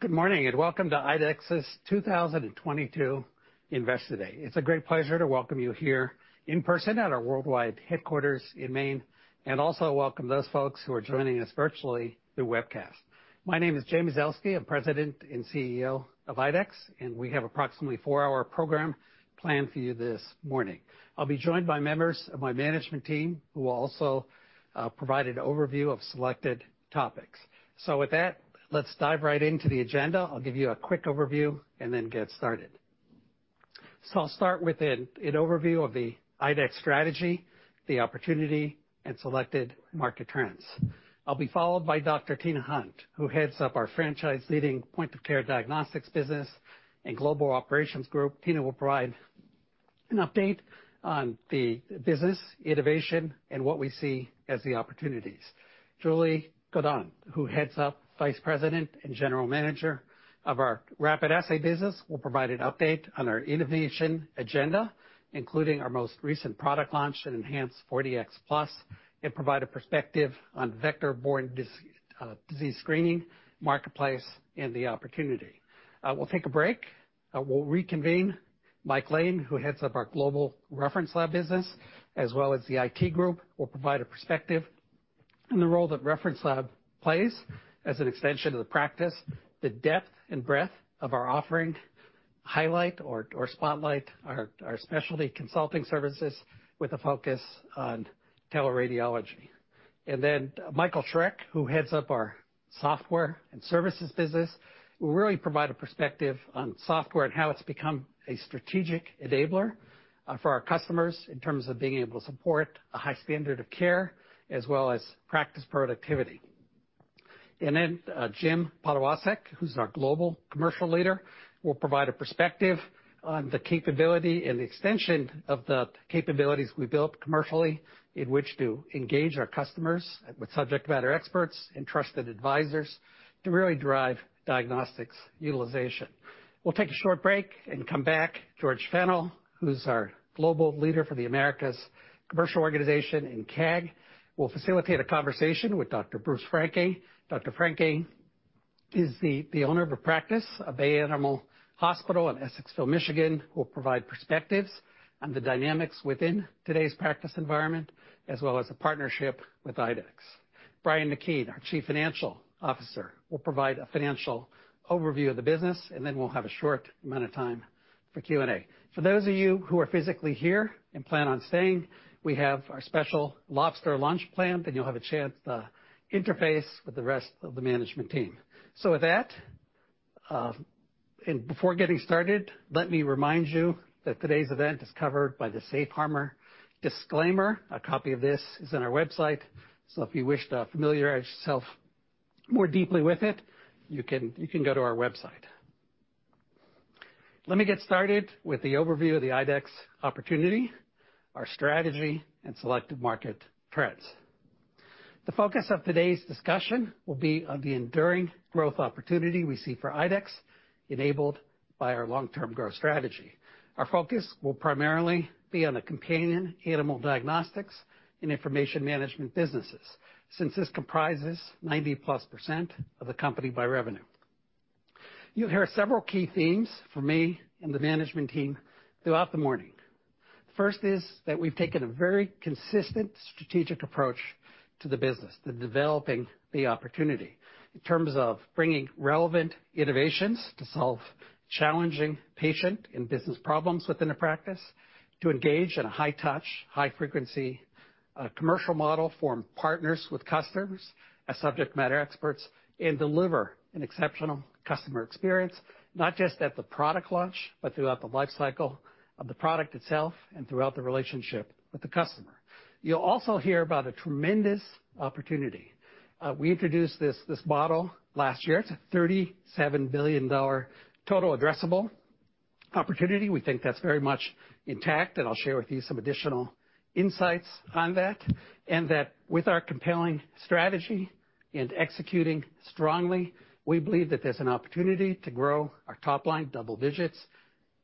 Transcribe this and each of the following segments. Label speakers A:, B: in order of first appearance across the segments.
A: Good morning and welcome to IDEXX's 2022 Investor Day. It's a great pleasure to welcome you here in person at our worldwide headquarters in Maine, and also welcome those folks who are joining us virtually through webcast. My name is Jay Mazelsky. I'm president and CEO of IDEXX, and we have approximately four-hour program planned for you this morning. I'll be joined by members of my management team, who will also provide an overview of selected topics. With that, let's dive right into the agenda. I'll give you a quick overview and then get started. I'll start with an overview of the IDEXX strategy, the opportunity, and selected market trends. I'll be followed by Dr. Tina Hunt, who heads up our franchise leading point of care diagnostics business and global operations group. Tina will provide an update on the business, innovation, and what we see as the opportunities. Julie Godon, Vice President and General Manager of our Rapid Assay business, will provide an update on our innovation agenda, including our most recent product launch and enhanced 4Dx Plus, and provide a perspective on vector-borne disease screening marketplace and the opportunity. We'll take a break. We'll reconvene. Mike Lane, who heads up our global reference lab business, as well as the IT group, will provide a perspective on the role that reference lab plays as an extension of the practice, the depth and breadth of our offering, spotlight our specialty consulting services with a focus on teleradiology. Michael Schreck, who heads up our software and services business, will really provide a perspective on software and how it's become a strategic enabler for our customers in terms of being able to support a high standard of care as well as practice productivity. Jim Podlasek, who's our global commercial leader, will provide a perspective on the capability and the extension of the capabilities we built commercially in which to engage our customers with subject matter experts and trusted advisors to really drive diagnostics utilization. We'll take a short break and come back. George Fennell, who's our global leader for the Americas commercial organization in CAG, will facilitate a conversation with Dr. Bruce Francke. Dr. Francke is the owner of a practice of Bay Animal Hospital in Essexville, Michigan, will provide perspectives on the dynamics within today's practice environment, as well as a partnership with IDEXX. Brian McKeon, our Chief Financial Officer, will provide a financial overview of the business, and then we'll have a short amount of time for Q&A. For those of you who are physically here and plan on staying, we have our special lobster lunch planned, and you'll have a chance to interface with the rest of the management team. With that, and before getting started, let me remind you that today's event is covered by the safe harbor disclaimer. A copy of this is on our website. If you wish to familiarize yourself more deeply with it, you can go to our website. Let me get started with the overview of the IDEXX opportunity, our strategy, and selected market trends. The focus of today's discussion will be on the enduring growth opportunity we see for IDEXX, enabled by our long-term growth strategy. Our focus will primarily be on the companion animal diagnostics and information management businesses, since this comprises 90%+ of the company by revenue. You'll hear several key themes from me and the management team throughout the morning. First is that we've taken a very consistent strategic approach to the business, developing the opportunity in terms of bringing relevant innovations to solve challenging patient and business problems within a practice, to engage in a high-touch, high-frequency commercial model, form partners with customers as subject matter experts, and deliver an exceptional customer experience, not just at the product launch, but throughout the lifecycle of the product itself and throughout the relationship with the customer. You'll also hear about a tremendous opportunity. We introduced this model last year. It's a $37 billion total addressable opportunity. We think that's very much intact, and I'll share with you some additional insights on that, and that with our compelling strategy and executing strongly, we believe that there's an opportunity to grow our top line double digits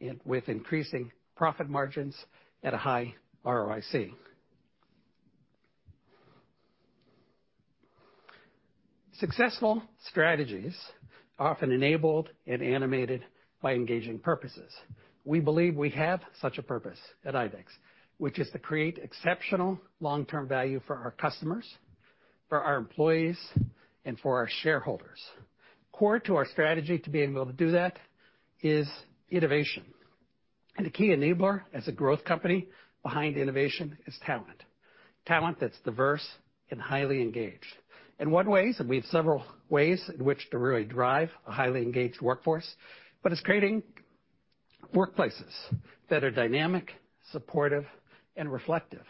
A: and with increasing profit margins at a high ROIC. Successful strategies are often enabled and animated by engaging purposes. We believe we have such a purpose at IDEXX, which is to create exceptional long-term value for our customers, for our employees, and for our shareholders. Core to our strategy to being able to do that is innovation, and the key enabler as a growth company behind innovation is talent that's diverse and highly engaged. In what ways, and we have several ways in which to really drive a highly engaged workforce, but it's creating workplaces that are dynamic, supportive, and reflective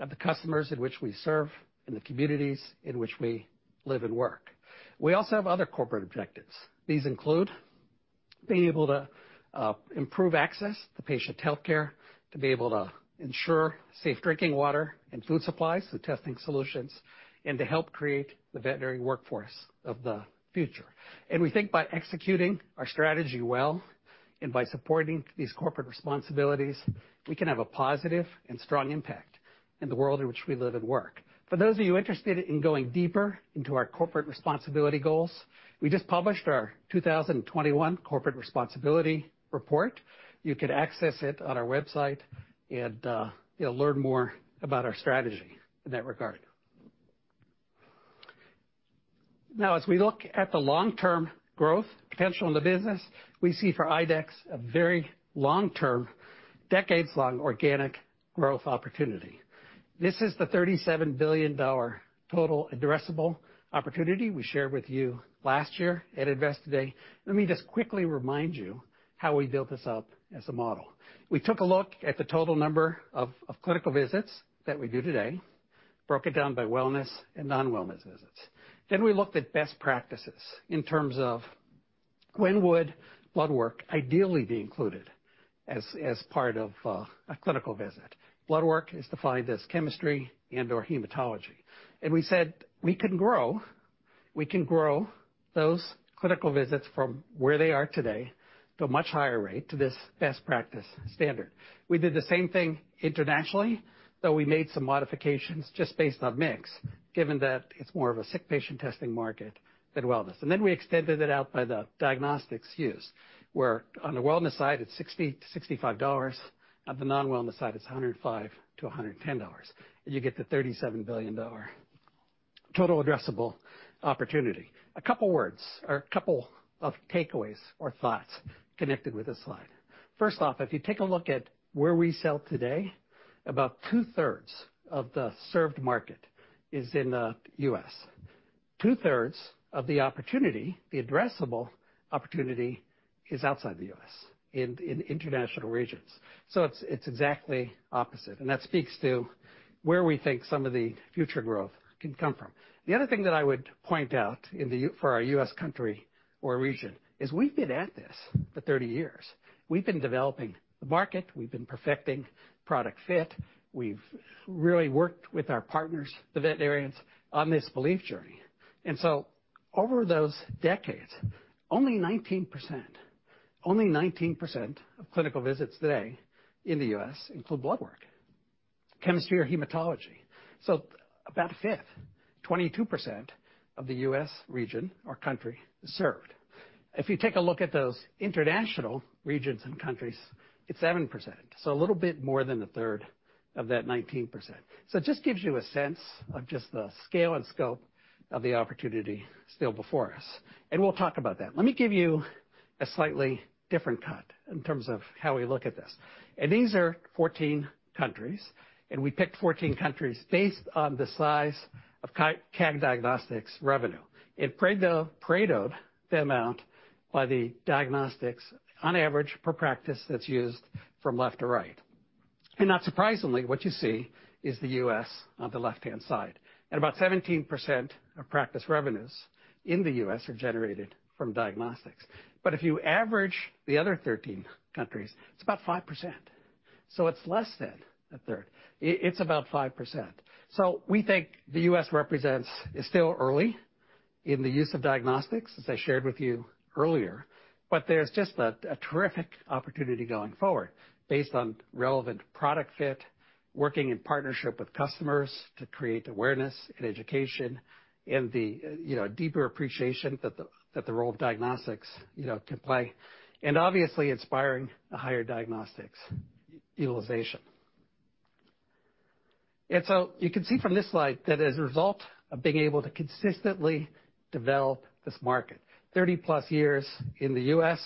A: of the customers in which we serve and the communities in which we live and work. We also have other corporate objectives. These include being able to improve access to patient healthcare, to be able to ensure safe drinking water and food supplies through testing solutions, and to help create the veterinary workforce of the future. We think by executing our strategy well and by supporting these corporate responsibilities, we can have a positive and strong impact in the world in which we live and work. For those of you interested in going deeper into our corporate responsibility goals, we just published our 2021 corporate responsibility report. You could access it on our website and, you'll learn more about our strategy in that regard. Now, as we look at the long-term growth potential in the business, we see for IDEXX a very long-term, decades-long organic growth opportunity. This is the $37 billion total addressable opportunity we shared with you last year at Investor Day. Let me just quickly remind you how we built this up as a model. We took a look at the total number of clinical visits that we do today, broke it down by wellness and non-wellness visits. We looked at best practices in terms of when would blood work ideally be included as part of a clinical visit. Blood work is defined as chemistry and/or hematology. We said we can grow those clinical visits from where they are today to a much higher rate to this best practice standard. We did the same thing internationally, though we made some modifications just based on mix, given that it's more of a sick patient testing market than wellness. We extended it out by the diagnostics use, where on the wellness side, it's $60-$65. On the non-wellness side, it's $105-$110. You get the $37 billion total addressable opportunity. A couple words or a couple of takeaways or thoughts connected with this slide. First off, if you take a look at where we sell today, about two-thirds of the served market is in the US. Two-thirds of the opportunity, the addressable opportunity, is outside the US in international regions. It's exactly opposite, and that speaks to where we think some of the future growth can come from. The other thing that I would point out for our US country or region is we've been at this for 30 years. We've been developing the market, we've been perfecting product fit. We've really worked with our partners, the veterinarians, on this belief journey. Over those decades, only 19% of clinical visits today in the US include blood work, chemistry or hematology. About a fifth, 22% of the US region or country is served. If you take a look at those international regions and countries, it's 7%, so a little bit more than a third of that 19%. It just gives you a sense of just the scale and scope of the opportunity still before us, and we'll talk about that. Let me give you a slightly different cut in terms of how we look at this. These are 14 countries, and we picked 14 countries based on the size of CAG Diagnostics revenue and penetration over the amount of diagnostics on average per practice that's used from left to right. Not surprisingly, what you see is the US on the left-hand side. About 17% of practice revenues in the US are generated from diagnostics. If you average the other 13 countries, it's about 5%. So it's less than a third. It's about 5%. So we think the U.S. represents. It's still early in the use of diagnostics, as I shared with you earlier, but there's just a terrific opportunity going forward based on relevant product fit, working in partnership with customers to create awareness and education and, you know, deeper appreciation that the role of diagnostics, you know, can play, and obviously inspiring a higher diagnostics utilization. You can see from this slide that as a result of being able to consistently develop this market, 30+ years in the U.S.,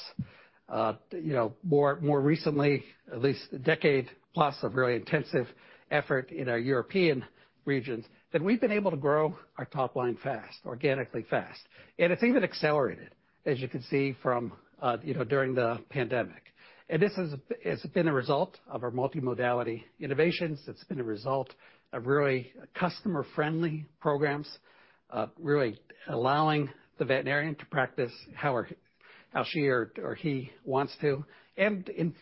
A: you know, more recently, at least a decade plus of really intensive effort in our European regions, that we've been able to grow our top line fast, organically fast. It's even accelerated, as you can see from during the pandemic. This has been a result of our multimodality innovations. It's been a result of really customer-friendly programs, really allowing the veterinarian to practice how she or he wants to. In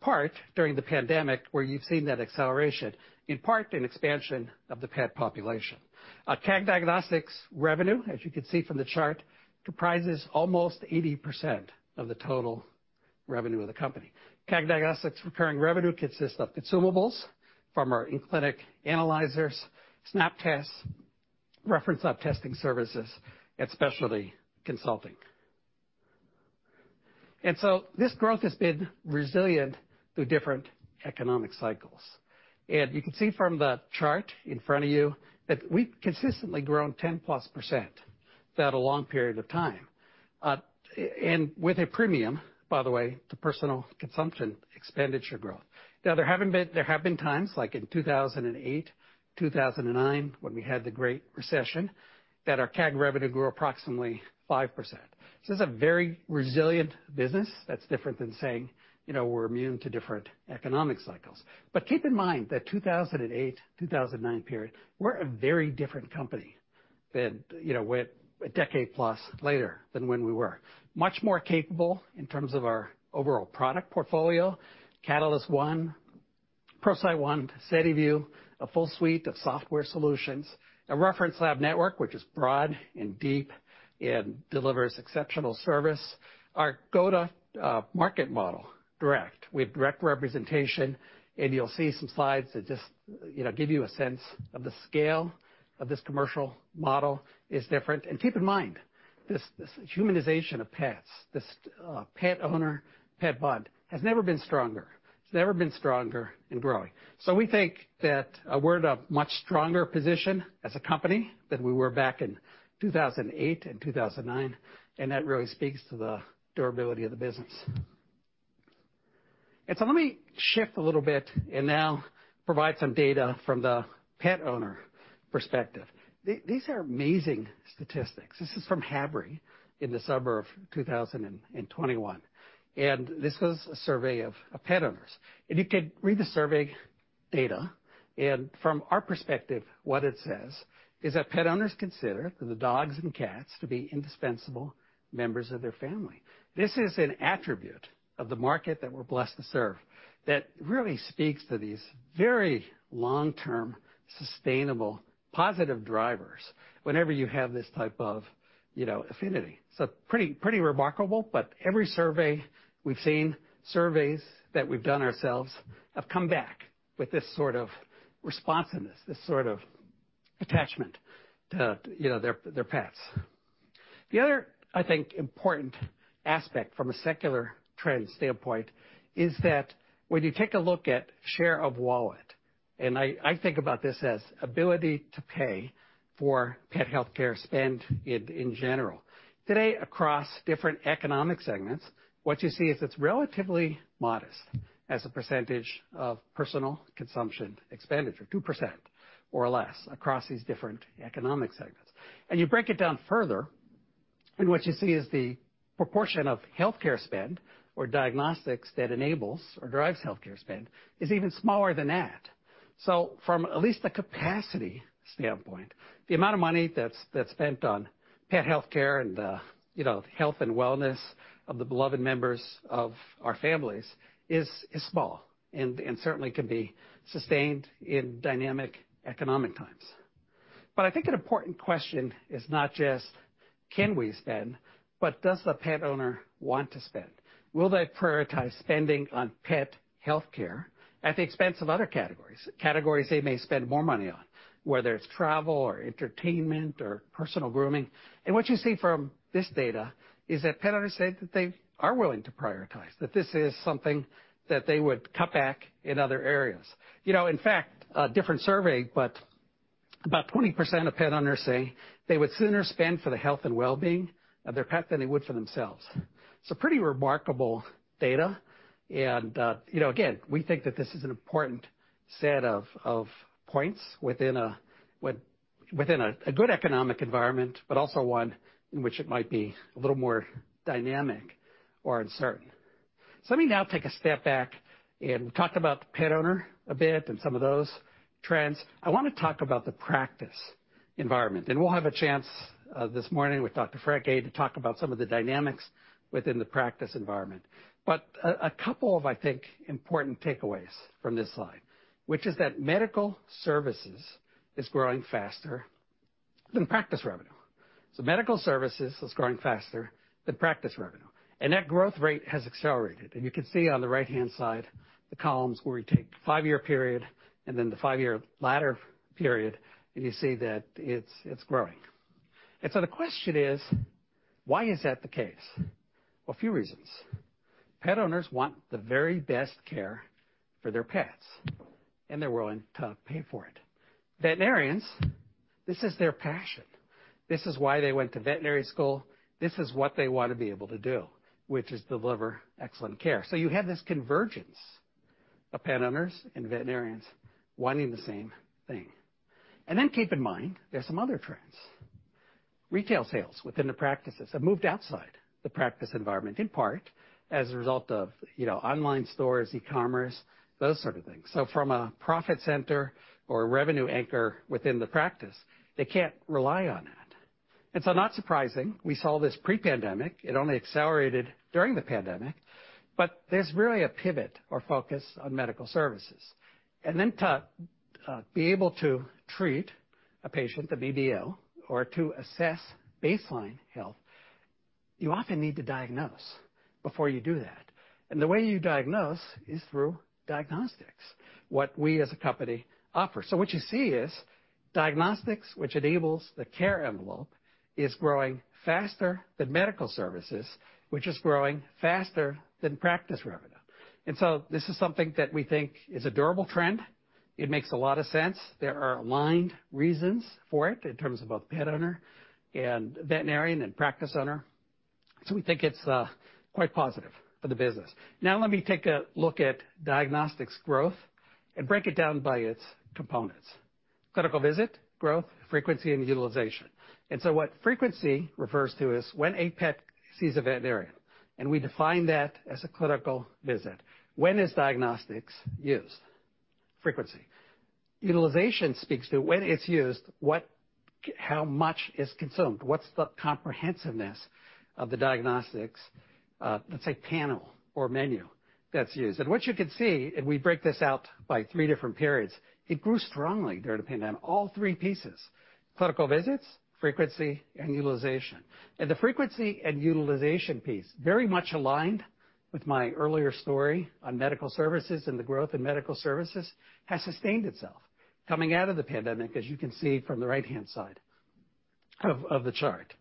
A: part, during the pandemic, where you've seen that acceleration, in part an expansion of the pet population. CAG Diagnostics revenue, as you can see from the chart, comprises almost 80% of the total revenue of the company. CAG Diagnostics recurring revenue consists of consumables from our in-clinic analyzers, SNAP tests, reference lab testing services, and specialty consulting. This growth has been resilient through different economic cycles. You can see from the chart in front of you that we've consistently grown 10%+ throughout a long period of time, and with a premium, by the way, to personal consumption expenditure growth. Now there have been times, like in 2008, 2009, when we had the Great Recession, that our CAG revenue grew approximately 5%. This is a very resilient business that's different than saying, you know, we're immune to different economic cycles. Keep in mind that 2008, 2009 period, we're a very different company than, you know, we're a decade plus later than when we were. Much more capable in terms of our overall product portfolio. Catalyst One, ProCyte One, SediVue, a full suite of software solutions, a reference lab network, which is broad and deep and delivers exceptional service. Our go-to market model direct. We have direct representation, and you'll see some slides that just, you know, give you a sense of the scale of this commercial model is different. Keep in mind, this humanization of pets, this pet owner-pet bond has never been stronger. It's never been stronger and growing. We think that we're in a much stronger position as a company than we were back in 2008 and 2009, and that really speaks to the durability of the business. Let me shift a little bit and now provide some data from the pet owner perspective. These are amazing statistics. This is from Harris in the summer of 2021, and this was a survey of pet owners. You could read the survey data, and from our perspective, what it says is that pet owners consider the dogs and cats to be indispensable members of their family. This is an attribute of the market that we're blessed to serve that really speaks to these very long-term, sustainable, positive drivers whenever you have this type of, you know, affinity. Pretty remarkable, but every survey we've seen, surveys that we've done ourselves have come back with this sort of responsiveness, this sort of attachment to, you know, their pets. The other, I think, important aspect from a secular trend standpoint is that when you take a look at share of wallet, and I think about this as ability to pay for pet healthcare spend in general. Today across different economic segments, what you see is it's relatively modest as a percentage of personal consumption expenditure, 2% or less across these different economic segments. You break it down further, and what you see is the proportion of healthcare spend or diagnostics that enables or drives healthcare spend is even smaller than that. From at least the capacity standpoint, the amount of money that's spent on pet healthcare and, you know, health and wellness of the beloved members of our families is small and certainly can be sustained in dynamic economic times. I think an important question is not just can we spend, but does the pet owner want to spend? Will they prioritize spending on pet healthcare at the expense of other categories they may spend more money on, whether it's travel or entertainment or personal grooming? What you see from this data is that pet owners say that they are willing to prioritize, that this is something that they would cut back in other areas. You know, in fact, a different survey, but about 20% of pet owners say they would sooner spend for the health and well-being of their pet than they would for themselves. Pretty remarkable data, and, you know, again, we think that this is an important set of points within a good economic environment, but also one in which it might be a little more dynamic or uncertain. Let me now take a step back and talk about the pet owner a bit and some of those trends. I wanna talk about the practice environment, and we'll have a chance, this morning with Dr. Francke to talk about some of the dynamics within the practice environment. A couple of, I think, important takeaways from this slide, which is that medical services is growing faster than practice revenue. Medical services is growing faster than practice revenue, and that growth rate has accelerated. You can see on the right-hand side, the columns where we take the five-year period and then the five-year latter period, and you see that it's growing. The question is, why is that the case? A few reasons. Pet owners want the very best care for their pets, and they're willing to pay for it. Veterinarians, this is their passion. This is why they went to veterinary school. This is what they want to be able to do, which is deliver excellent care. You have this convergence of pet owners and veterinarians wanting the same thing. Keep in mind there are some other trends. Retail sales within the practices have moved outside the practice environment, in part as a result of, you know, online stores, e-commerce, those sort of things. From a profit center or revenue anchor within the practice, they can't rely on that. Not surprising, we saw this pre-pandemic. It only accelerated during the pandemic, but there's really a pivot or focus on medical services. To be able to treat a patient, the BBL, or to assess baseline health, you often need to diagnose before you do that. The way you diagnose is through diagnostics, what we as a company offer. What you see is diagnostics, which enables the care envelope, is growing faster than medical services, which is growing faster than practice revenue. This is something that we think is a durable trend. It makes a lot of sense. There are aligned reasons for it in terms of both pet owner and veterinarian and practice owner. We think it's quite positive for the business. Now let me take a look at diagnostics growth and break it down by its components. Clinical visit, growth, frequency, and utilization. What frequency refers to is when a pet sees a veterinarian, and we define that as a clinical visit. When is diagnostics used? Frequency. Utilization speaks to when it's used, how much is consumed? What's the comprehensiveness of the diagnostics, let's say panel or menu that's used? What you can see, and we break this out by three different periods, it grew strongly during the pandemic, all three pieces, clinical visits, frequency, and utilization. The frequency and utilization piece very much aligned with my earlier story on medical services and the growth in medical services has sustained itself coming out of the pandemic, as you can see from the right-hand side of the chart.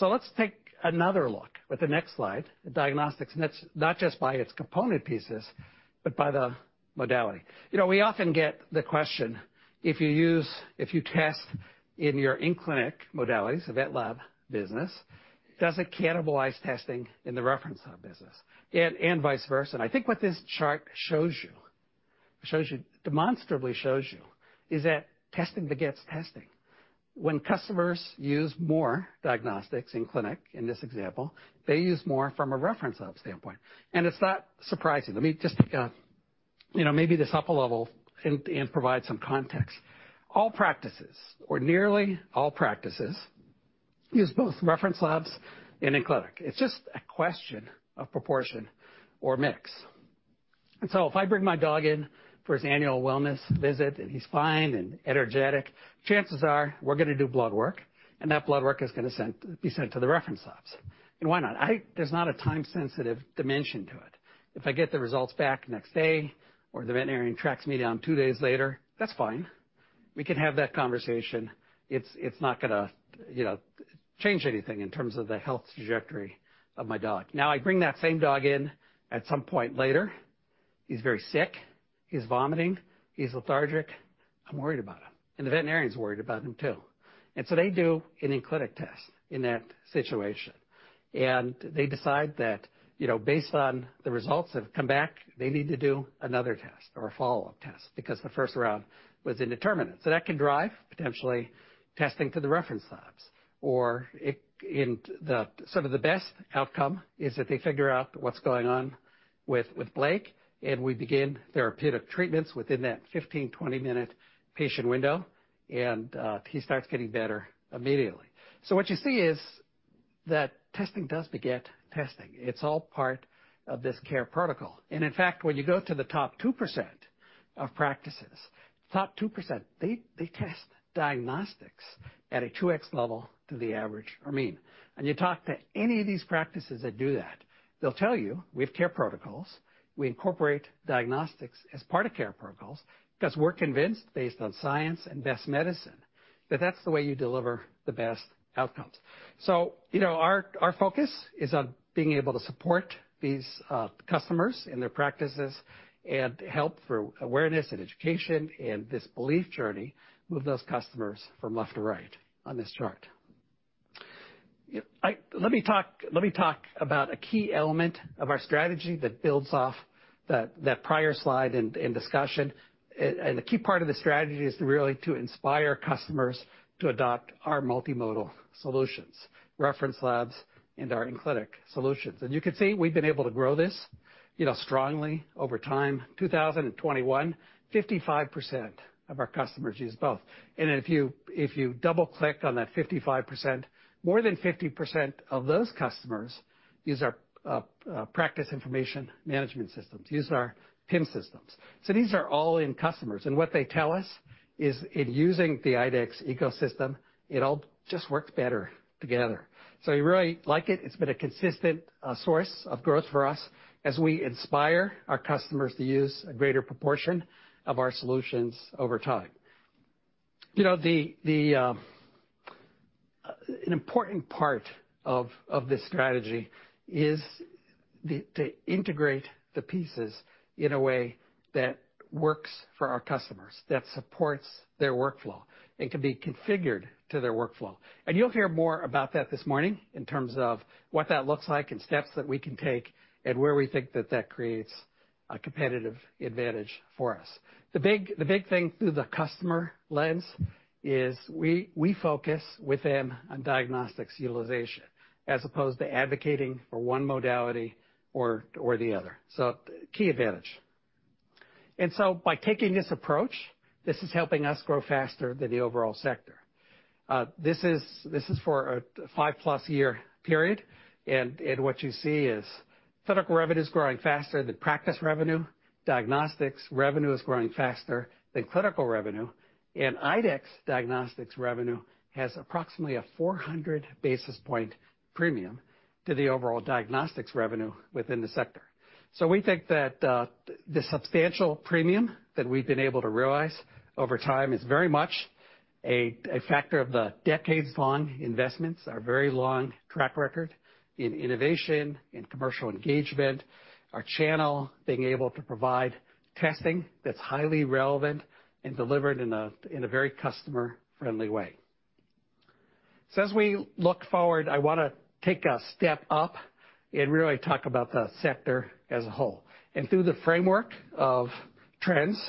A: Let's take another look with the next slide at diagnostics, and it's not just by its component pieces, but by the modality. You know, we often get the question, if you test in your in-clinic modalities, the vet lab business, does it cannibalize testing in the reference lab business and vice versa? I think what this chart demonstrably shows you is that testing begets testing. When customers use more diagnostics in clinic, in this example, they use more from a reference lab standpoint. It's not surprising. Let me just, you know, maybe this upper level and provide some context. All practices or nearly all practices use both reference labs and in clinic. It's just a question of proportion or mix. If I bring my dog in for his annual wellness visit, and he's fine and energetic, chances are we're gonna do blood work, and that blood work is gonna be sent to the reference labs. Why not? There's not a time-sensitive dimension to it. If I get the results back next day or the veterinarian tracks me down two days later, that's fine. We can have that conversation. It's not gonna, you know, change anything in terms of the health trajectory of my dog. Now, I bring that same dog in at some point later. He's very sick. He's vomiting. He's lethargic. I'm worried about him, and the veterinarian's worried about him too. They do an in-clinic test in that situation. They decide that, you know, based on the results that have come back, they need to do another test or a follow-up test because the first round was indeterminate. That can drive potentially testing to the reference labs, or sort of the best outcome is that they figure out what's going on with Blake, and we begin therapeutic treatments within that 15-20-minute patient window, and he starts getting better immediately. What you see is that testing does beget testing. It's all part of this care protocol. In fact, when you go to the top 2% of practices, top 2%, they test diagnostics at a 2x level to the average or mean. You talk to any of these practices that do that, they'll tell you, we have care protocols. We incorporate diagnostics as part of care protocols because we're convinced based on science and best medicine that that's the way you deliver the best outcomes. You know, our focus is on being able to support these customers in their practices and help through awareness and education and this belief journey, move those customers from left to right on this chart. Let me talk about a key element of our strategy that builds off that prior slide and discussion. The key part of the strategy is to really inspire customers to adopt our multimodal solutions, reference labs and our in-clinic solutions. You can see we've been able to grow this, you know, strongly over time. 2021, 55% of our customers used both. If you double-click on that 55%, more than 50% of those customers use our practice information management systems, use our PIM systems. These are all-in customers, and what they tell us is in using the IDEXX ecosystem, it all just works better together. We really like it. It's been a consistent source of growth for us as we inspire our customers to use a greater proportion of our solutions over time. You know, an important part of this strategy is to integrate the pieces in a way that works for our customers, that supports their workflow and can be configured to their workflow. You'll hear more about that this morning in terms of what that looks like and steps that we can take and where we think that creates a competitive advantage for us. The big thing through the customer lens is we focus with them on diagnostics utilization as opposed to advocating for one modality or the other. Key advantage. By taking this approach, this is helping us grow faster than the overall sector. This is for a 5+ year period. What you see is clinical revenue is growing faster than practice revenue, diagnostics revenue is growing faster than clinical revenue, and IDEXX diagnostics revenue has approximately a 400 basis point premium to the overall diagnostics revenue within the sector. We think that the substantial premium that we've been able to realize over time is very much a factor of the decades-long investments, our very long track record in innovation and commercial engagement, our channel being able to provide testing that's highly relevant and delivered in a very customer-friendly way. As we look forward, I wanna take a step up and really talk about the sector as a whole. Through the framework of trends,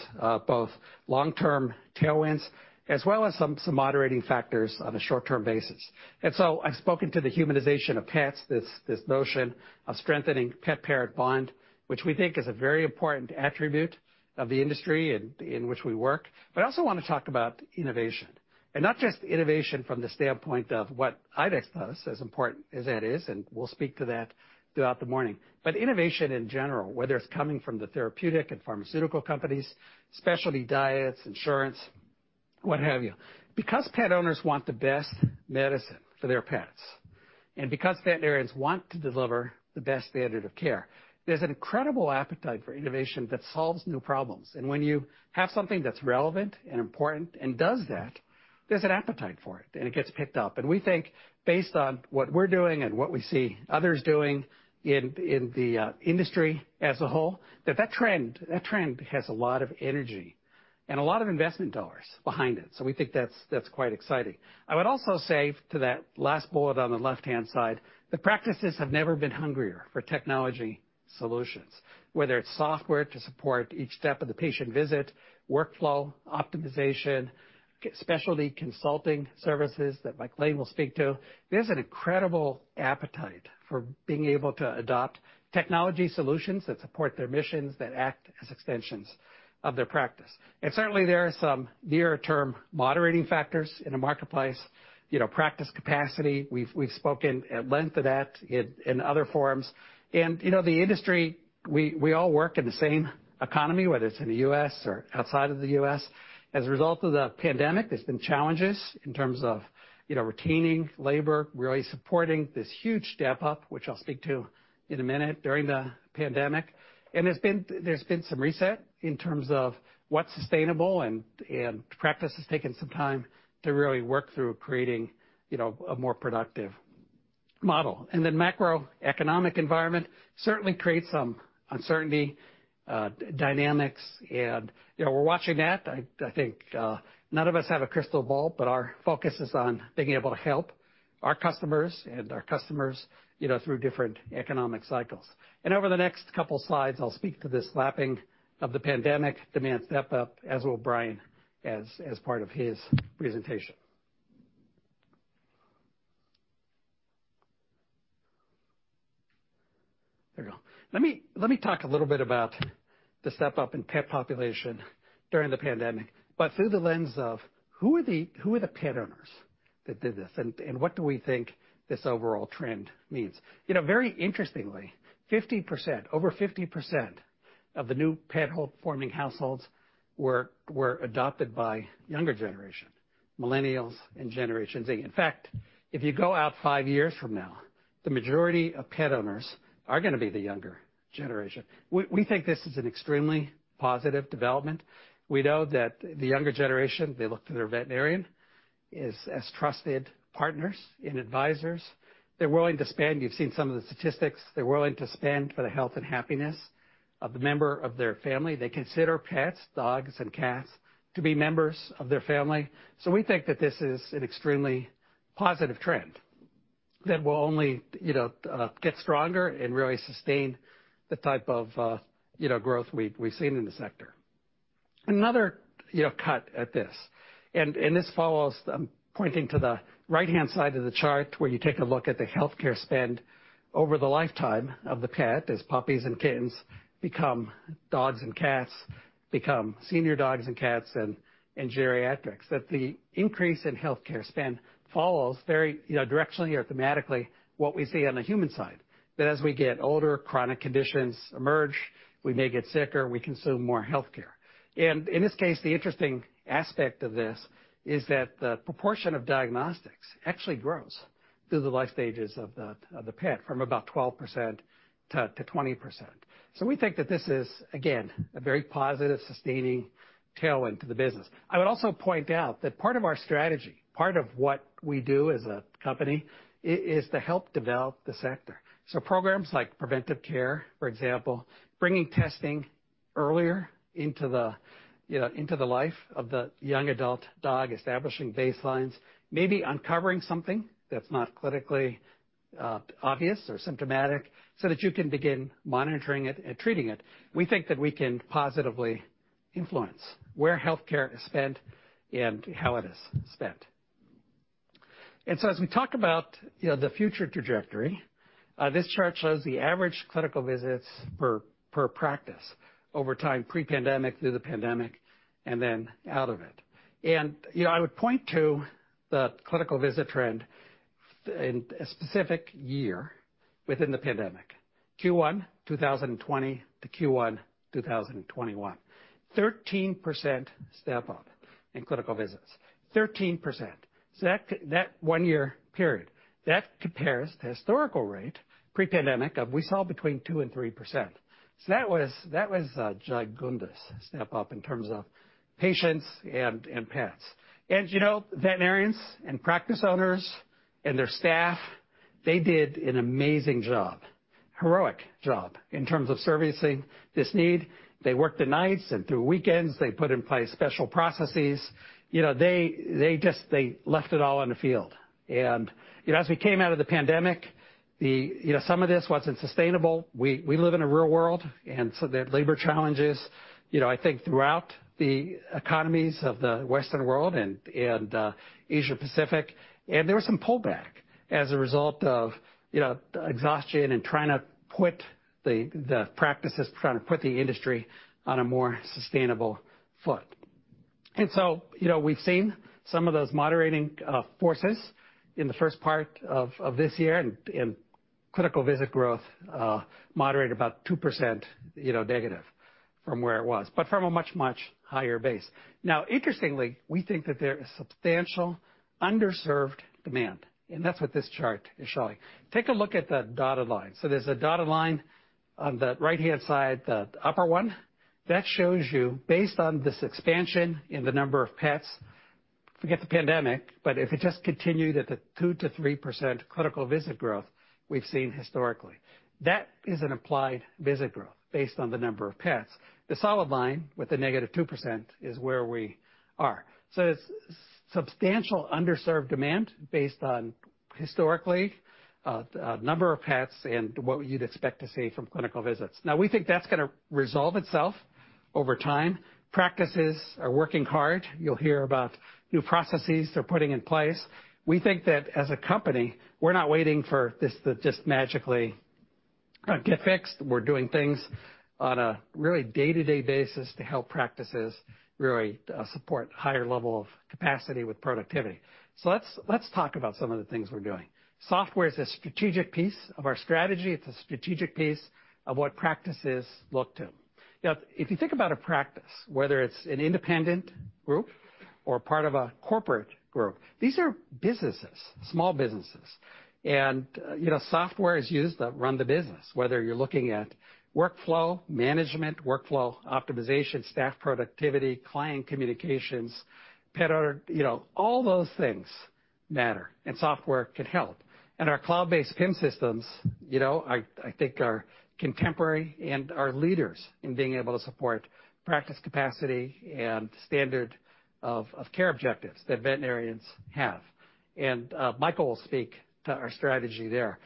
A: both long-term tailwinds, as well as some moderating factors on a short-term basis. I've spoken to the humanization of pets, this notion of strengthening pet-parent bond, which we think is a very important attribute of the industry in which we work. I also wanna talk about innovation, and not just innovation from the standpoint of what IDEXX does, as important as that is, and we'll speak to that throughout the morning. Innovation in general, whether it's coming from the therapeutic and pharmaceutical companies, specialty diets, insurance, what have you. Because pet owners want the best medicine for their pets, and because veterinarians want to deliver the best standard of care, there's an incredible appetite for innovation that solves new problems. When you have something that's relevant and important and does that, there's an appetite for it, and it gets picked up. We think based on what we're doing and what we see others doing in the industry as a whole, that trend has a lot of energy and a lot of investment dollars behind it. We think that's quite exciting. I would also say to that last bullet on the left-hand side, the practices have never been hungrier for technology solutions, whether it's software to support each step of the patient visit, workflow optimization, specialty consulting services that Mike Lane will speak to. There's an incredible appetite for being able to adopt technology solutions that support their missions, that act as extensions of their practice. Certainly, there are some near-term moderating factors in the marketplace. You know, practice capacity, we've spoken at length to that in other forums. You know, the industry, we all work in the same economy, whether it's in the U.S. or outside of the U.S. As a result of the pandemic, there's been challenges in terms of, you know, retaining labor, really supporting this huge step up, which I'll speak to in a minute, during the pandemic. There's been some reset in terms of what's sustainable and practice has taken some time to really work through creating, you know, a more productive model. The macroeconomic environment certainly creates some uncertainty, dynamics and, you know, we're watching that. I think none of us have a crystal ball, but our focus is on being able to help our customers, you know, through different economic cycles. Over the next couple slides, I'll speak to this lapping of the pandemic demand step up as will Brian as part of his presentation. There we go. Let me talk a little bit about the step up in pet population during the pandemic, but through the lens of who are the pet owners that did this, and what do we think this overall trend means? You know, very interestingly, over 50% of the new pet-holding households were adopted by younger generation, Millennials and Generation Z. In fact, if you go out 5 years from now, the majority of pet owners are gonna be the younger generation. We think this is an extremely positive development. We know that the younger generation, they look to their veterinarian as trusted partners and advisors. They're willing to spend... You've seen some of the statistics. They're willing to spend for the health and happiness of the member of their family. They consider pets, dogs and cats, to be members of their family. We think that this is an extremely positive trend that will only, you know, get stronger and really sustain the type of, you know, growth we've seen in the sector. Another, you know, cut at this, and this follows. I'm pointing to the right-hand side of the chart, where you take a look at the healthcare spend over the lifetime of the pet, as puppies and kittens become dogs and cats, become senior dogs and cats and geriatrics. The increase in healthcare spend follows very, you know, directionally or thematically what we see on the human side, that as we get older, chronic conditions emerge, we may get sicker, we consume more healthcare. In this case, the interesting aspect of this is that the proportion of diagnostics actually grows through the life stages of the pet, from about 12% to 20%. We think that this is, again, a very positive, sustaining tailwind to the business. I would also point out that part of our strategy, part of what we do as a company is to help develop the sector. Programs like preventive care, for example, bringing testing earlier into the, you know, into the life of the young adult dog, establishing baselines, maybe uncovering something that's not clinically obvious or symptomatic, so that you can begin monitoring it and treating it. We think that we can positively influence where healthcare is spent and how it is spent. As we talk about, you know, the future trajectory, this chart shows the average clinical visits per practice over time pre-pandemic, through the pandemic, and then out of it. You know, I would point to the clinical visit trend in a specific year within the pandemic, Q1 2020 to Q1 2021. 13% step up in clinical visits. 13%. That one year period, that compares to historical rate pre-pandemic of we saw between 2% and 3%. That was a gigundous step up in terms of patients and pets. You know, veterinarians and practice owners and their staff, they did an amazing job. Heroic job in terms of servicing this need. They worked the nights and through weekends, they put in place special processes. You know, they just, they left it all on the field. You know, as we came out of the pandemic, you know, some of this wasn't sustainable. We live in a real world, and so there are labor challenges, you know, I think throughout the economies of the Western world and Asia-Pacific, and there was some pullback as a result of, you know, exhaustion and trying to put the practices, trying to put the industry on a more sustainable foot. You know, we've seen some of those moderating forces in the first part of this year and clinical visit growth moderate about 2%, you know, negative from where it was, but from a much, much higher base. Now, interestingly, we think that there is substantial underserved demand, and that's what this chart is showing. Take a look at the dotted line. There's a dotted line on the right-hand side, the upper one. That shows you based on this expansion in the number of pets, forget the pandemic, but if it just continued at the 2%-3% clinical visit growth we've seen historically, that is an annual visit growth based on the number of pets. The solid line with the -2% is where we are. It's substantial underserved demand based on historically, a number of pets and what you'd expect to see from clinical visits. Now, we think that's gonna resolve itself over time. Practices are working hard. You'll hear about new processes they're putting in place. We think that as a company, we're not waiting for this to just magically get fixed. We're doing things on a really day-to-day basis to help practices really support higher level of capacity with productivity. Let's talk about some of the things we're doing. Software is a strategic piece of our strategy. It's a strategic piece of what practices look to. You know, if you think about a practice, whether it's an independent group or part of a corporate group, these are businesses, small businesses. You know, software is used to run the business, whether you're looking at workflow management, workflow optimization, staff productivity, client communications, pet owner, you know, all those things matter, and software can help. Our cloud-based PIM systems, you know, I think are contemporary and are leaders in being able to support practice capacity and standard of care objectives that veterinarians have. Michael will speak to our strategy there.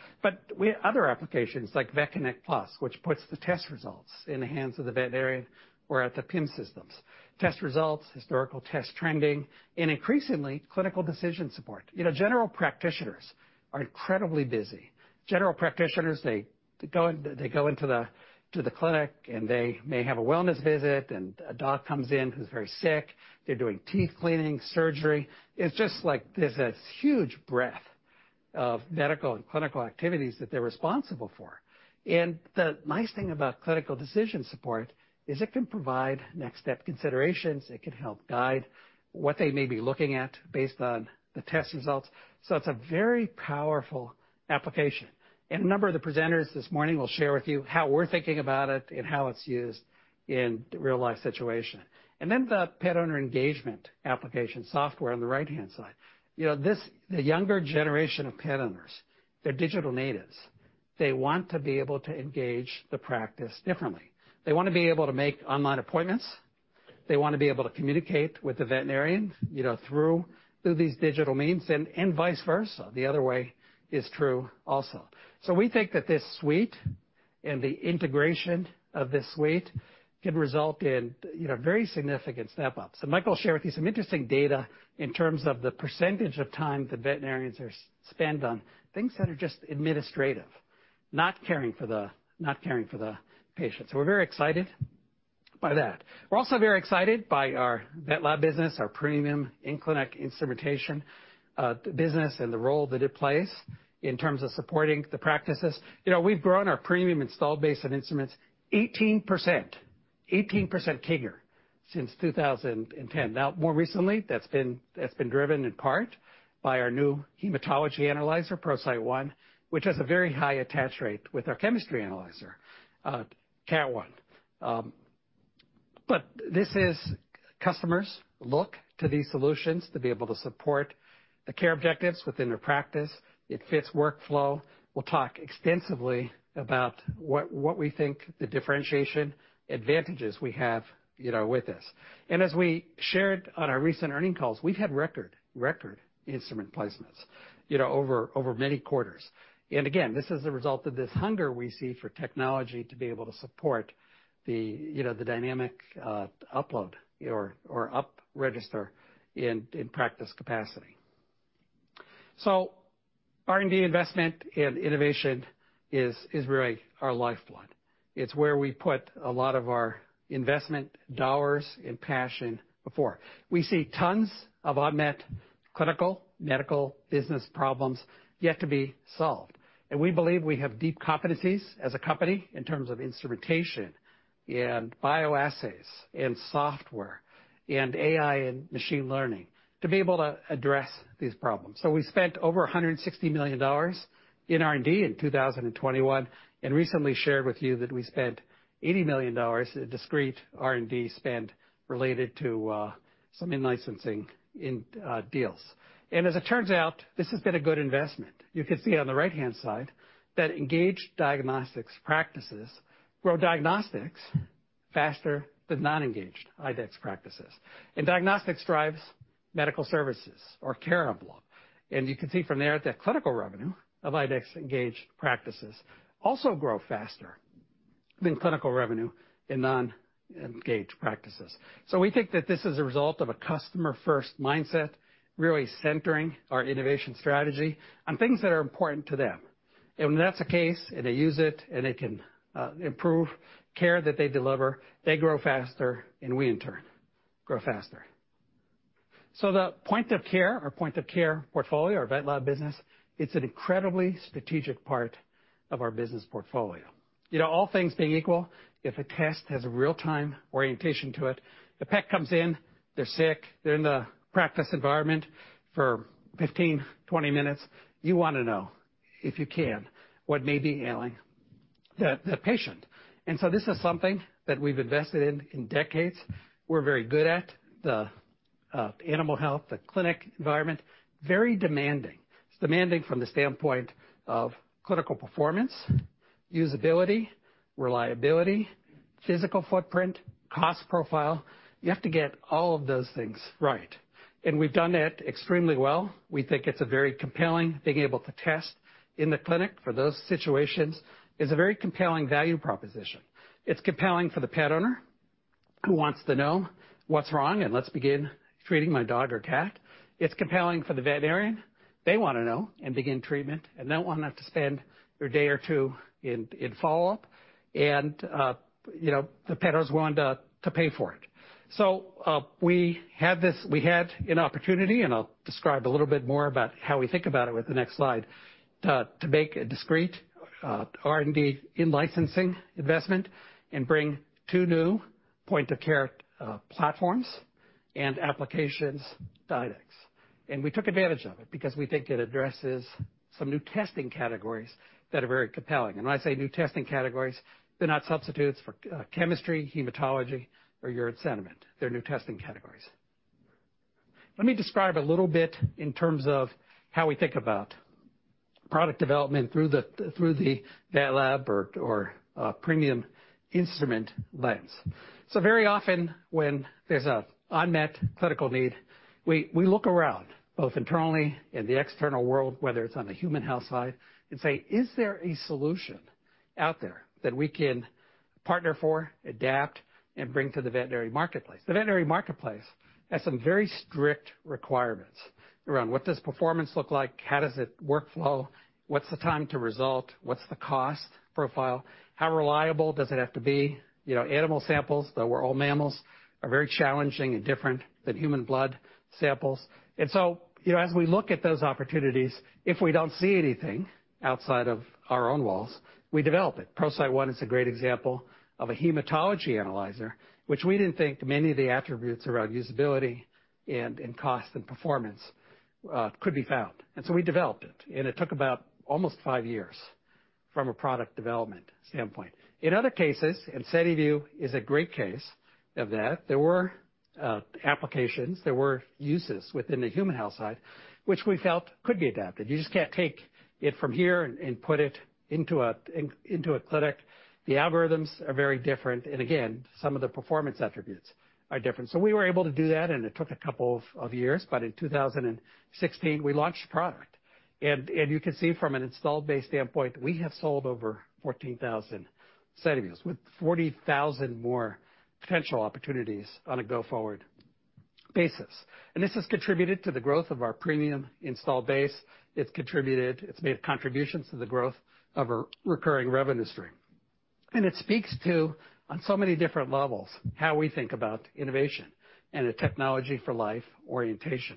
A: We have other applications like VetConnect PLUS, which puts the test results in the hands of the veterinarian or at the PIM systems. Test results, historical test trending, and increasingly, clinical decision support. You know, general practitioners are incredibly busy. General practitioners, they go into the clinic, and they may have a wellness visit, and a dog comes in who's very sick. They're doing teeth cleaning, surgery. It's just like there's this huge breadth of medical and clinical activities that they're responsible for. The nice thing about clinical decision support is it can provide next step considerations. It can help guide what they may be looking at based on the test results. It's a very powerful application. A number of the presenters this morning will share with you how we're thinking about it and how it's used in real-life situation. Then the pet owner engagement application software on the right-hand side. You know, this, the younger generation of pet owners, they're digital natives. They want to be able to engage the practice differently. They want to be able to make online appointments. They want to be able to communicate with the veterinarian, you know, through these digital means and vice versa. The other way is true also. We think that this suite and the integration of this suite can result in, you know, very significant step-ups. Michael will share with you some interesting data in terms of the percentage of time the veterinarians are spend on things that are just administrative, not caring for the patients. We're very excited by that. We're also very excited by our VetLab business, our premium in-clinic instrumentation business and the role that it plays in terms of supporting the practices. You know, we've grown our premium installed base on instruments 18%, 18% figure since 2010. Now, more recently, that's been driven in part by our new hematology analyzer, ProCyte One, which has a very high attach rate with our chemistry analyzer, Catalyst One. This is customers look to these solutions to be able to support the care objectives within their practice. It fits workflow. We'll talk extensively about what we think the differentiation advantages we have, you know, with this. As we shared on our recent earnings calls, we've had record instrument placements, you know, over many quarters. Again, this is a result of this hunger we see for technology to be able to support the, you know, the dynamic upload or up register in practice capacity. R&D investment and innovation is really our lifeblood. It's where we put a lot of our investment dollars and passion before. We see tons of unmet clinical, medical, business problems yet to be solved. We believe we have deep competencies as a company in terms of instrumentation and bioassays and software and AI and machine learning to be able to address these problems. We spent over $160 million in R&D in 2021, and recently shared with you that we spent $80 million, a discrete R&D spend related to some in-licensing in deals. As it turns out, this has been a good investment. You can see on the right-hand side that engaged diagnostics practices grow diagnostics faster than non-engaged IDEXX practices. Diagnostics drives medical services or care. You can see from there that clinical revenue of IDEXX engaged practices also grow faster than clinical revenue in non-engaged practices. We think that this is a result of a customer first mindset, really centering our innovation strategy on things that are important to them. When that's the case, and they use it, and it can improve care that they deliver, they grow faster and we in turn grow faster. The point-of-care or point-of-care portfolio or VetLab business, it's an incredibly strategic part of our business portfolio. You know, all things being equal, if a test has a real-time orientation to it, the pet comes in, they're sick, they're in the practice environment for 15, 20 minutes, you wanna know, if you can, what may be ailing the patient. This is something that we've invested in decades. We're very good at the animal health, the clinic environment, very demanding. It's demanding from the standpoint of clinical performance, usability, reliability, physical footprint, cost profile. You have to get all of those things right, and we've done it extremely well. We think it's a very compelling, being able to test in the clinic for those situations is a very compelling value proposition. It's compelling for the pet owner who wants to know what's wrong and let's begin treating my dog or cat. It's compelling for the veterinarian. They wanna know and begin treatment, and they don't wanna have to spend their day or two in follow-up. You know, the pet owner's willing to pay for it. We have this. We had an opportunity, and I'll describe a little bit more about how we think about it with the next slide, to make a discrete, R&D in-licensing investment and bring two new point of care platforms and applications to IDEXX. We took advantage of it because we think it addresses some new testing categories that are very compelling. When I say new testing categories, they're not substitutes for chemistry, hematology or urine sediment. They're new testing categories. Let me describe a little bit in terms of how we think about product development through the vet lab or premium instrument lens. Very often when there's an unmet clinical need, we look around both internally and the external world, whether it's on the human health side and say, "Is there a solution out there that we can partner for, adapt and bring to the veterinary marketplace?" The veterinary marketplace has some very strict requirements around what does performance look like? How does it workflow? What's the time to result? What's the cost profile? How reliable does it have to be? You know, animal samples, though we're all mammals, are very challenging and different than human blood samples. You know, as we look at those opportunities, if we don't see anything outside of our own walls, we develop it. ProCyte One is a great example of a hematology analyzer, which we didn't think many of the attributes around usability and in cost and performance could be found. We developed it, and it took about almost five years from a product development standpoint. In other cases, SediVue is a great case of that, there were applications, there were uses within the human health side which we felt could be adapted. You just can't take it from here and put it into a clinic. The algorithms are very different, and again, some of the performance attributes are different. We were able to do that, and it took a couple of years, but in 2016 we launched a product. You can see from an installed base standpoint, we have sold over 14,000 SediVues with 40,000 more potential opportunities on a go-forward basis. This has contributed to the growth of our premium install base. It's contributed... It's made contributions to the growth of our recurring revenue stream. It speaks to, on so many different levels, how we think about innovation and a technology for life orientation.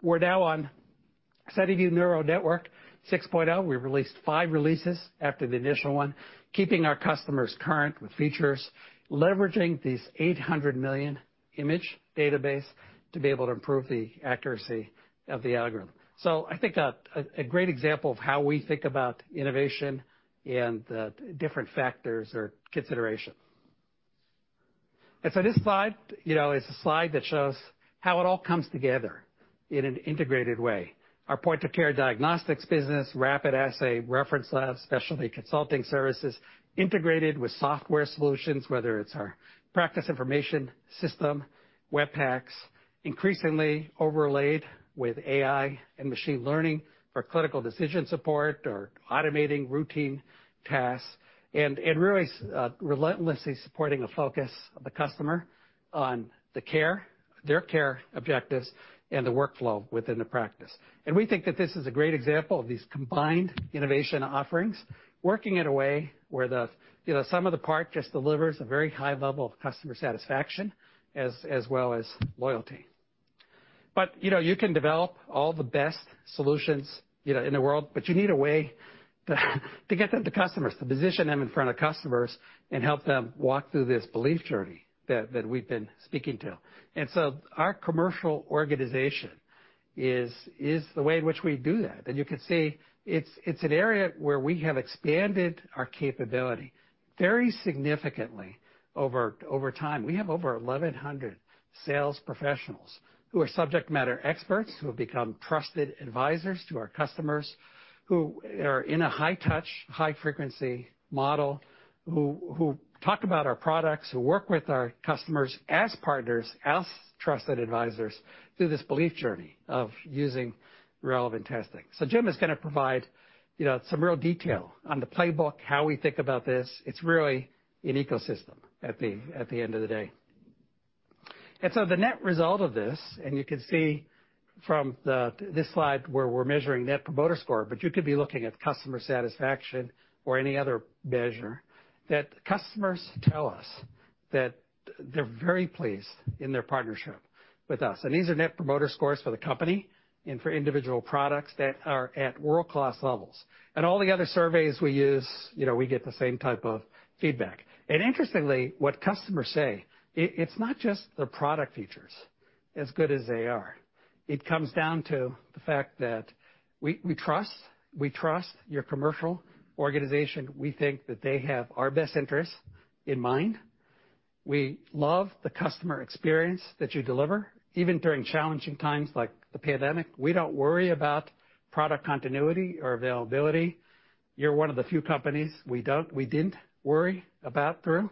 A: We're now on SediVue Neural Network 6.0. We've released five releases after the initial one, keeping our customers current with features, leveraging these 800 million image database to be able to improve the accuracy of the algorithm. I think a great example of how we think about innovation and the different factors or consideration. This slide, you know, is a slide that shows how it all comes together in an integrated way. Our point of care diagnostics business, Rapid Assay reference labs, specialty consulting services integrated with software solutions, whether it's our practice information system, Web PACS, increasingly overlaid with AI and machine learning for clinical decision support or automating routine tasks. Really relentlessly supporting the focus of the customer on the care, their care objectives and the workflow within the practice. We think that this is a great example of these combined innovation offerings working in a way where the, you know, sum of the parts just delivers a very high level of customer satisfaction as well as loyalty. You know, you can develop all the best solutions, you know, in the world, but you need a way to get them to customers, to position them in front of customers and help them walk through this belief journey that we've been speaking to. Our commercial organization is the way in which we do that. You can see it's an area where we have expanded our capability very significantly over time. We have over 1,100 sales professionals who are subject matter experts, who have become trusted advisors to our customers, who are in a high-touch, high-frequency model, who talk about our products, who work with our customers as partners, as trusted advisors through this belief journey of using relevant testing. Jim is gonna provide, you know, some real detail on the playbook, how we think about this. It's really an ecosystem at the end of the day. The net result of this, and you can see from this slide where we're measuring Net Promoter Score, but you could be looking at customer satisfaction or any other measure, that customers tell us that they're very pleased in their partnership with us. These are Net Promoter Scores for the company and for individual products that are at world-class levels. All the other surveys we use, you know, we get the same type of feedback. Interestingly, what customers say, it's not just the product features as good as they are. It comes down to the fact that we trust your commercial organization. We think that they have our best interests in mind. We love the customer experience that you deliver, even during challenging times like the pandemic. We don't worry about product continuity or availability. You're one of the few companies we didn't worry about through.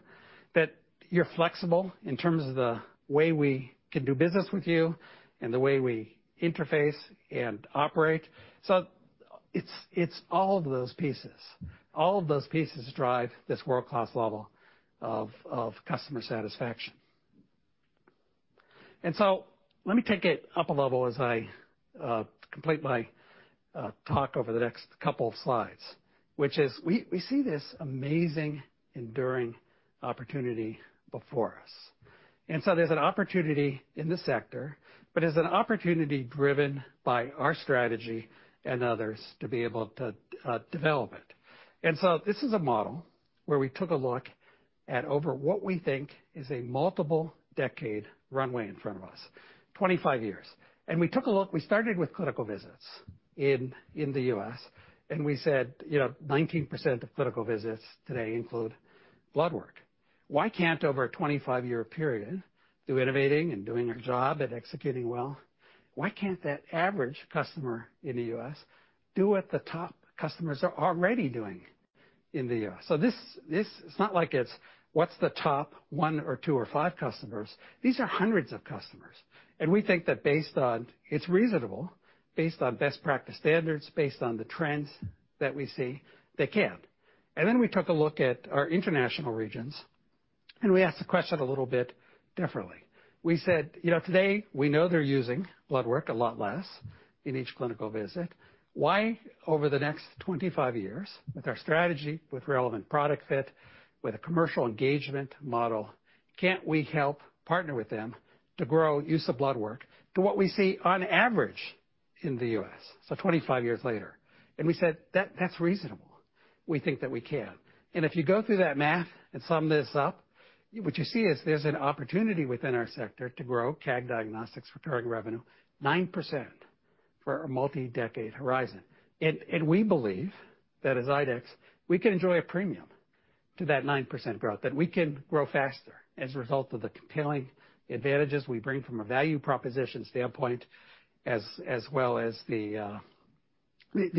A: That you're flexible in terms of the way we can do business with you and the way we interface and operate. It's all of those pieces. All of those pieces drive this world-class level of customer satisfaction. Let me take it up a level as I complete my talk over the next couple of slides, which is we see this amazing enduring opportunity before us. There's an opportunity in this sector, but there's an opportunity driven by our strategy and others to be able to develop it. This is a model where we took a look at over what we think is a multiple decade runway in front of us, 25 years. We took a look. We started with clinical visits in the U.S., and we said, you know, 19% of clinical visits today include blood work. Why can't over a 25-year period, through innovating and doing our job and executing well, why can't that average customer in the U.S. do what the top customers are already doing in the U.S.? It's not like it's what's the top one or two or five customers. These are hundreds of customers. We think that based on it's reasonable, based on best practice standards, based on the trends that we see, they can. Then we took a look at our international regions, and we asked the question a little bit differently. We said, "You know, today we know they're using blood work a lot less in each clinical visit. Why over the next 25 years with our strategy, with relevant product fit, with a commercial engagement model, can't we help partner with them to grow use of blood work to what we see on average in the U.S. so 25 years later?" We said, "That's reasonable. We think that we can. If you go through that math and sum this up, what you see is there's an opportunity within our sector to grow CAG Diagnostics recurring revenue 9% for a multi-decade horizon. We believe that as IDEXX, we can enjoy a premium to that 9% growth, that we can grow faster as a result of the compelling advantages we bring from a value proposition standpoint as well as the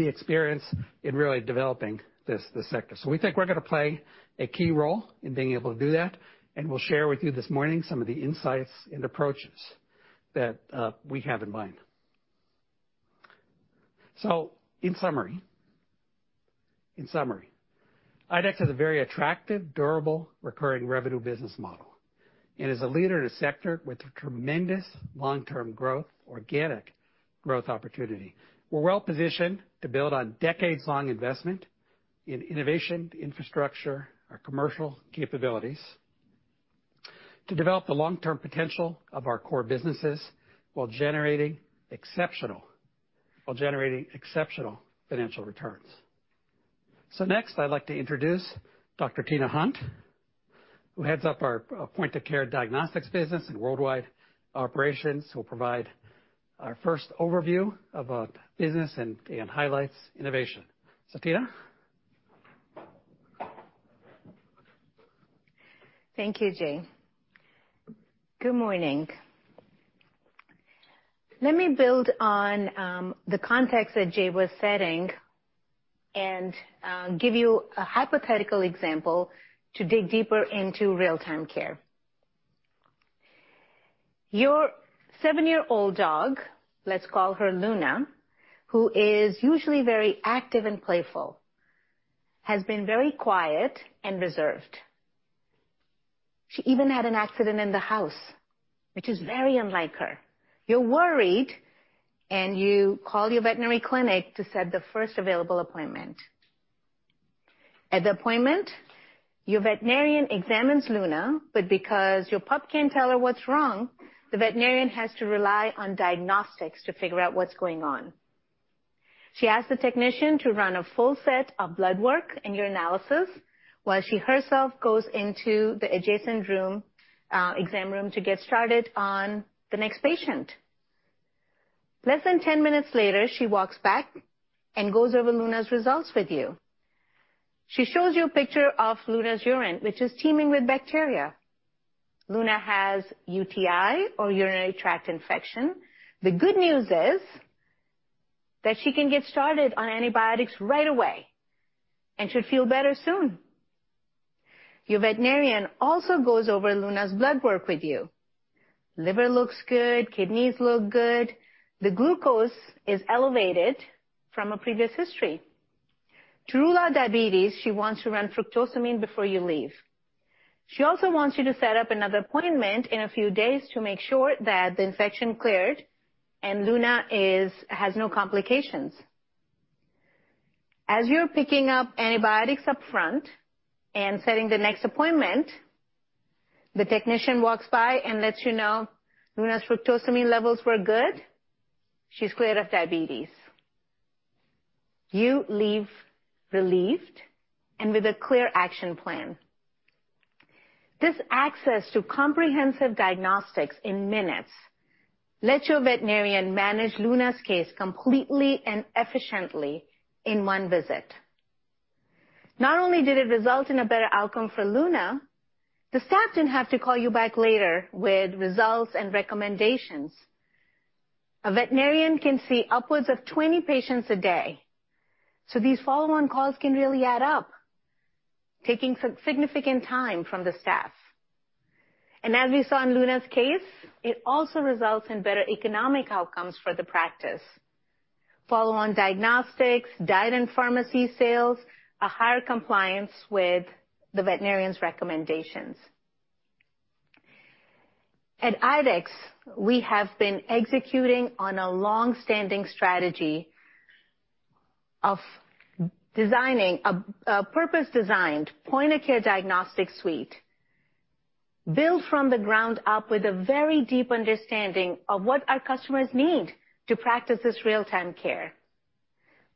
A: experience in really developing this sector. We think we're gonna play a key role in being able to do that, and we'll share with you this morning some of the insights and approaches that we have in mind. In summary, IDEXX has a very attractive, durable, recurring revenue business model and is a leader in a sector with tremendous long-term growth, organic growth opportunity. We're well-positioned to build on decades-long investment in innovation, infrastructure, our commercial capabilities to develop the long-term potential of our core businesses while generating exceptional financial returns. Next, I'd like to introduce Dr. Tina Hunt, who heads up our point of care diagnostics business and worldwide operations, who will provide our first overview of business and highlights innovation. Tina.
B: Thank you, Jay. Good morning. Let me build on the context that Jay was setting and give you a hypothetical example to dig deeper into real-time care. Your seven-year-old dog, let's call her Luna, who is usually very active and playful, has been very quiet and reserved. She even had an accident in the house, which is very unlike her. You're worried, and you call your veterinary clinic to set the first available appointment. At the appointment, your veterinarian examines Luna, but because your pup can't tell her what's wrong, the veterinarian has to rely on diagnostics to figure out what's going on. She asks the technician to run a full set of blood work and urinalysis while she herself goes into the adjacent room, exam room to get started on the next patient. Less than 10 minutes later, she walks back and goes over Luna's results with you. She shows you a picture of Luna's urine, which is teeming with bacteria. Luna has UTI or urinary tract infection. The good news is that she can get started on antibiotics right away and should feel better soon. Your veterinarian also goes over Luna's blood work with you. Liver looks good, kidneys look good. The glucose is elevated from a previous history. To rule out diabetes, she wants to run fructosamine before you leave. She also wants you to set up another appointment in a few days to make sure that the infection cleared and Luna has no complications. As you're picking up antibiotics up front and setting the next appointment, the technician walks by and lets you know Luna's fructosamine levels were good. She's cleared of diabetes. You leave relieved and with a clear action plan. This access to comprehensive diagnostics in minutes let your veterinarian manage Luna's case completely and efficiently in one visit. Not only did it result in a better outcome for Luna, the staff didn't have to call you back later with results and recommendations. A veterinarian can see upwards of 20 patients a day, so these follow-on calls can really add up, taking significant time from the staff. As we saw in Luna's case, it also results in better economic outcomes for the practice. Follow-on diagnostics, diet and pharmacy sales, a higher compliance with the veterinarian's recommendations. At IDEXX, we have been executing on a long-standing strategy of designing a purpose-designed point-of-care diagnostic suite built from the ground up with a very deep understanding of what our customers need to practice this real-time care.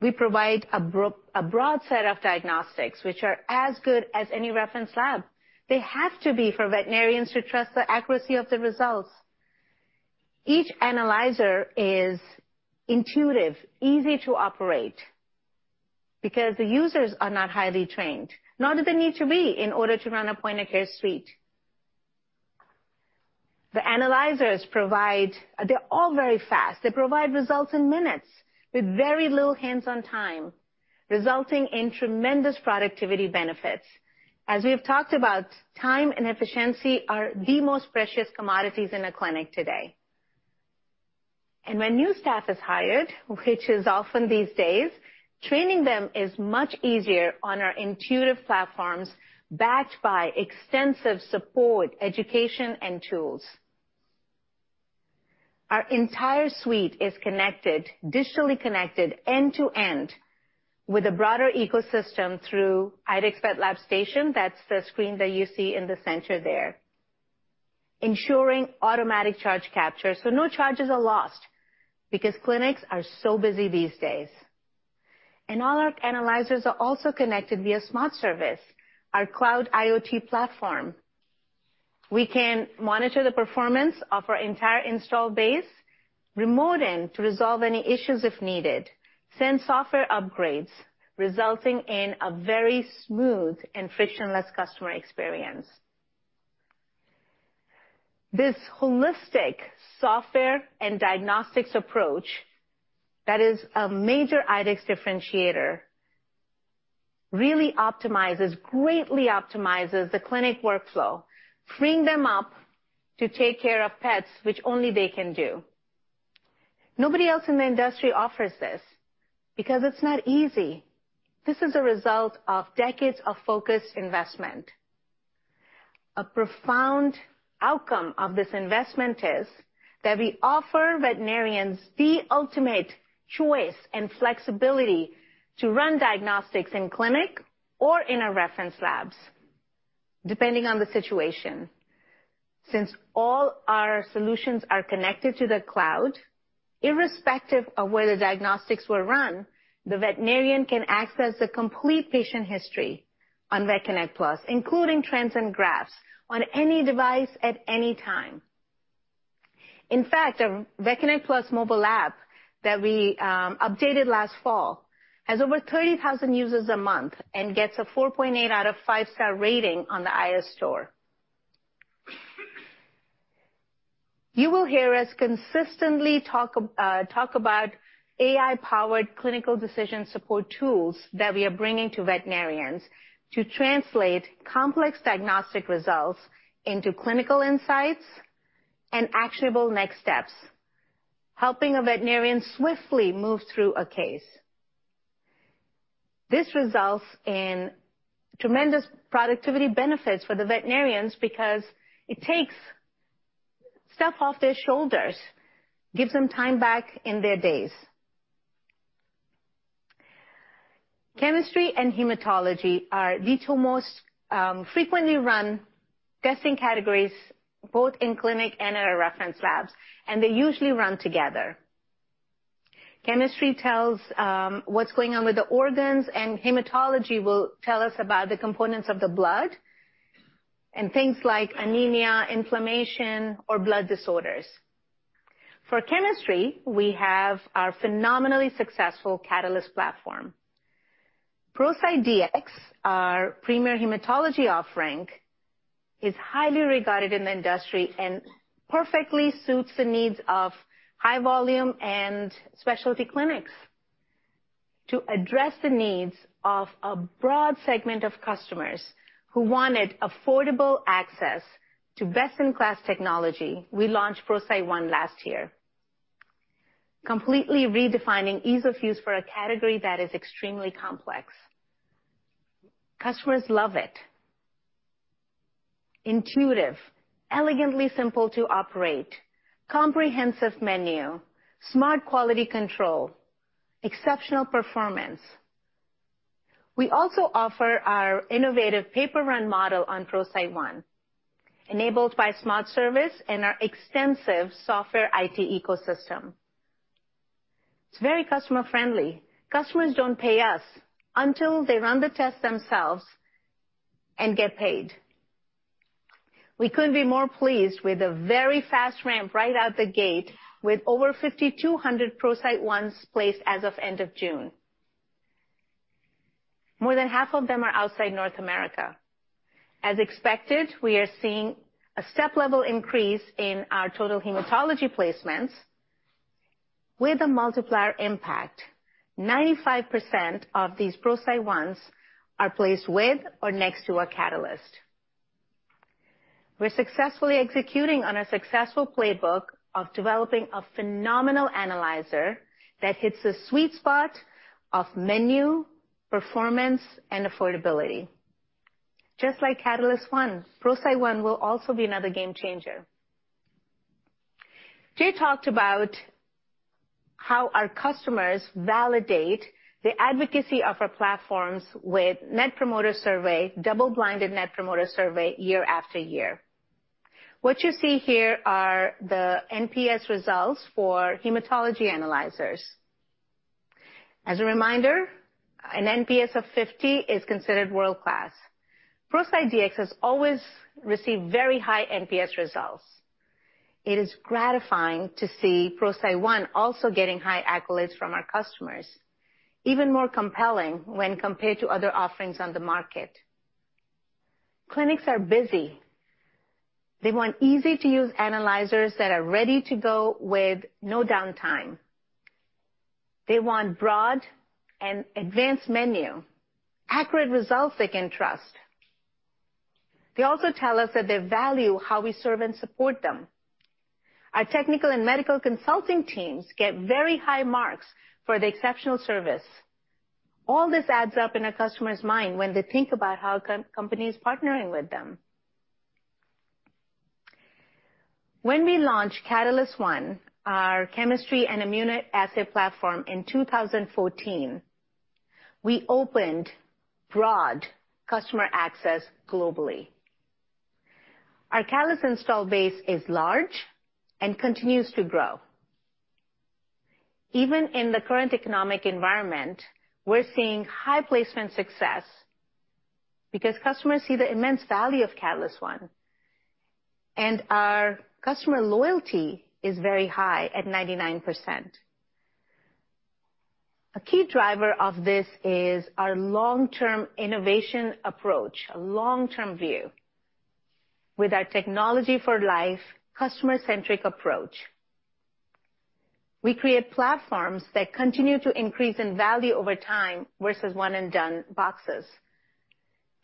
B: We provide a broad set of diagnostics which are as good as any reference lab. They have to be for veterinarians to trust the accuracy of the results. Each analyzer is intuitive, easy to operate, because the users are not highly trained, nor do they need to be in order to run a point-of-care suite. They're all very fast. They provide results in minutes with very little hands-on time, resulting in tremendous productivity benefits. As we have talked about, time and efficiency are the most precious commodities in a clinic today. When new staff is hired, which is often these days, training them is much easier on our intuitive platforms backed by extensive support, education, and tools. Our entire suite is connected, digitally connected end-to-end with a broader ecosystem through IDEXX VetLab Station. That's the screen that you see in the center there. Ensuring automatic charge capture, so no charges are lost because clinics are so busy these days. All our analyzers are also connected via SmartService, our cloud IoT platform. We can monitor the performance of our entire installed base, remote in to resolve any issues if needed, send software upgrades, resulting in a very smooth and frictionless customer experience. This holistic software and diagnostics approach that is a major IDEXX differentiator really optimizes, greatly optimizes the clinic workflow, freeing them up to take care of pets, which only they can do. Nobody else in the industry offers this, because it's not easy. This is a result of decades of focused investment. A profound outcome of this investment is that we offer veterinarians the ultimate choice and flexibility to run diagnostics in-clinic or in our reference labs, depending on the situation. Since all our solutions are connected to the cloud, irrespective of where the diagnostics were run, the veterinarian can access the complete patient history on VetConnect PLUS, including trends and graphs on any device at any time. In fact, our VetConnect PLUS mobile app that we updated last fall has over 30,000 users a month and gets a 4.8 out of 5 star rating on the iOS store. You will hear us consistently talk about AI-powered clinical decision support tools that we are bringing to veterinarians to translate complex diagnostic results into clinical insights and actionable next steps, helping a veterinarian swiftly move through a case. This results in tremendous productivity benefits for the veterinarians because it takes stuff off their shoulders, gives them time back in their days. Chemistry and hematology are the two most frequently run testing categories both in clinic and in our reference labs, and they usually run together. Chemistry tells what's going on with the organs, and hematology will tell us about the components of the blood and things like anemia, inflammation, or blood disorders. For chemistry, we have our phenomenally successful Catalyst platform. ProCyte Dx, our premier hematology offering, is highly regarded in the industry and perfectly suits the needs of high volume and specialty clinics. To address the needs of a broad segment of customers who wanted affordable access to best-in-class technology, we launched ProCyte One last year, completely redefining ease of use for a category that is extremely complex. Customers love it. Intuitive, elegantly simple to operate, comprehensive menu, smart quality control, exceptional performance. We also offer our innovative pay-per-run model on ProCyte One, enabled by SmartService and our extensive software IT ecosystem. It's very customer-friendly. Customers don't pay us until they run the test themselves and get paid. We couldn't be more pleased with the very fast ramp right out the gate with over 5,200 ProCyte Ones placed as of end of June. More than half of them are outside North America. As expected, we are seeing a step-level increase in our total hematology placements with a multiplier impact. 95% of these ProCyte Ones are placed with or next to a Catalyst. We're successfully executing on our successful playbook of developing a phenomenal analyzer that hits the sweet spot of menu, performance, and affordability. Just like Catalyst One, ProCyte One will also be another game changer. Jay talked about how our customers validate the advocacy of our platforms with Net Promoter Score, double-blind Net Promoter Score year after year. What you see here are the NPS results for hematology analyzers. As a reminder, an NPS of 50 is considered world-class. ProCyte Dx has always received very high NPS results. It is gratifying to see ProCyte One also getting high accolades from our customers, even more compelling when compared to other offerings on the market. Clinics are busy. They want easy-to-use analyzers that are ready to go with no downtime. They want broad and advanced menu, accurate results they can trust. They also tell us that they value how we serve and support them. Our technical and medical consulting teams get very high marks for the exceptional service. All this adds up in a customer's mind when they think about how company is partnering with them. When we launched Catalyst One, our chemistry and immunoassay platform in 2014, we opened broad customer access globally. Our Catalyst install base is large and continues to grow. Even in the current economic environment, we're seeing high placement success because customers see the immense value of Catalyst One, and our customer loyalty is very high at 99%. A key driver of this is our long-term innovation approach, a long-term view. With our technology for life customer-centric approach, we create platforms that continue to increase in value over time versus one and done boxes.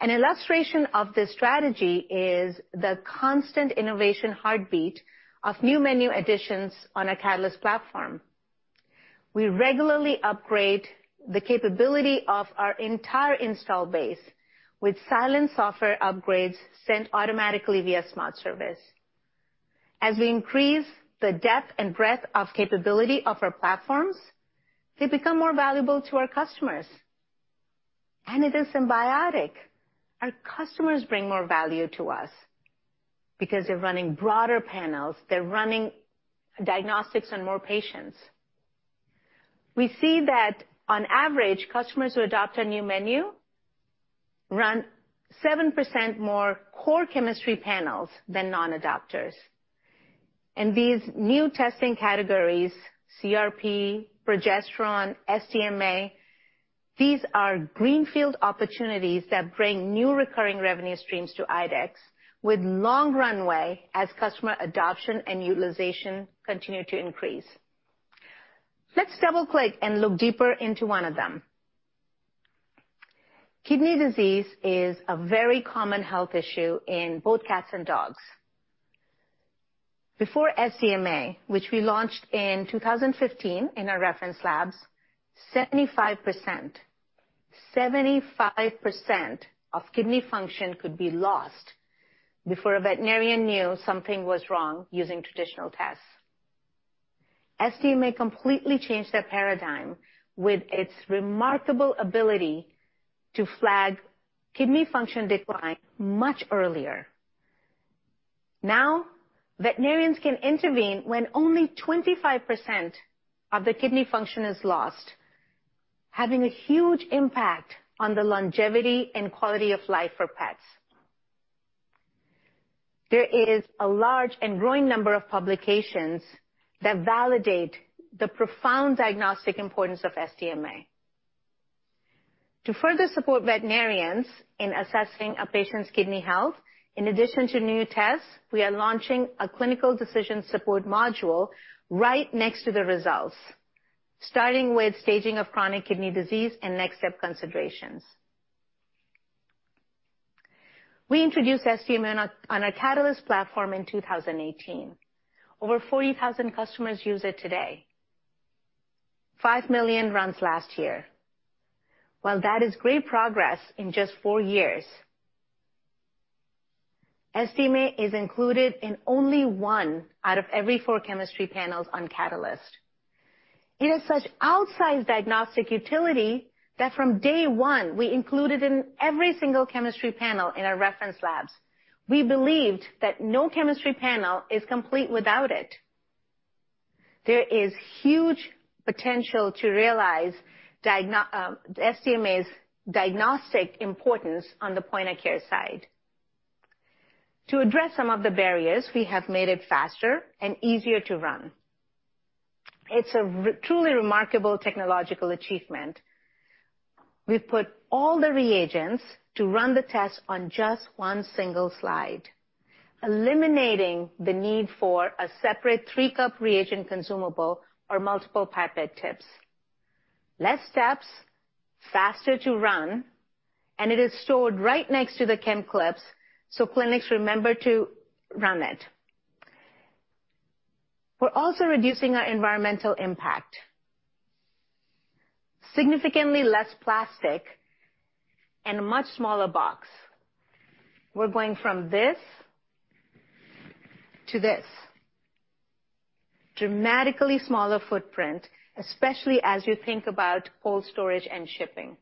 B: An illustration of this strategy is the constant innovation heartbeat of new menu additions on a Catalyst platform. We regularly upgrade the capability of our entire install base with silent software upgrades sent automatically via SmartService. As we increase the depth and breadth of capability of our platforms, they become more valuable to our customers, and it is symbiotic. Our customers bring more value to us because they're running broader panels. They're running diagnostics on more patients. We see that on average, customers who adopt a new menu run 7% more core chemistry panels than non-adopters. These new testing categories, CRP, progesterone, SDMA, these are greenfield opportunities that bring new recurring revenue streams to IDEXX with long runway as customer adoption and utilization continue to increase. Let's double-click and look deeper into one of them. Kidney disease is a very common health issue in both cats and dogs. Before SDMA, which we launched in 2015 in our reference labs, 75% of kidney function could be lost before a veterinarian knew something was wrong using traditional tests. SDMA completely changed their paradigm with its remarkable ability to flag kidney function decline much earlier. Now, veterinarians can intervene when only 25% of the kidney function is lost, having a huge impact on the longevity and quality of life for pets. There is a large and growing number of publications that validate the profound diagnostic importance of SDMA. To further support veterinarians in assessing a patient's kidney health, in addition to new tests, we are launching a clinical decision support module right next to the results, starting with staging of chronic kidney disease and next step considerations. We introduced SDMA on our Catalyst platform in 2018. Over 40,000 customers use it today. 5 million runs last year. While that is great progress in just four years, SDMA is included in only one out of every four chemistry panels on Catalyst. It has such outsized diagnostic utility that from day one, we included it in every single chemistry panel in our reference labs. We believed that no chemistry panel is complete without it. There is huge potential to realize SDMA's diagnostic importance on the point-of-care side. To address some of the barriers, we have made it faster and easier to run. It's truly a remarkable technological achievement. We've put all the reagents to run the test on just one single slide, eliminating the need for a separate 3-cup reagent consumable or multiple pipette tips. Less steps, faster to run, and it is stored right next to the Chem CLIPs, so clinics remember to run it. We're also reducing our environmental impact. Significantly less plastic and a much smaller box. We're going from this to this. Dramatically smaller footprint, especially as you think about cold storage and shipping.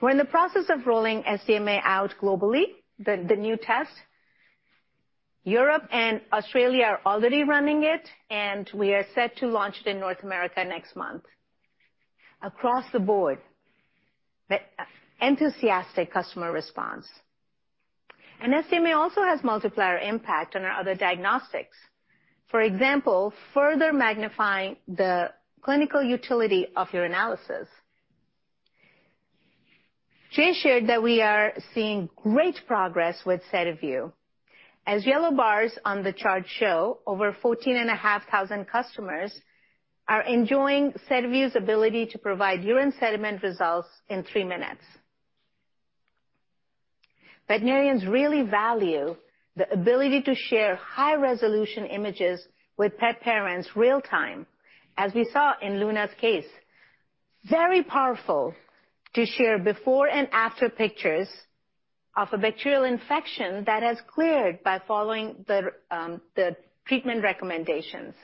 B: We're in the process of rolling SDMA out globally, the new test. Europe and Australia are already running it, and we are set to launch it in North America next month. Across the board, the enthusiastic customer response. SDMA also has multiplier impact on our other diagnostics. For example, further magnifying the clinical utility of your analysis. Jay shared that we are seeing great progress with SediVue. As yellow bars on the chart show, over 14,500 customers are enjoying SediVue's ability to provide urine sediment results in three minutes. Veterinarians really value the ability to share high-resolution images with pet parents real-time. As we saw in Luna's case, very powerful to share before and after pictures of a bacterial infection that has cleared by following the treatment recommendations.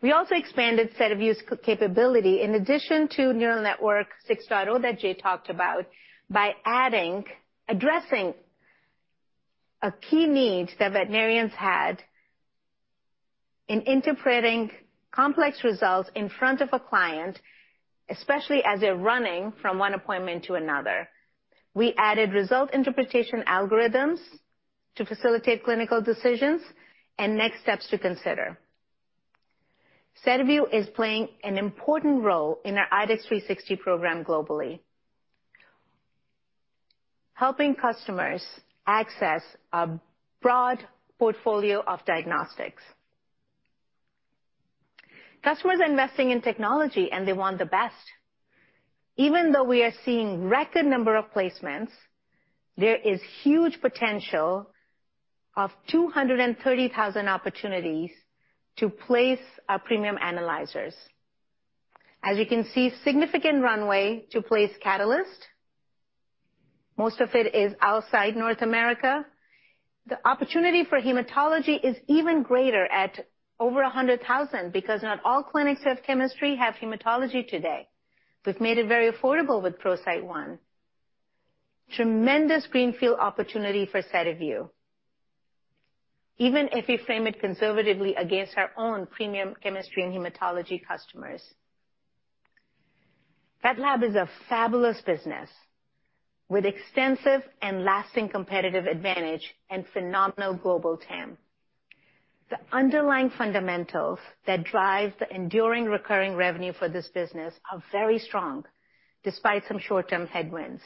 B: We also expanded SediVue's capability in addition to Neural Network 6.0 that Jay talked about by adding, addressing a key need that veterinarians had in interpreting complex results in front of a client, especially as they're running from one appointment to another. We added result interpretation algorithms to facilitate clinical decisions and next steps to consider. SediVue is playing an important role in our IDEXX 360 program globally, helping customers access a broad portfolio of diagnostics. Customers are investing in technology, and they want the best. Even though we are seeing record number of placements, there is huge potential of 230,000 opportunities to place our premium analyzers. As you can see, significant runway to place Catalyst. Most of it is outside North America. The opportunity for hematology is even greater at over 100,000 because not all clinics with chemistry have hematology today. We've made it very affordable with ProCyte One. Tremendous greenfield opportunity for SediVue, even if we frame it conservatively against our own premium chemistry and hematology customers. VetLab is a fabulous business with extensive and lasting competitive advantage and phenomenal global TAM. The underlying fundamentals that drive the enduring recurring revenue for this business are very strong, despite some short-term headwinds.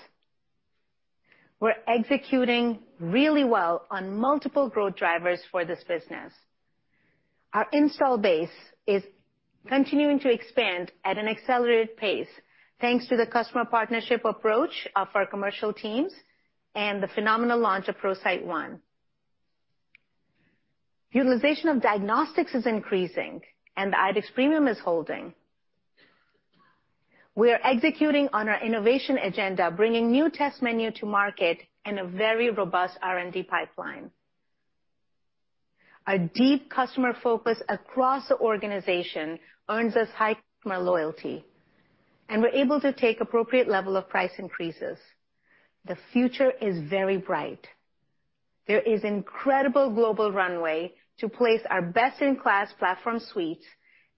B: We're executing really well on multiple growth drivers for this business. Our install base is continuing to expand at an accelerated pace, thanks to the customer partnership approach of our commercial teams and the phenomenal launch of ProCyte One. Utilization of diagnostics is increasing, and the IDEXX Premium is holding. We are executing on our innovation agenda, bringing new test menu to market and a very robust R&D pipeline. Our deep customer focus across the organization earns us high customer loyalty, and we're able to take appropriate level of price increases. The future is very bright. There is incredible global runway to place our best-in-class platform suite,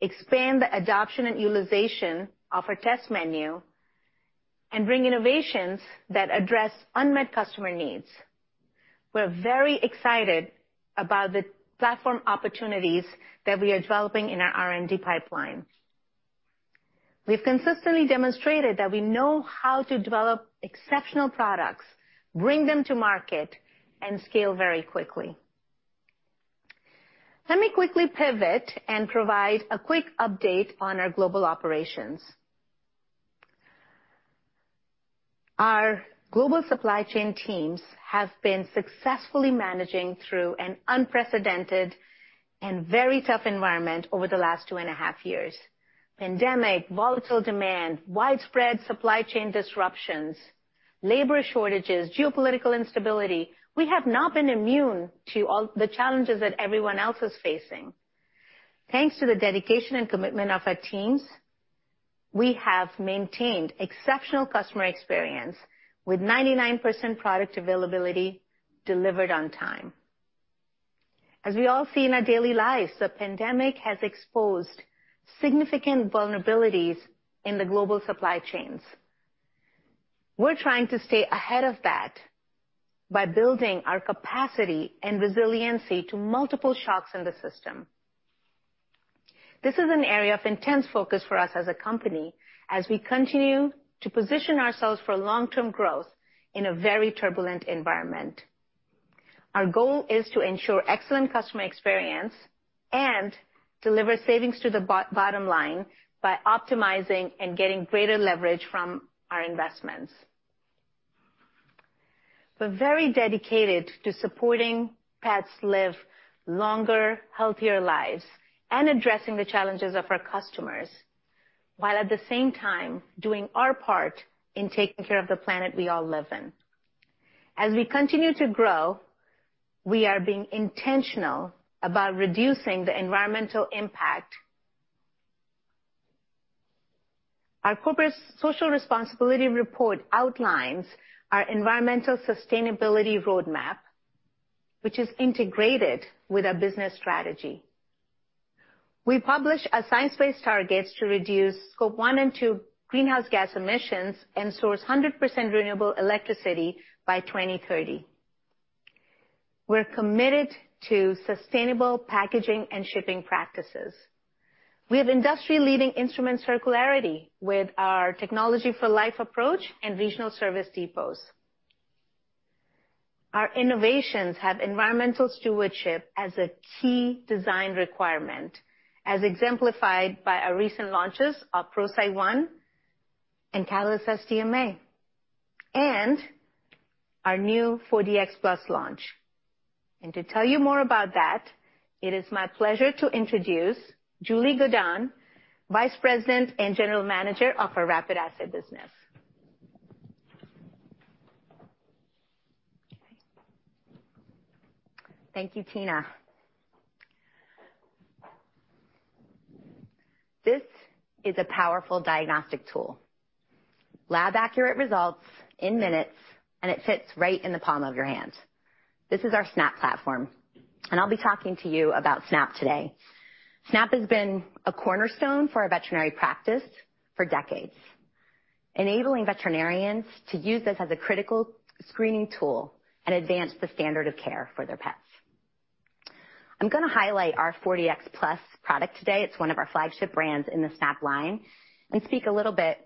B: expand the adoption and utilization of our test menu, and bring innovations that address unmet customer needs. We're very excited about the platform opportunities that we are developing in our R&D pipeline. We've consistently demonstrated that we know how to develop exceptional products, bring them to market, and scale very quickly. Let me quickly pivot and provide a quick update on our global operations. Our global supply chain teams have been successfully managing through an unprecedented and very tough environment over the last 2.5 years. Pandemic, volatile demand, widespread supply chain disruptions, labor shortages, geopolitical instability. We have not been immune to all the challenges that everyone else is facing. Thanks to the dedication and commitment of our teams, we have maintained exceptional customer experience with 99% product availability delivered on time. As we all see in our daily lives, the pandemic has exposed significant vulnerabilities in the global supply chains. We're trying to stay ahead of that by building our capacity and resiliency to multiple shocks in the system. This is an area of intense focus for us as a company, as we continue to position ourselves for long-term growth in a very turbulent environment. Our goal is to ensure excellent customer experience and deliver savings to the bottom line by optimizing and getting greater leverage from our investments. We're very dedicated to supporting pets live longer, healthier lives and addressing the challenges of our customers, while at the same time, doing our part in taking care of the planet we all live in. As we continue to grow, we are being intentional about reducing the environmental impact. Our corporate social responsibility report outlines our environmental sustainability roadmap, which is integrated with our business strategy. We publish science-based targets to reduce scope one and two greenhouse gas emissions and source 100% renewable electricity by 2030. We're committed to sustainable packaging and shipping practices. We have industry-leading instrument circularity with our technology for life approach and regional service depots. Our innovations have environmental stewardship as a key design requirement, as exemplified by our recent launches of ProCyte One and Catalyst SDMA, and our new 4Dx Plus launch. To tell you more about that, it is my pleasure to introduce Julie Godon, Vice President and General Manager of our Rapid Assay business.
C: Thank you, Tina. This is a powerful diagnostic tool. Lab-accurate results in minutes, and it fits right in the palm of your hand. This is our SNAP platform, and I'll be talking to you about SNAP today. SNAP has been a cornerstone for our veterinary practice for decades, enabling veterinarians to use this as a critical screening tool and advance the standard of care for their pets. I'm gonna highlight our 4Dx Plus product today, it's one of our flagship brands in the SNAP line, and speak a little bit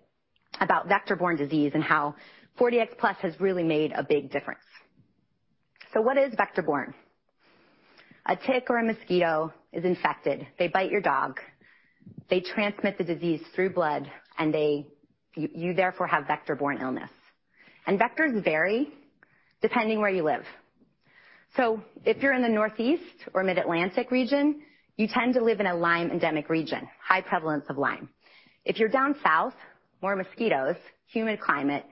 C: about vector-borne disease and how 4Dx Plus has really made a big difference. What is vector-borne? A tick or a mosquito is infected. They bite your dog, they transmit the disease through blood. You therefore have vector-borne illness. Vectors vary depending where you live. If you're in the Northeast or mid-Atlantic region, you tend to live in a Lyme endemic region, high prevalence of Lyme. If you're down south, more mosquitoes, humid climate,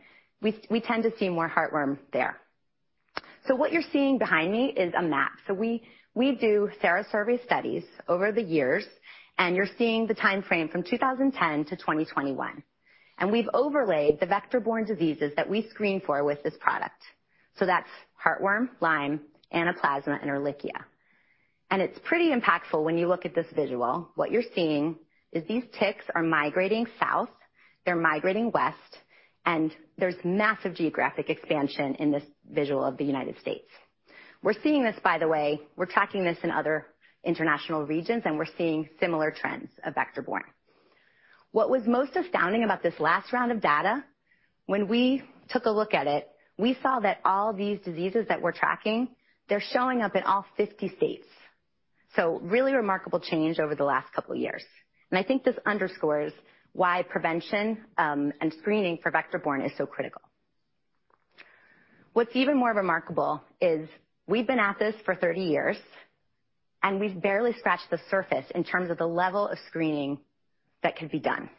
C: we tend to see more heartworm there. What you're seeing behind me is a map. We do serosurvey studies over the years, and you're seeing the timeframe from 2010 to 2021. We've overlaid the vector-borne diseases that we screen for with this product. That's heartworm, Lyme, Anaplasma, and Ehrlichia. It's pretty impactful when you look at this visual. What you're seeing is these ticks are migrating south, they're migrating west, and there's massive geographic expansion in this visual of the United States. We're seeing this, by the way, we're tracking this in other international regions, and we're seeing similar trends of vector-borne. What was most astounding about this last round of data, when we took a look at it, we saw that all these diseases that we're tracking, they're showing up in all 50 states. Really remarkable change over the last couple of years. I think this underscores why prevention and screening for vector-borne is so critical. What's even more remarkable is we've been at this for 30 years, and we've barely scratched the surface in terms of the level of screening that could be done.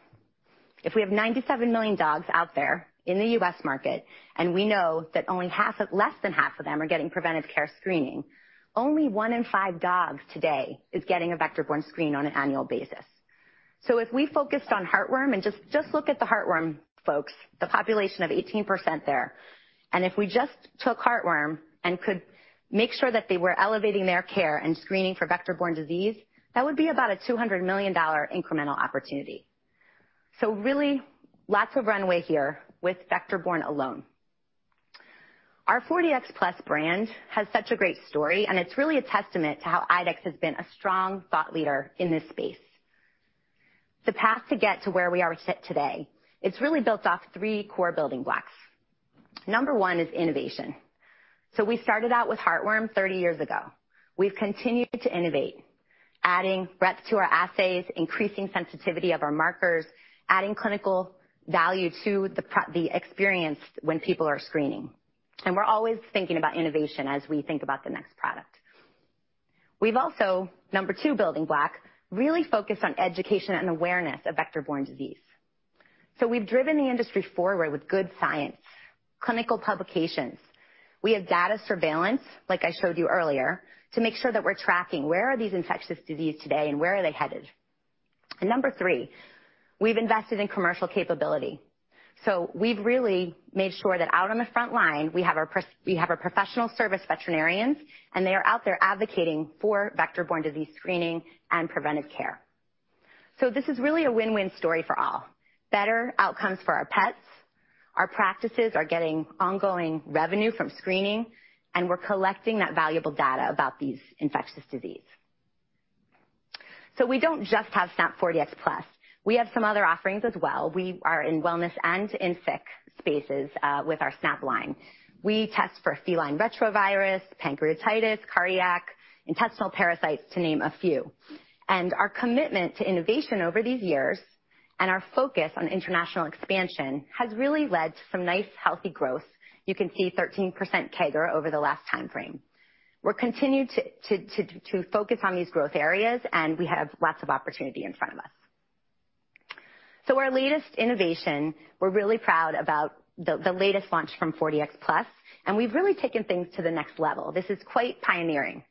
C: If we have 97 million dogs out there in the U.S. market, and we know that less than half of them are getting preventive care screening. Only one in five dogs today is getting a vector-borne screen on an annual basis. If we focused on heartworm and just look at the heartworm folks, the population of 18% there, and if we just took heartworm and could make sure that they were elevating their care and screening for vector-borne disease, that would be about a $200 million incremental opportunity. Really lots of runway here with vector-borne alone. Our 4Dx Plus brand has such a great story, and it's really a testament to how IDEXX has been a strong thought leader in this space. The path to get to where we sit today, it's really built off three core building blocks. Number one is innovation. We started out with heartworm 30 years ago. We've continued to innovate, adding reps to our assays, increasing sensitivity of our markers, adding clinical value to the experience when people are screening. We're always thinking about innovation as we think about the next product. We've also, number two, building block, really focused on education and awareness of vector-borne disease. We've driven the industry forward with good science, clinical publications. We have data surveillance, like I showed you earlier, to make sure that we're tracking where are these infectious disease today and where are they headed. Number three, we've invested in commercial capability. We've really made sure that out on the front line, we have our professional service veterinarians, and they are out there advocating for vector-borne disease screening and preventive care. This is really a win-win story for all. Better outcomes for our pets, our practices are getting ongoing revenue from screening, and we're collecting that valuable data about these infectious disease. We don't just have SNAP 4Dx Plus. We have some other offerings as well. We are in wellness and in sick spaces with our SNAP line. We test for feline retrovirus, pancreatitis, cardiac, intestinal parasites, to name a few. Our commitment to innovation over these years and our focus on international expansion has really led to some nice, healthy growth. You can see 13% CAGR over the last time frame. We're continuing to focus on these growth areas, and we have lots of opportunity in front of us. Our latest innovation, we're really proud about the latest launch from 4Dx Plus, and we've really taken things to the next level. This is quite pioneering.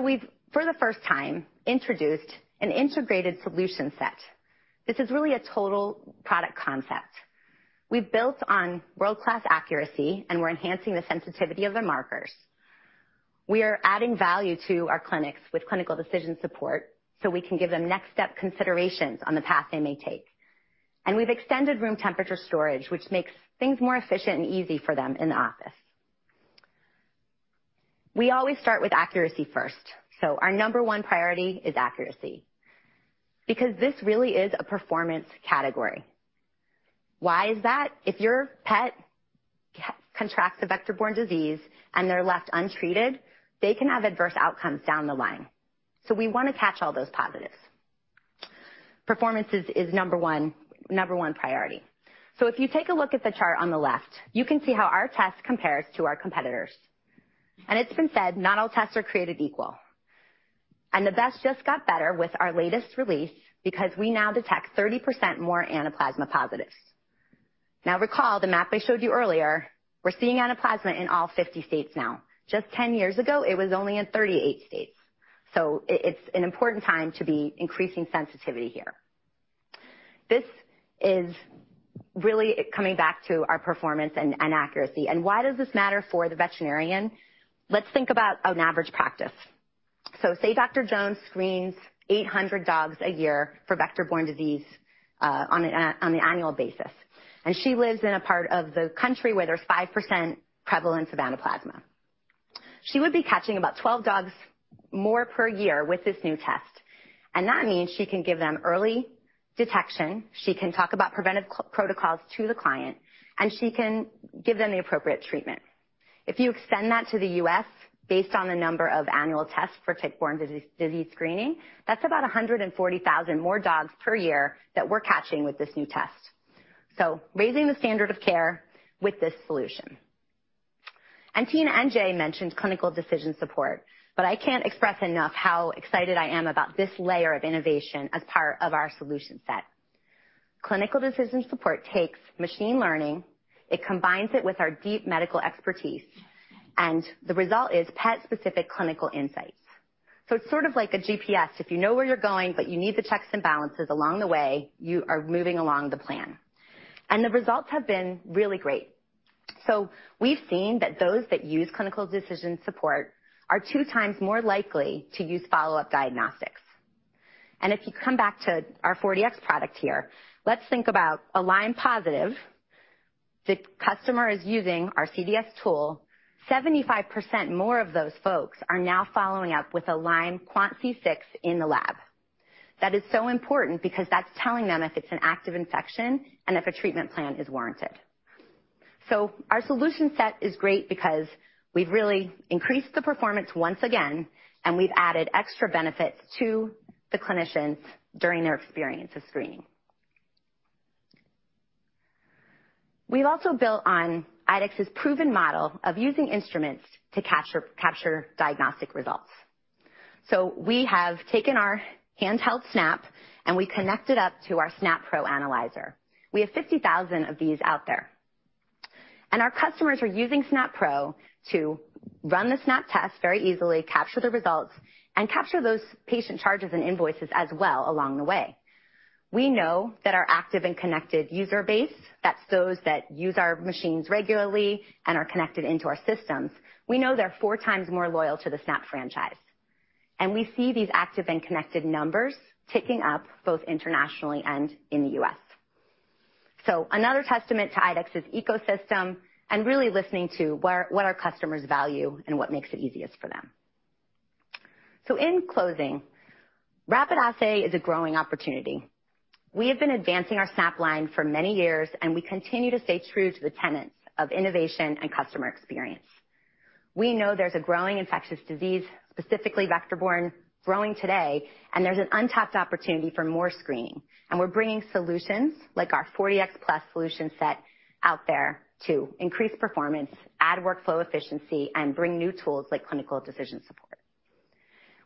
C: We've, for the first time, introduced an integrated solution set. This is really a total product concept. We've built on world-class accuracy, and we're enhancing the sensitivity of the markers. We are adding value to our clinics with clinical decision support, so we can give them next step considerations on the path they may take. We've extended room temperature storage, which makes things more efficient and easy for them in the office. We always start with accuracy first. Our number one priority is accuracy because this really is a performance category. Why is that? If your pet contracts a vector-borne disease and they're left untreated, they can have adverse outcomes down the line. We wanna catch all those positives. Performance is number one priority. If you take a look at the chart on the left, you can see how our test compares to our competitors. It's been said, not all tests are created equal. The best just got better with our latest release because we now detect 30% more Anaplasma positives. Now recall the map I showed you earlier. We're seeing Anaplasma in all 50 states now. Just 10 years ago, it was only in 38 states. It's an important time to be increasing sensitivity here. This is really coming back to our performance and accuracy. Why does this matter for the veterinarian? Let's think about an average practice. Say Doctor Jones screens 800 dogs a year for vector-borne disease on an annual basis. She lives in a part of the country where there's 5% prevalence of Anaplasma. She would be catching about 12 dogs more per year with this new test, and that means she can give them early detection, she can talk about preventive client protocols to the client, and she can give them the appropriate treatment. If you extend that to the U.S. based on the number of annual tests for tick-borne disease screening, that's about 140,000 more dogs per year that we're catching with this new test. Raising the standard of care with this solution. Tina and Jay mentioned clinical decision support, but I can't express enough how excited I am about this layer of innovation as part of our solution set. Clinical decision support takes machine learning, it combines it with our deep medical expertise, and the result is pet-specific clinical insights. It's sort of like a GPS. If you know where you're going, but you need the checks and balances along the way, you are moving along the plan. The results have been really great. We've seen that those that use clinical decision support are two times more likely to use follow-up diagnostics. If you come back to our 4Dx product here, let's think about a Lyme positive. The customer is using our CDS tool. 75% more of those folks are now following up with a Lyme Quant C6 in the lab. That is so important because that's telling them if it's an active infection and if a treatment plan is warranted. Our solution set is great because we've really increased the performance once again, and we've added extra benefits to the clinicians during their experience of screening. We've also built on IDEXX's proven model of using instruments to capture diagnostic results. We have taken our handheld Snap and we connect it up to our Snap Pro analyzer. We have 50,000 of these out there, and our customers are using Snap Pro to run the Snap test very easily, capture the results, and capture those patient charges and invoices as well along the way. We know that our active and connected user base, that's those that use our machines regularly and are connected into our systems, we know they're four times more loyal to the Snap franchise. We see these active and connected numbers ticking up both internationally and in the U.S. Another testament to IDEXX's ecosystem and really listening to what our customers value and what makes it easiest for them. In closing, Rapid Assay is a growing opportunity. We have been advancing our SNAP line for many years, and we continue to stay true to the tenets of innovation and customer experience. We know there's a growing infectious disease, specifically vector-borne, growing today, and there's an untapped opportunity for more screening. We're bringing solutions like our 4Dx Plus solution set out there to increase performance, add workflow efficiency, and bring new tools like clinical decision support.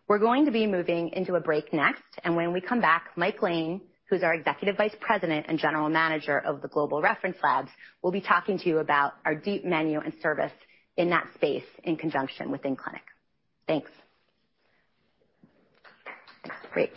C: We're going to be moving into a break next, and when we come back, Mike Lane, who's our Executive Vice President and General Manager of the Global Reference Laboratories, will be talking to you about our deep menu and service in that space in conjunction with in-clinic. Thanks. Great.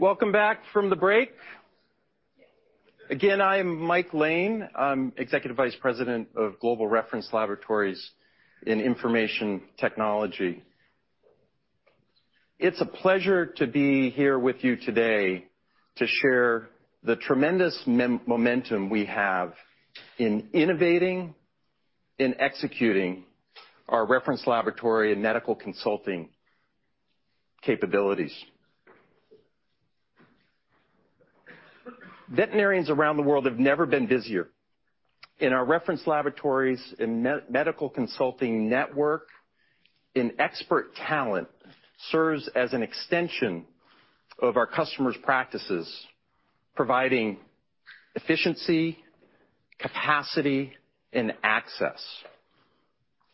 D: Welcome back from the break. Again, I'm Mike Lane. I'm Executive Vice President and General Manager, Global Reference Laboratories, IDEXX Laboratories. It's a pleasure to be here with you today to share the tremendous momentum we have in innovating, in executing our reference laboratory and medical consulting capabilities. Veterinarians around the world have never been busier. In our reference laboratories and medical consulting network, an expert talent serves as an extension of our customers' practices, providing efficiency, capacity, and access.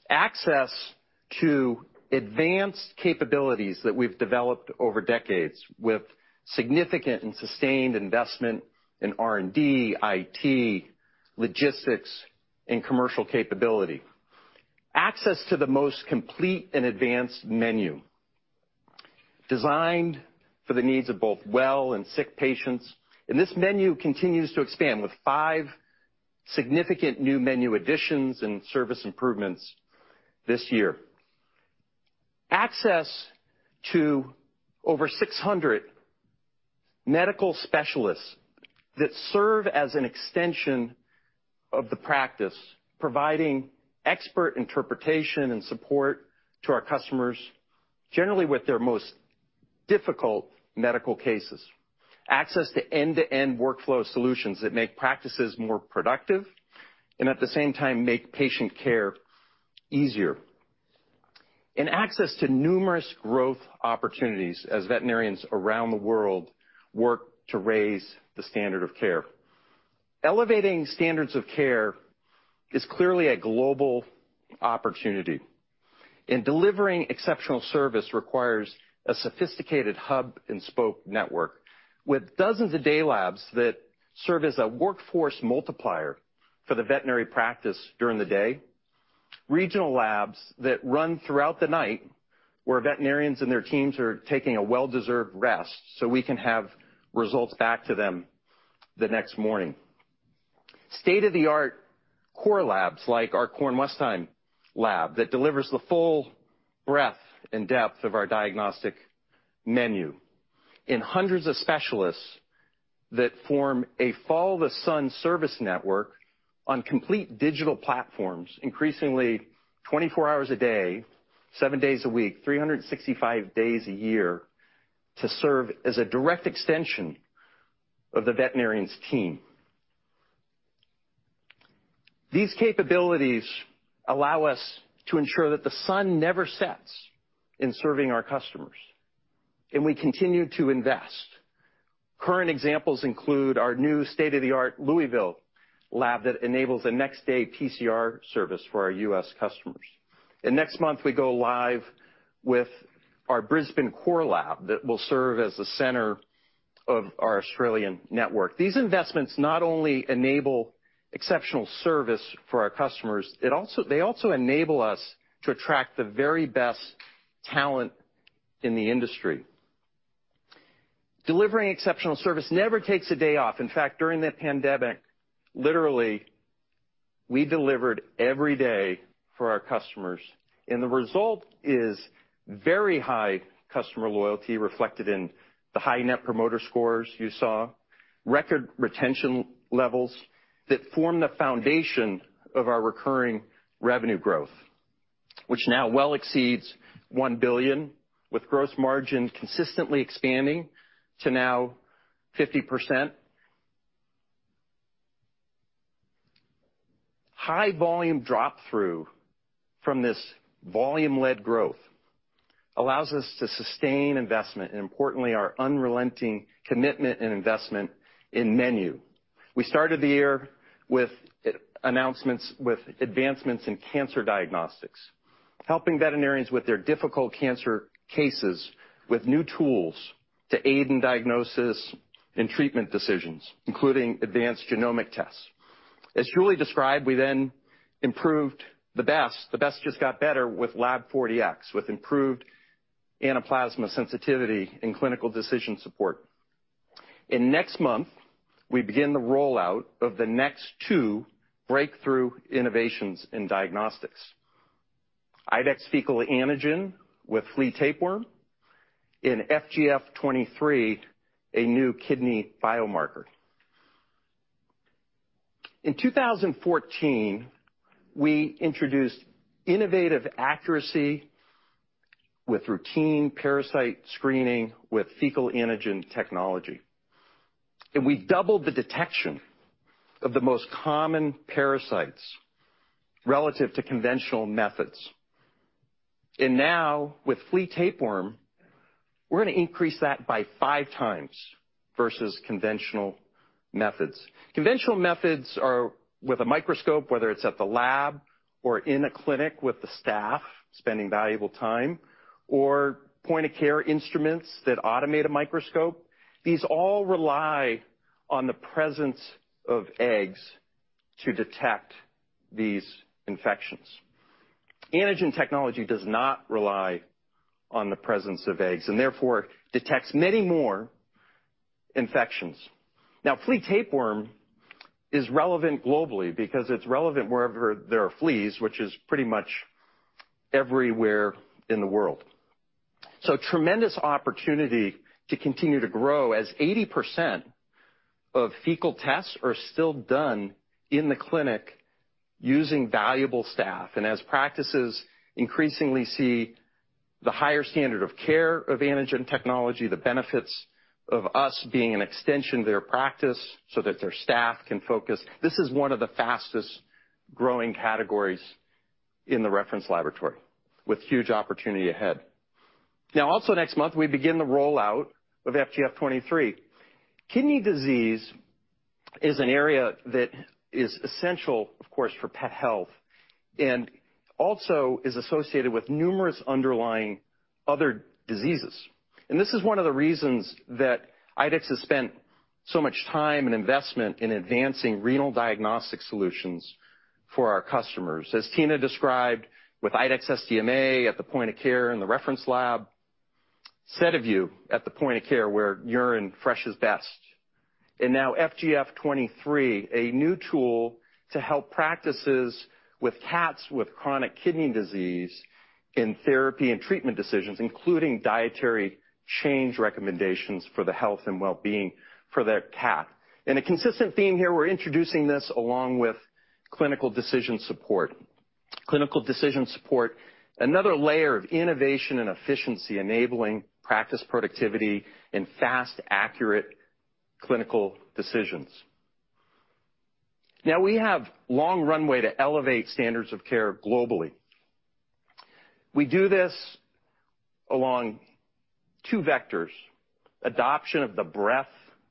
D: Access to advanced capabilities that we've developed over decades with significant and sustained investment in R&D, IT, logistics, and commercial capability. Access to the most complete and advanced menu designed for the needs of both well and sick patients. This menu continues to expand with five significant new menu additions and service improvements this year. Access to over 600 medical specialists that serve as an extension of the practice, providing expert interpretation and support to our customers, generally with their most difficult medical cases. Access to end-to-end workflow solutions that make practices more productive and at the same time, make patient care easier. Access to numerous growth opportunities as veterinarians around the world work to raise the standard of care. Elevating standards of care is clearly a global opportunity, and delivering exceptional service requires a sophisticated hub and spoke network with dozens of day labs that serve as a workforce multiplier for the veterinary practice during the day, regional labs that run throughout the night where veterinarians and their teams are taking a well-deserved rest, so we can have results back to them the next morning. State-of-the-art core labs like our Kornwestheim lab that delivers the full breadth and depth of our diagnostic menu in hundreds of specialists that form a follow-the-sun service network on complete digital platforms, increasingly 24 hours a day, 7 days a week, 365 days a year to serve as a direct extension of the veterinarian's team. These capabilities allow us to ensure that the sun never sets in serving our customers, and we continue to invest. Current examples include our new state-of-the-art Louisville lab that enables a next-day PCR service for our U.S. customers. Next month, we go live with our Brisbane core lab that will serve as the center of our Australian network. These investments not only enable exceptional service for our customers, they also enable us to attract the very best talent in the industry. Delivering exceptional service never takes a day off. In fact, during the pandemic, literally, we delivered every day for our customers, and the result is very high customer loyalty reflected in the high net promoter scores you saw, record retention levels that form the foundation of our recurring revenue growth, which now well exceeds $1 billion, with gross margin consistently expanding to now 50%. High volume drop through from this volume-led growth allows us to sustain investment and importantly, our unrelenting commitment and investment in menu. We started the year with announcements with advancements in cancer diagnostics, helping veterinarians with their difficult cancer cases with new tools to aid in diagnosis and treatment decisions, including advanced genomic tests. As Julie described, we then improved the best. The best just got better with Lab 4Dx, with improved Anaplasma sensitivity and clinical decision support. Next month, we begin the rollout of the next two breakthrough innovations in diagnostics. IDEXX Fecal Dx antigen with flea tapeworm and FGF-23, a new kidney biomarker. In 2014, we introduced innovative accuracy with routine parasite screening with fecal antigen technology. We doubled the detection of the most common parasites relative to conventional methods. Now with flea tapeworm, we're gonna increase that by 5 times versus conventional methods. Conventional methods are with a microscope, whether it's at the lab or in a clinic with the staff spending valuable time or point-of-care instruments that automate a microscope. These all rely on the presence of eggs to detect these infections. Antigen technology does not rely on the presence of eggs and therefore detects many more infections. Now, flea tapeworm is relevant globally because it's relevant wherever there are fleas, which is pretty much everywhere in the world. Tremendous opportunity to continue to grow as 80% of fecal tests are still done in the clinic using valuable staff. As practices increasingly see the higher standard of care of antigen technology, the benefits of us being an extension of their practice so that their staff can focus. This is one of the fastest-growing categories in the reference laboratory with huge opportunity ahead. Now, also next month, we begin the rollout of FGF-23. Kidney disease is an area that is essential, of course, for pet health and also is associated with numerous underlying other diseases. This is one of the reasons that IDEXX has spent so much time and investment in advancing renal diagnostic solutions for our customers. As Tina described with IDEXX SDMA at the point of care in the reference lab, SediVue at the point of care where urine fresh is best. Now FGF-23, a new tool to help practices with cats with chronic kidney disease in therapy and treatment decisions, including dietary change recommendations for the health and well-being for their cat. A consistent theme here, we're introducing this along with clinical decision support. Clinical decision support, another layer of innovation and efficiency enabling practice productivity and fast, accurate clinical decisions. Now, we have long runway to elevate standards of care globally. We do this along two vectors, adoption of the breadth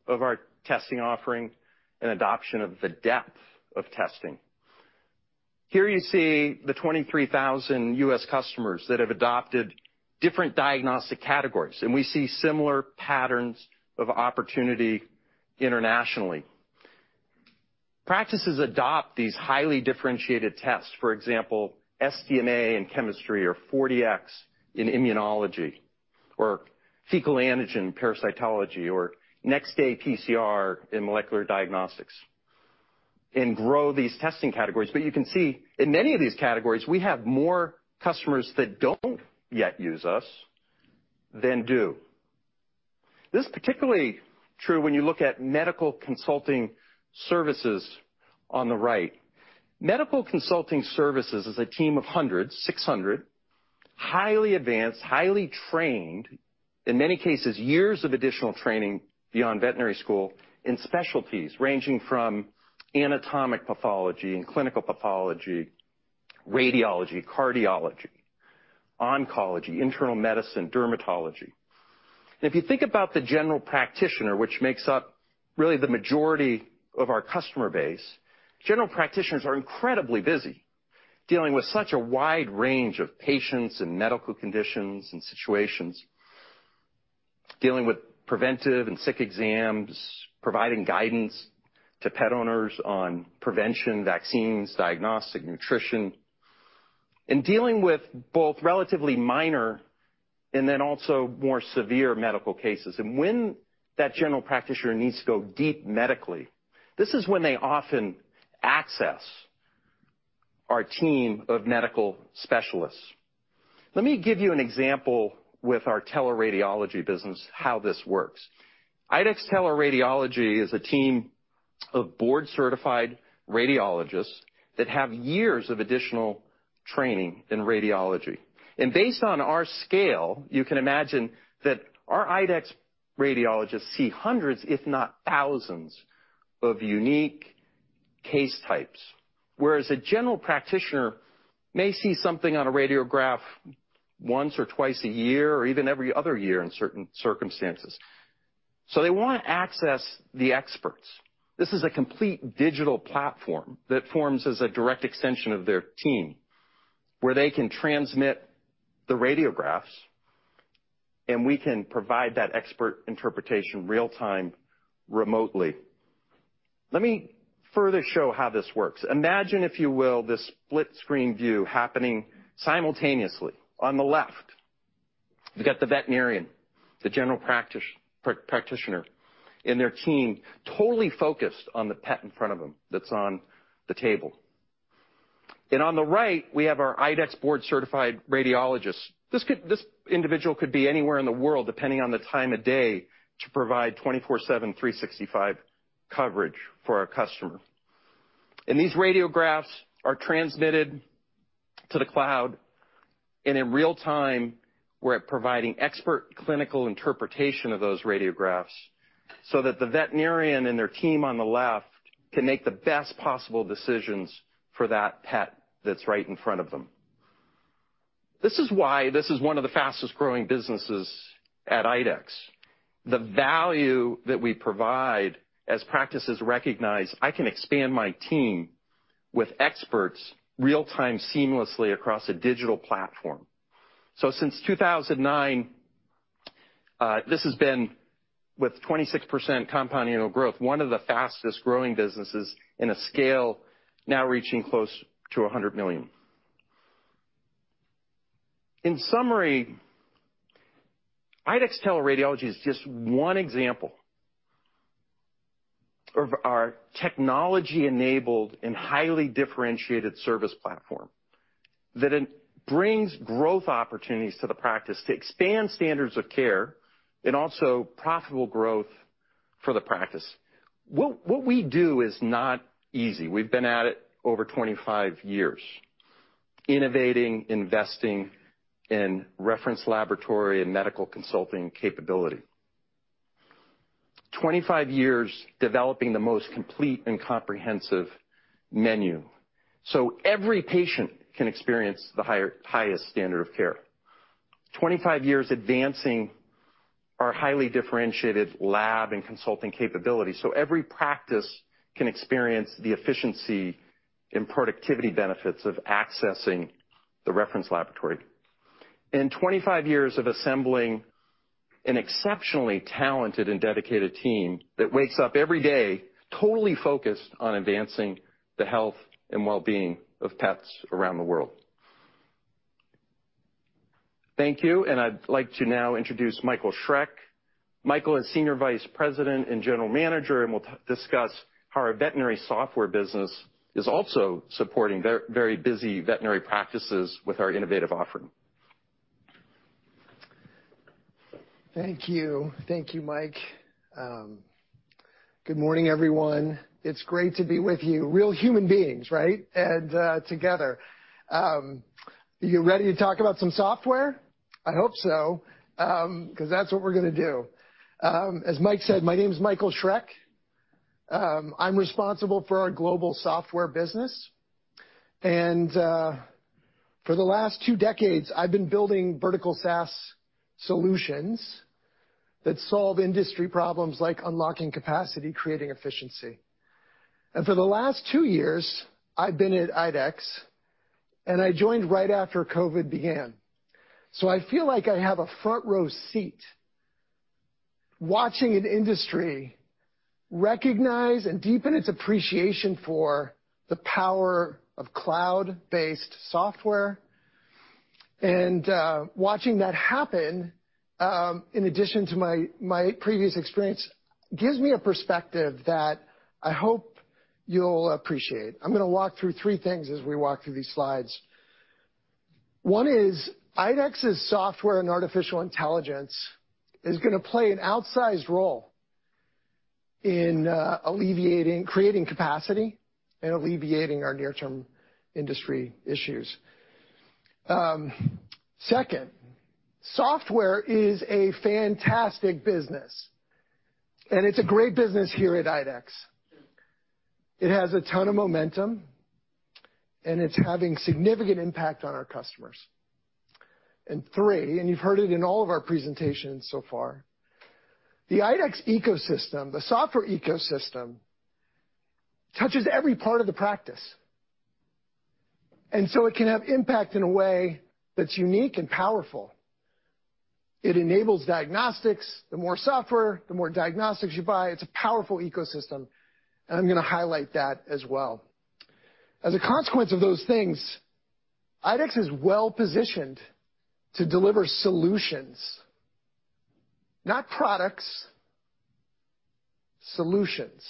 D: of our testing offering and adoption of the depth of testing. Here you see the 23,000 U.S. customers that have adopted different diagnostic categories, and we see similar patterns of opportunity internationally. Practices adopt these highly differentiated tests, for example, SDMA in chemistry or 4Dx in immunology or fecal antigen parasitology or next-day PCR in molecular diagnostics and grow these testing categories. You can see in many of these categories, we have more customers that don't yet use us than do. This is particularly true when you look at medical consulting services on the right. Medical consulting services is a team of hundreds, 600, highly advanced, highly trained, in many cases, years of additional training beyond veterinary school in specialties ranging from anatomic pathology and clinical pathology, radiology, cardiology, oncology, internal medicine, dermatology. If you think about the general practitioner, which makes up really the majority of our customer base, general practitioners are incredibly busy dealing with such a wide range of patients and medical conditions and situations, dealing with preventive and sick exams. Providing guidance to pet owners on prevention, vaccines, diagnostics, nutrition, and dealing with both relatively minor and then also more severe medical cases. When that general practitioner needs to go deep medically, this is when they often access our team of medical specialists. Let me give you an example with our teleradiology business, how this works. IDEXX teleradiology is a team of board-certified radiologists that have years of additional training in radiology. Based on our scale, you can imagine that our IDEXX radiologists see hundreds, if not thousands of unique case types. Whereas a general practitioner may see something on a radiograph once or twice a year or even every other year in certain circumstances. They want to access the experts. This is a complete digital platform that forms as a direct extension of their team, where they can transmit the radiographs, and we can provide that expert interpretation real-time remotely. Let me further show how this works. Imagine, if you will, this split-screen view happening simultaneously. On the left, we've got the veterinarian, the general practitioner and their team, totally focused on the pet in front of them that's on the table. On the right, we have our IDEXX board-certified radiologist. This individual could be anywhere in the world, depending on the time of day, to provide 24/7, 365 coverage for our customer. These radiographs are transmitted to the cloud, and in real time, we're providing expert clinical interpretation of those radiographs so that the veterinarian and their team on the left can make the best possible decisions for that pet that's right in front of them. This is why this is one of the fastest-growing businesses at IDEXX. The value that we provide as practices recognize I can expand my team with experts real-time seamlessly across a digital platform. Since 2009, this has been, with 26% compound annual growth, one of the fastest-growing businesses in a scale now reaching close to $100 million. In summary, IDEXX Teleradiology is just one example of our technology-enabled and highly differentiated service platform that it brings growth opportunities to the practice to expand standards of care and also profitable growth for the practice. What we do is not easy. We've been at it over 25 years, innovating, investing in reference laboratory and medical consulting capability. 25 years developing the most complete and comprehensive menu so every patient can experience the highest standard of care. 25 years advancing our highly differentiated lab and consulting capabilities so every practice can experience the efficiency and productivity benefits of accessing the reference laboratory. 25 years of assembling an exceptionally talented and dedicated team that wakes up every day totally focused on advancing the health and well-being of pets around the world. Thank you. I'd like to now introduce Michael Schreck. Michael is Senior Vice President and General Manager, and will discuss how our veterinary software business is also supporting their very busy veterinary practices with our innovative offering.
E: Thank you. Thank you, Mike. Good morning, everyone. It's great to be with you. Real human beings, right? Together. Are you ready to talk about some software? I hope so, 'cause that's what we're gonna do. As Mike said, my name is Michael Schreck. I'm responsible for our global software business. For the last two decades, I've been building vertical SaaS solutions that solve industry problems like unlocking capacity, creating efficiency. For the last two years, I've been at IDEXX, and I joined right after COVID began. I feel like I have a front row seat watching an industry recognize and deepen its appreciation for the power of cloud-based software. Watching that happen, in addition to my previous experience, gives me a perspective that I hope you'll appreciate. I'm gonna walk through three things as we walk through these slides. One is, IDEXX's software and artificial intelligence is gonna play an outsized role in creating capacity and alleviating our near-term industry issues. Second, software is a fantastic business, and it's a great business here at IDEXX. It has a ton of momentum, and it's having significant impact on our customers. Three, you've heard it in all of our presentations so far, the IDEXX ecosystem, the software ecosystem, touches every part of the practice. It can have impact in a way that's unique and powerful. It enables diagnostics. The more software, the more diagnostics you buy. It's a powerful ecosystem, and I'm gonna highlight that as well. As a consequence of those things, IDEXX is well-positioned to deliver solutions. Not products, solutions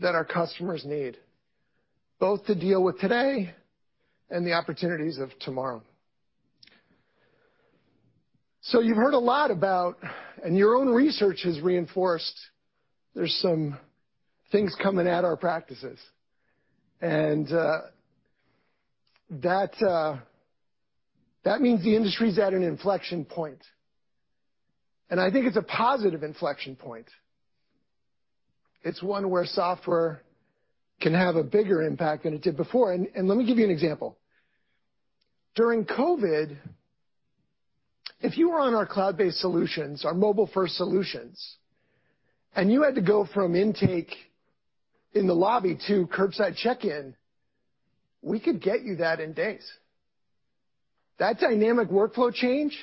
E: that our customers need, both to deal with today and the opportunities of tomorrow. You've heard a lot about, and your own research has reinforced there's some things coming at our practices. That means the industry is at an inflection point, and I think it's a positive inflection point. It's one where software can have a bigger impact than it did before. Let me give you an example. During COVID, if you were on our cloud-based solutions, our mobile-first solutions, and you had to go from intake in the lobby to curbside check-in, we could get you that in days. That dynamic workflow change,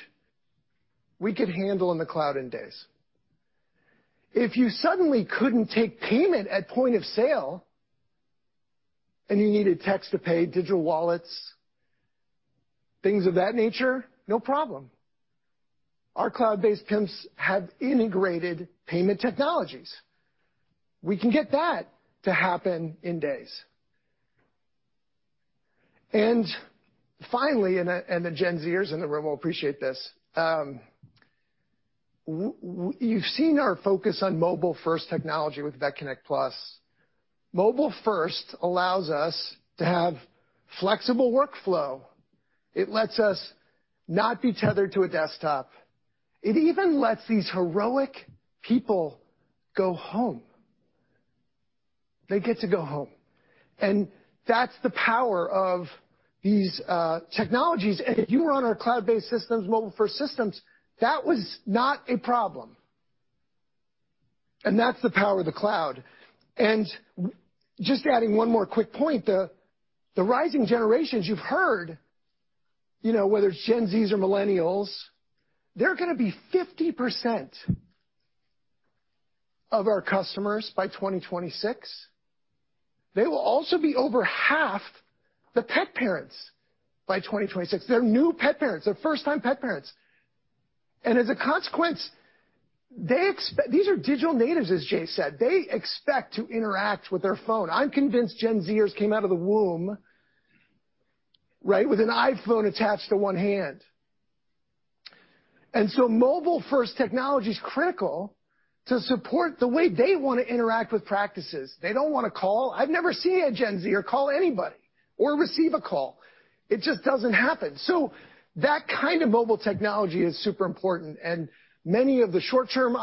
E: we could handle in the cloud in days. If you suddenly couldn't take payment at point of sale, and you needed text to pay, digital wallets, things of that nature, no problem. Our cloud-based PIMs have integrated payment technologies. We can get that to happen in days. Finally, the Gen Zers in the room will appreciate this. You've seen our focus on mobile-first technology with VetConnect PLUS. Mobile first allows us to have flexible workflow. It lets us not be tethered to a desktop. It even lets these heroic people go home. They get to go home. That's the power of these technologies. If you were on our cloud-based systems, mobile-first systems, that was not a problem. That's the power of the cloud. Just adding one more quick point. The rising generations you've heard, you know, whether it's Gen Z's or Millennials, they're gonna be 50% of our customers by 2026. They will also be over half the pet parents by 2026. They're new pet parents. They're first-time pet parents. As a consequence, they expect. These are digital natives, as Jay said. They expect to interact with their phone. I'm convinced Gen Zers came out of the womb, right, with an iPhone attached to one hand. Mobile-first technology is critical to support the way they wanna interact with practices. They don't wanna call. I've never seen a Gen Zer call anybody or receive a call. It just doesn't happen. That kind of mobile technology is super important, and many of the short-term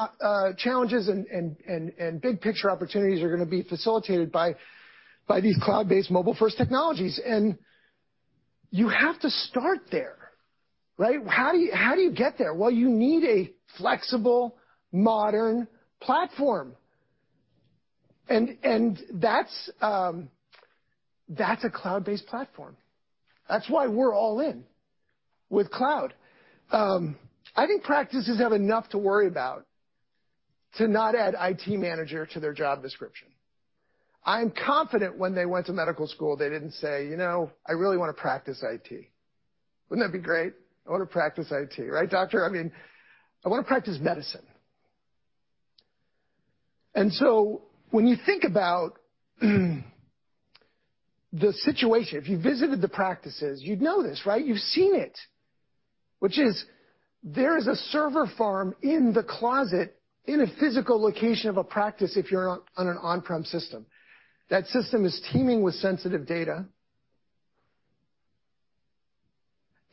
E: challenges and big picture opportunities are gonna be facilitated by these cloud-based mobile-first technologies. You have to start there, right? How do you get there? Well, you need a flexible, modern platform. That's a cloud-based platform. That's why we're all in with cloud. I think practices have enough to worry about to not add IT manager to their job description. I'm confident when they went to medical school, they didn't say, "You know, I really wanna practice IT." Wouldn't that be great? I wanna practice IT, right, doctor? I mean, I wanna practice medicine. When you think about the situation, if you visited the practices, you'd know this, right? You've seen it, which is there is a server farm in the closet in a physical location of a practice if you're on an on-prem system. That system is teeming with sensitive data.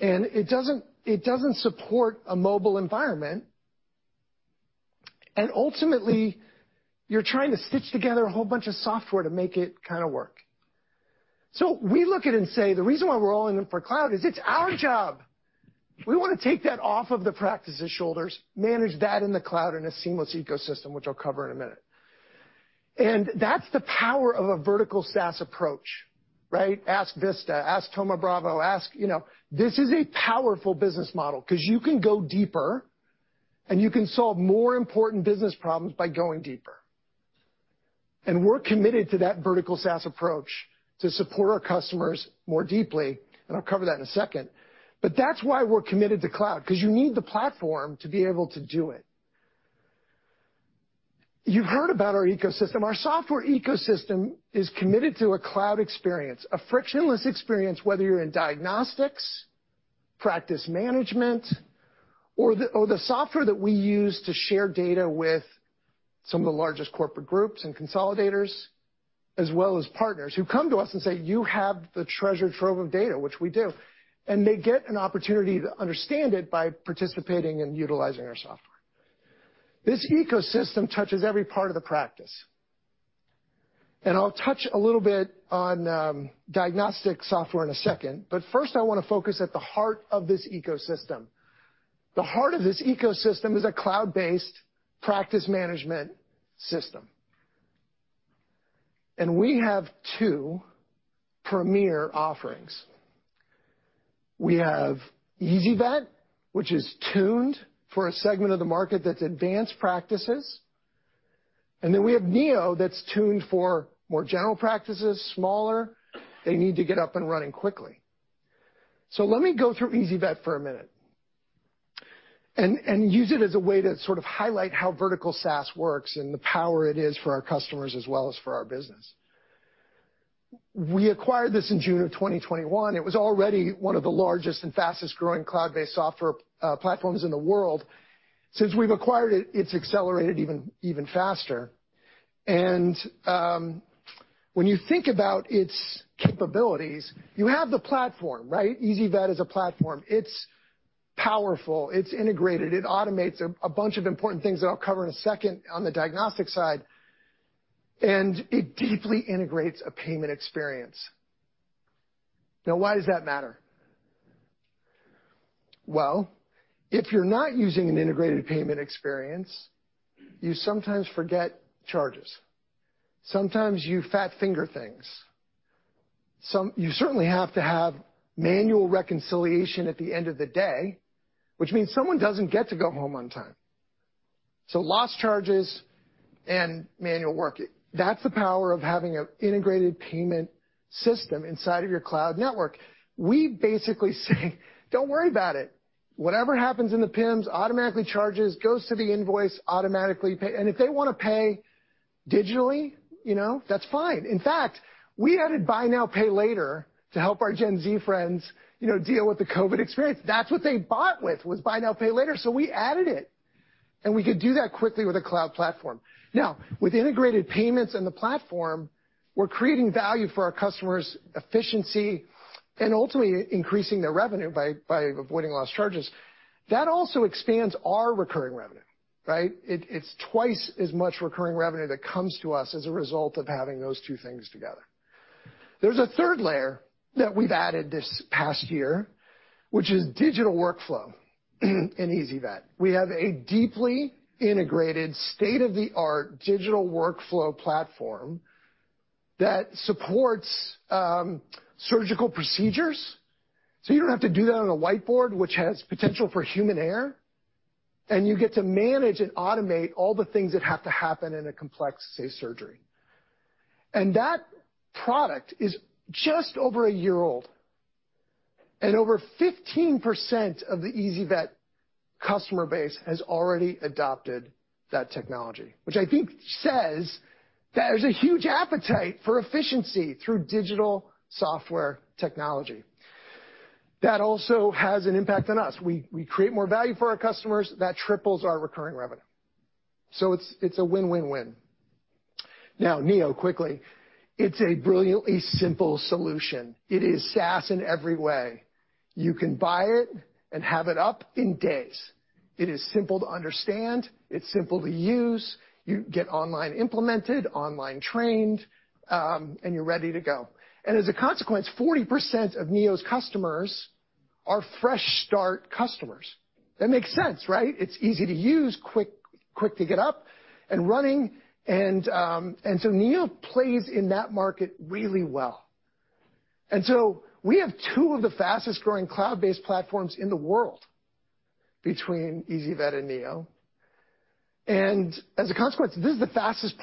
E: It doesn't support a mobile environment. Ultimately, you're trying to stitch together a whole bunch of software to make it kinda work. We look at it and say, the reason why we're all in for cloud is it's our job. We wanna take that off of the practice's shoulders, manage that in the cloud in a seamless ecosystem, which I'll cover in a minute. That's the power of a vertical SaaS approach, right? Ask Vista, ask Thoma Bravo, ask, you know. This is a powerful business model 'cause you can go deeper, and you can solve more important business problems by going deeper. We're committed to that vertical SaaS approach to support our customers more deeply, and I'll cover that in a second. That's why we're committed to cloud, 'cause you need the platform to be able to do it. You've heard about our ecosystem. Our software ecosystem is committed to a cloud experience, a frictionless experience, whether you're in diagnostics, practice management or the software that we use to share data with some of the largest corporate groups and consolidators, as well as partners who come to us and say, "You have the treasure trove of data," which we do. They get an opportunity to understand it by participating and utilizing our software. This ecosystem touches every part of the practice. I'll touch a little bit on diagnostic software in a second, but first I wanna focus at the heart of this ecosystem. The heart of this ecosystem is a cloud-based practice management system. We have two premier offerings. We have ezyVet, which is tuned for a segment of the market that's advanced practices, and then we have Neo that's tuned for more general practices, smaller. They need to get up and running quickly. Let me go through ezyVet for a minute and use it as a way to sort of highlight how vertical SaaS works and the power it is for our customers as well as for our business. We acquired this in June of 2021. It was already one of the largest and fastest-growing cloud-based software platforms in the world. Since we've acquired it's accelerated even faster. When you think about its capabilities, you have the platform, right? ezyVet is a platform. It's powerful, it's integrated, it automates a bunch of important things that I'll cover in a second on the diagnostic side, and it deeply integrates a payment experience. Now, why does that matter? Well, if you're not using an integrated payment experience, you sometimes forget charges. Sometimes you fat-finger things. You certainly have to have manual reconciliation at the end of the day, which means someone doesn't get to go home on time. So lost charges and manual work. That's the power of having an integrated payment system inside of your cloud network. We basically say, "Don't worry about it. Whatever happens in the PIMS automatically charges, goes to the invoice, automatically pay." And if they wanna pay digitally, you know, that's fine. In fact, we added buy now, pay later to help our Gen Z friends, you know, deal with the COVID experience. That's what they bought with was buy now, pay later, so we added it. And we could do that quickly with a cloud platform. Now, with integrated payments in the platform, we're creating value for our customers' efficiency and ultimately increasing their revenue by avoiding lost charges. That also expands our recurring revenue, right? It's twice as much recurring revenue that comes to us as a result of having those two things together. There's a third layer that we've added this past year, which is digital workflow in ezyVet. We have a deeply integrated state-of-the-art digital workflow platform that supports surgical procedures, so you don't have to do that on a whiteboard, which has potential for human error, and you get to manage and automate all the things that have to happen in a complex, say, surgery. That product is just over a year old, and over 15% of the ezyVet customer base has already adopted that technology, which I think says that there's a huge appetite for efficiency through digital software technology. That also has an impact on us. We create more value for our customers. That triples our recurring revenue. So it's a win-win-win. Now, Neo, quickly. It's a brilliantly simple solution. It is SaaS in every way. You can buy it and have it up in days. It is simple to understand. It's simple to use. You get online implemented, online trained, and you're ready to go. As a consequence, 40% of Neo's customers are fresh start customers. That makes sense, right? It's easy to use, quick to get up and running, and so Neo plays in that market really well. We have two of the fastest-growing cloud-based platforms in the world between ezyVet and Neo. As a consequence, this is the fastest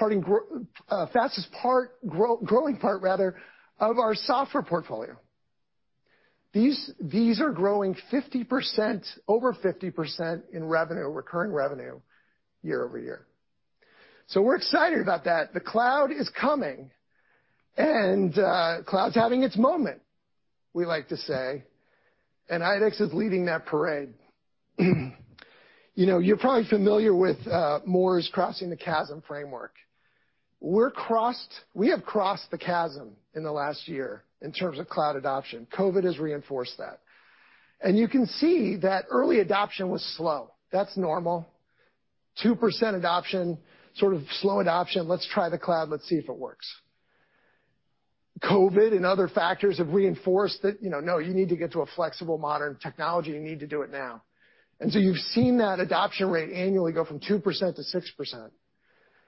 E: growing part, rather, of our software portfolio. These are growing 50%, over 50% in revenue, recurring revenue year-over-year. We're excited about that. The cloud is coming, and cloud's having its moment, we like to say, and IDEXX is leading that parade. You know, you're probably familiar with Moore's Crossing the Chasm framework. We have crossed the chasm in the last year in terms of cloud adoption. COVID has reinforced that. You can see that early adoption was slow. That's normal. 2% adoption, sort of slow adoption. Let's try the cloud. Let's see if it works. COVID and other factors have reinforced that, you know, no, you need to get to a flexible modern technology. You need to do it now. You've seen that adoption rate annually go from 2% to 6%.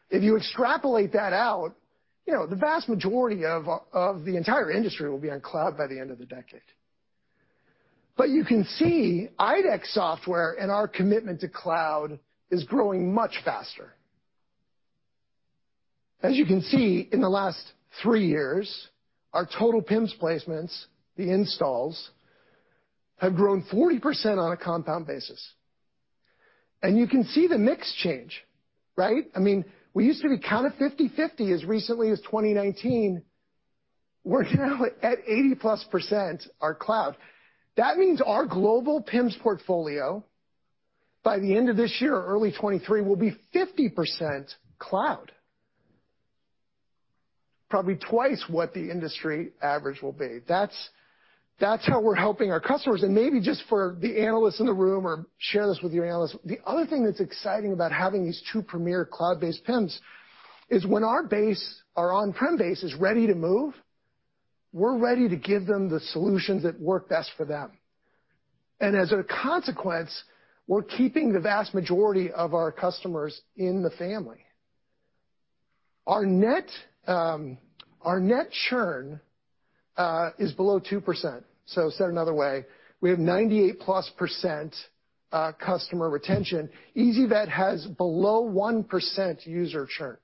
E: If you extrapolate that out, you know, the vast majority of the entire industry will be on cloud by the end of the decade. You can see IDEXX software and our commitment to cloud is growing much faster. As you can see, in the last three years, our total PIMS placements, the installs, have grown 40% on a compound basis. You can see the mix change, right? I mean, we used to be kind of 50/50 as recently as 2019. We're now at 80%+ are cloud. That means our global PIMS portfolio by the end of this year or early 2023, will be 50% cloud, probably twice what the industry average will be. That's how we're helping our customers. Maybe just for the analysts in the room or share this with your analysts, the other thing that's exciting about having these two premier cloud-based PIMS is when our base, our on-prem base is ready to move, we're ready to give them the solutions that work best for them. As a consequence, we're keeping the vast majority of our customers in the family. Our net churn is below 2%. Said another way, we have 98%+ customer retention. ezyVet has below 1% user churn.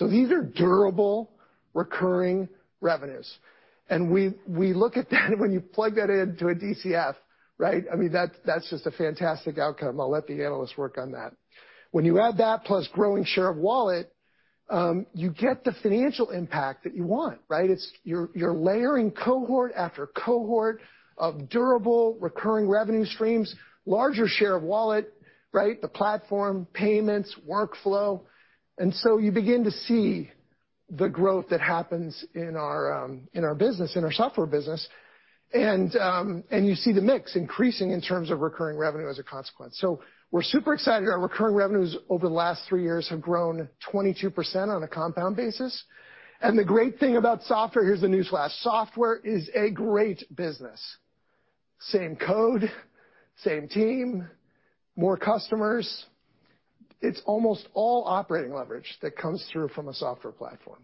E: These are durable, recurring revenues. We look at that when you plug that into a DCF, right? I mean, that's just a fantastic outcome. I'll let the analysts work on that. When you add that plus growing share of wallet, you get the financial impact that you want, right? You're layering cohort after cohort of durable, recurring revenue streams, larger share of wallet, right? The platform, payments, workflow. You begin to see the growth that happens in our business, in our software business. You see the mix increasing in terms of recurring revenue as a consequence. We're super excited. Our recurring revenues over the last three years have grown 22% on a compound basis. The great thing about software, here's the newsflash, software is a great business. Same code, same team, more customers. It's almost all operating leverage that comes through from a software platform.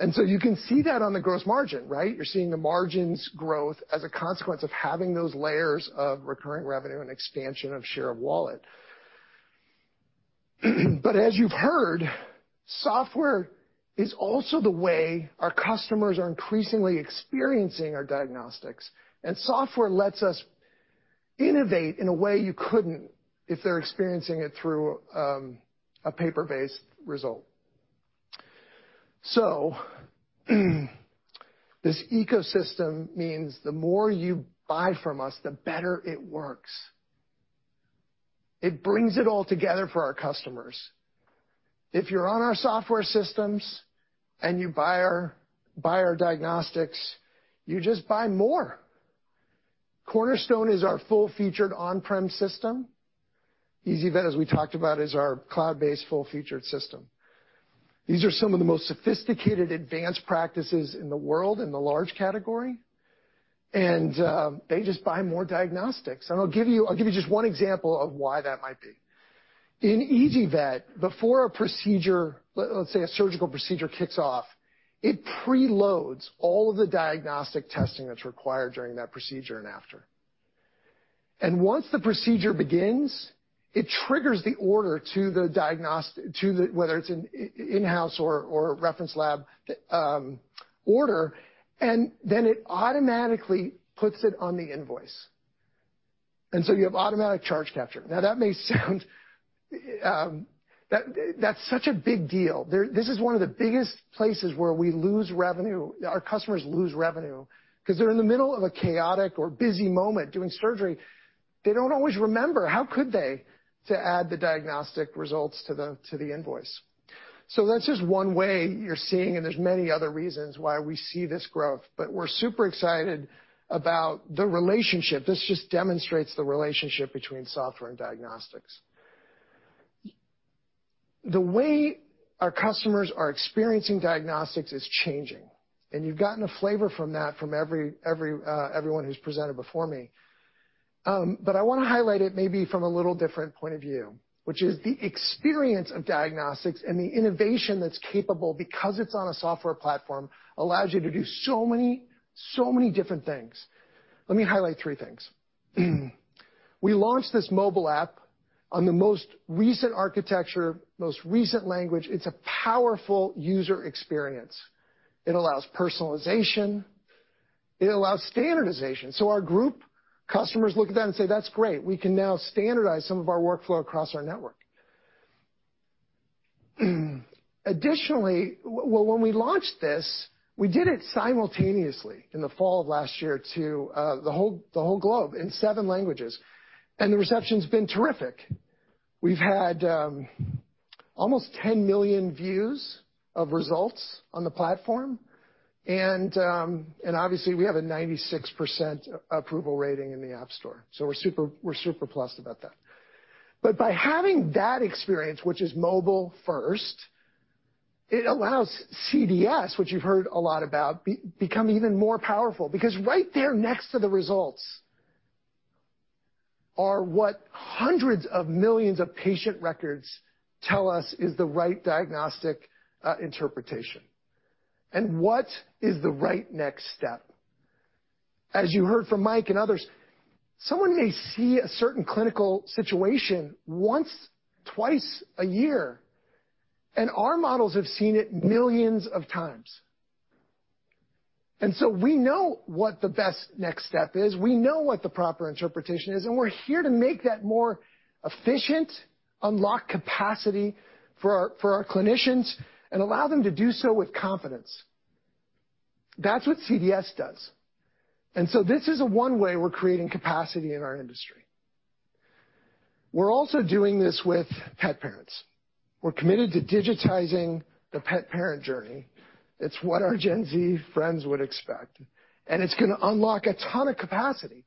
E: You can see that on the gross margin, right? You're seeing the margins growth as a consequence of having those layers of recurring revenue and expansion of share of wallet. As you've heard, software is also the way our customers are increasingly experiencing our diagnostics. Software lets us innovate in a way you couldn't if they're experiencing it through a paper-based result. This ecosystem means the more you buy from us, the better it works. It brings it all together for our customers. If you're on our software systems and you buy our diagnostics, you just buy more. Cornerstone is our full-featured on-prem system. ezyVet, as we talked about, is our cloud-based, full-featured system. These are some of the most sophisticated advanced practices in the world in the large category, and they just buy more diagnostics. I'll give you just one example of why that might be. In ezyVet, before a procedure, let's say a surgical procedure kicks off, it preloads all of the diagnostic testing that's required during that procedure and after. Once the procedure begins, it triggers the order to the diagnostics, whether it's an in-house or reference lab order, and then it automatically puts it on the invoice. You have automatic charge capture. Now, that may sound. That's such a big deal. This is one of the biggest places where we lose revenue, our customers lose revenue, because they're in the middle of a chaotic or busy moment doing surgery. They don't always remember, how could they, to add the diagnostic results to the invoice. That's just one way you're seeing, and there's many other reasons why we see this growth, but we're super excited about the relationship. This just demonstrates the relationship between software and diagnostics. The way our customers are experiencing diagnostics is changing, and you've gotten a flavor from that from everyone who's presented before me. I wanna highlight it maybe from a little different point of view, which is the experience of diagnostics and the innovation that's capable because it's on a software platform allows you to do so many different things. Let me highlight three things. We launched this mobile app on the most recent architecture, most recent language. It's a powerful user experience. It allows personalization. It allows standardization. Our CAG customers look at that and say, "That's great. We can now standardize some of our workflow across our network. Additionally, well, when we launched this, we did it simultaneously in the fall of last year to the whole globe in seven languages, and the reception's been terrific. We've had almost 10 million views of results on the platform, and obviously, we have a 96% approval rating in the App Store, so we're super pleased about that. But by having that experience, which is mobile first, it allows CDS, which you've heard a lot about become even more powerful because right there next to the results are what hundreds of millions of patient records tell us is the right diagnostic interpretation. What is the right next step? As you heard from Mike and others, someone may see a certain clinical situation once, twice a year, and our models have seen it millions of times. We know what the best next step is, we know what the proper interpretation is, and we're here to make that more efficient, unlock capacity for our clinicians, and allow them to do so with confidence. That's what CDS does. This is a one way we're creating capacity in our industry. We're also doing this with pet parents. We're committed to digitizing the pet parent journey. It's what our Gen Z friends would expect, and it's gonna unlock a ton of capacity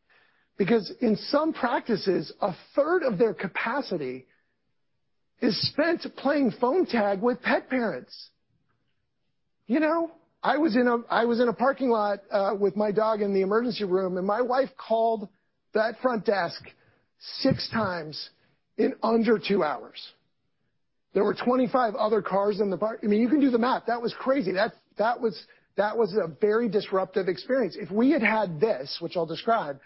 E: because in some practices, a third of their capacity is spent playing phone tag with pet parents. You know, I was in a parking lot with my dog in the emergency room, and my wife called that front desk six times in under two hours. There were 25 other cars. I mean, you can do the math. That was crazy. That was a very disruptive experience. If we had had this, which I'll describe,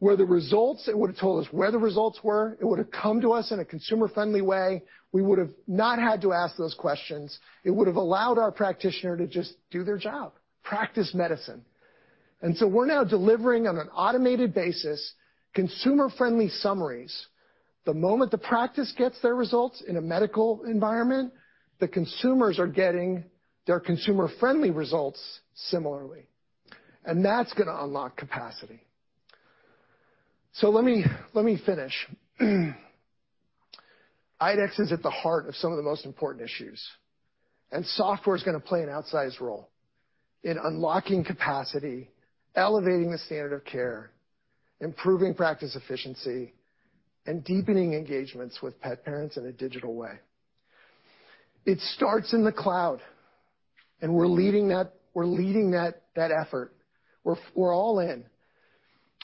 E: where the results, it would've told us where the results were, it would've come to us in a consumer-friendly way, we would've not had to ask those questions. It would've allowed our practitioner to just do their job, practice medicine. We're now delivering on an automated basis, consumer-friendly summaries. The moment the practice gets their results in a medical environment, the consumers are getting their consumer-friendly results similarly. That's gonna unlock capacity. Let me finish. IDEXX is at the heart of some of the most important issues, and software's gonna play an outsized role in unlocking capacity, elevating the standard of care, improving practice efficiency, and deepening engagements with pet parents in a digital way. It starts in the cloud, and we're leading that effort. We're all in.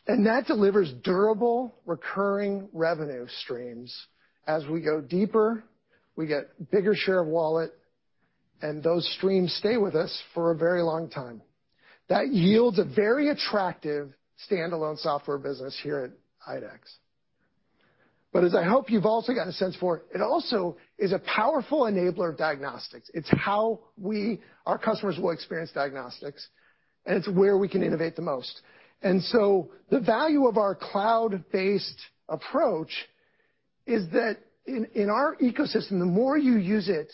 E: That delivers durable, recurring revenue streams. As we go deeper, we get bigger share of wallet, and those streams stay with us for a very long time. That yields a very attractive standalone software business here at IDEXX. As I hope you've also gotten a sense for, it also is a powerful enabler of diagnostics. It's how we, our customers will experience diagnostics, and it's where we can innovate the most. The value of our cloud-based approach is that in our ecosystem, the more you use it,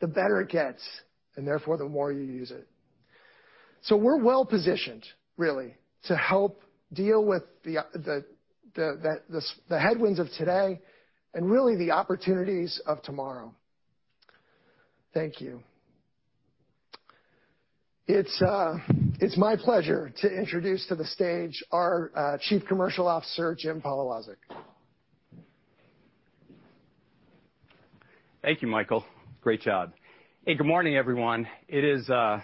E: the better it gets, and therefore, the more you use it. We're well-positioned really to help deal with the headwinds of today and really the opportunities of tomorrow. Thank you. It's my pleasure to introduce to the stage our Chief Commercial Officer, Jim Polewaczyk.
F: Thank you, Michael. Great job. Hey, good morning, everyone. It is, I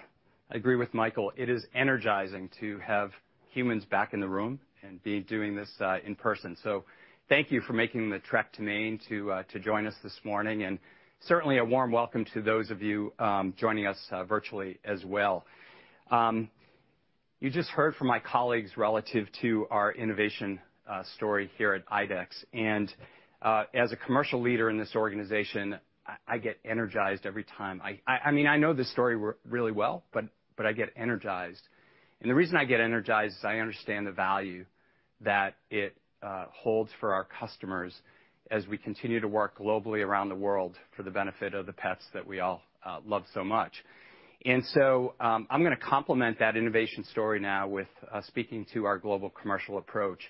F: agree with Michael. It is energizing to have humans back in the room and be doing this in person. Thank you for making the trek to Maine to join us this morning, and certainly a warm welcome to those of you joining us virtually as well. You just heard from my colleagues relative to our innovation story here at IDEXX. As a commercial leader in this organization, I get energized every time. I mean, I know this story really well, but I get energized. The reason I get energized is I understand the value that it holds for our customers as we continue to work globally around the world for the benefit of the pets that we all love so much. I'm gonna complement that innovation story now with speaking to our global commercial approach.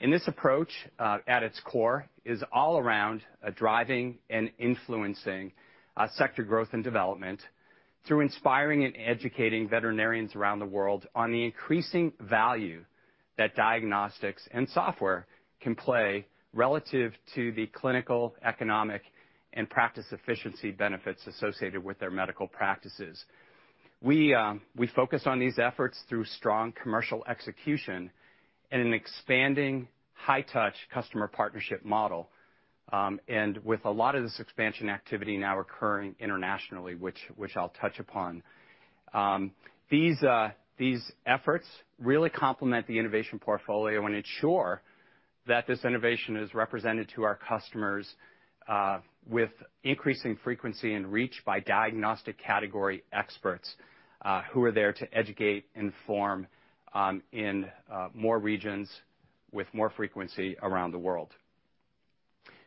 F: This approach at its core is all around driving and influencing sector growth and development through inspiring and educating veterinarians around the world on the increasing value that diagnostics and software can play relative to the clinical, economic, and practice efficiency benefits associated with their medical practices. We focus on these efforts through strong commercial execution in an expanding high-touch customer partnership model and with a lot of this expansion activity now occurring internationally, which I'll touch upon. These efforts really complement the innovation portfolio and ensure that this innovation is represented to our customers with increasing frequency and reach by diagnostic category experts who are there to educate, inform in more regions with more frequency around the world.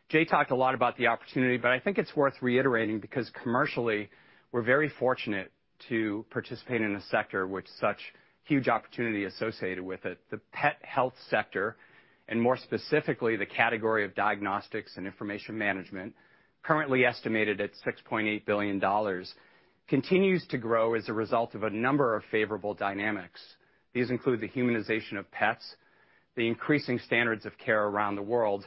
F: Jay talked a lot about the opportunity, but I think it's worth reiterating because commercially, we're very fortunate to participate in a sector with such huge opportunity associated with it. The pet health sector, and more specifically, the category of diagnostics and information management, currently estimated at $6.8 billion, continues to grow as a result of a number of favorable dynamics. These include the humanization of pets, the increasing standards of care around the world,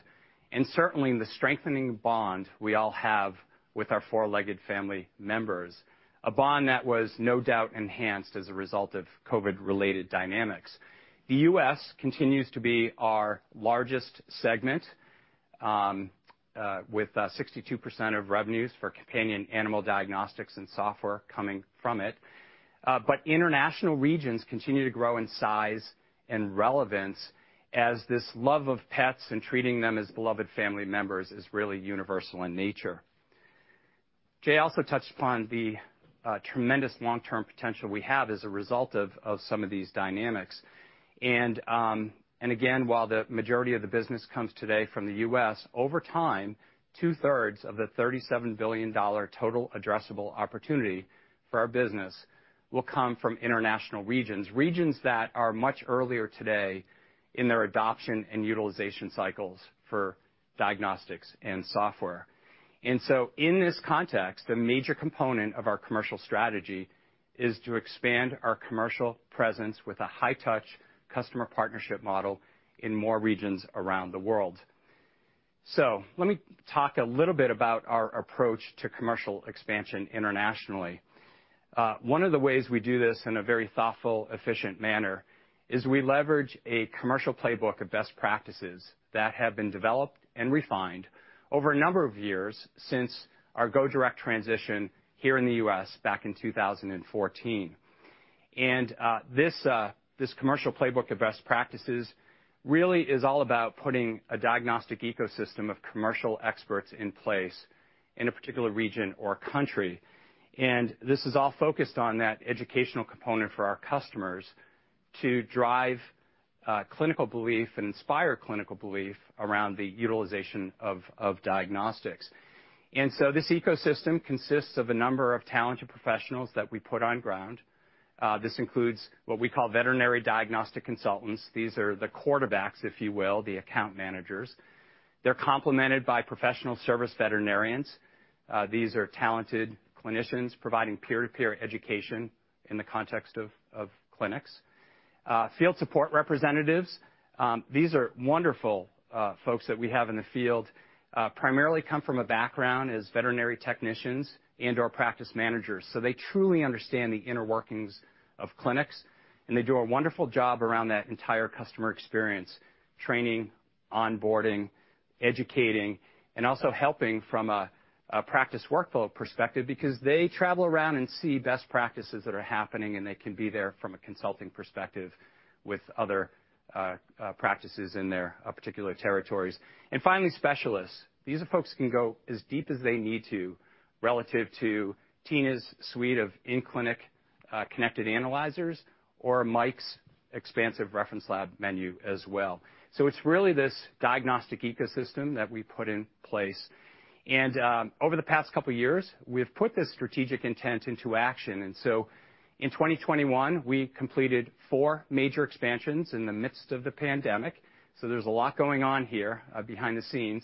F: and certainly the strengthening bond we all have with our four-legged family members, a bond that was no doubt enhanced as a result of COVID-related dynamics. The U.S. continues to be our largest segment, with 62% of revenues for companion animal diagnostics and software coming from it. International regions continue to grow in size and relevance as this love of pets and treating them as beloved family members is really universal in nature. Jay also touched upon the tremendous long-term potential we have as a result of some of these dynamics. Again, while the majority of the business comes today from the U.S., over time, two-thirds of the $37 billion total addressable opportunity for our business will come from international regions that are much earlier today in their adoption and utilization cycles for diagnostics and software. In this context, the major component of our commercial strategy is to expand our commercial presence with a high touch customer partnership model in more regions around the world. Let me talk a little bit about our approach to commercial expansion internationally. One of the ways we do this in a very thoughtful, efficient manner is we leverage a commercial playbook of best practices that have been developed and refined over a number of years since our go direct transition here in the U.S. back in 2014. This commercial playbook of best practices really is all about putting a diagnostic ecosystem of commercial experts in place in a particular region or country. This is all focused on that educational component for our customers to drive clinical belief and inspire clinical belief around the utilization of diagnostics. This ecosystem consists of a number of talented professionals that we put on ground. This includes what we call veterinary diagnostic consultants. These are the quarterbacks, if you will, the account managers. They're complemented by professional service veterinarians. These are talented clinicians providing peer-to-peer education in the context of clinics. Field support representatives, these are wonderful folks that we have in the field, primarily come from a background as veterinary technicians and/or practice managers. They truly understand the inner workings of clinics, and they do a wonderful job around that entire customer experience, training, onboarding, educating, and also helping from a practice workflow perspective because they travel around and see best practices that are happening, and they can be there from a consulting perspective with other practices in their particular territories. Finally, specialists. These are folks who can go as deep as they need to relative to Tina's suite of in-clinic connected analyzers or Mike's expansive reference lab menu as well. It's really this diagnostic ecosystem that we put in place. Over the past couple of years, we have put this strategic intent into action. In 2021, we completed 4 major expansions in the midst of the pandemic. There's a lot going on here behind the scenes.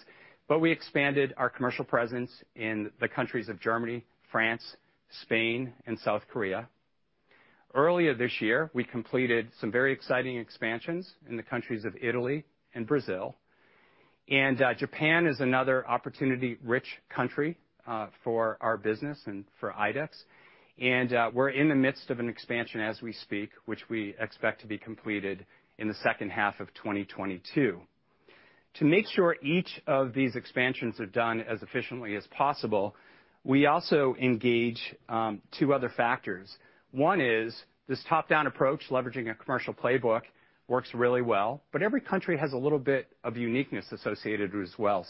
F: We expanded our commercial presence in the countries of Germany, France, Spain, and South Korea. Earlier this year, we completed some very exciting expansions in the countries of Italy and Brazil. Japan is another opportunity-rich country for our business and for IDEXX. We're in the midst of an expansion as we speak, which we expect to be completed in the second half of 2022. To make sure each of these expansions are done as efficiently as possible, we also engage two other factors. One is this top-down approach, leveraging a commercial playbook, works really well, but every country has a little bit of uniqueness associated as well.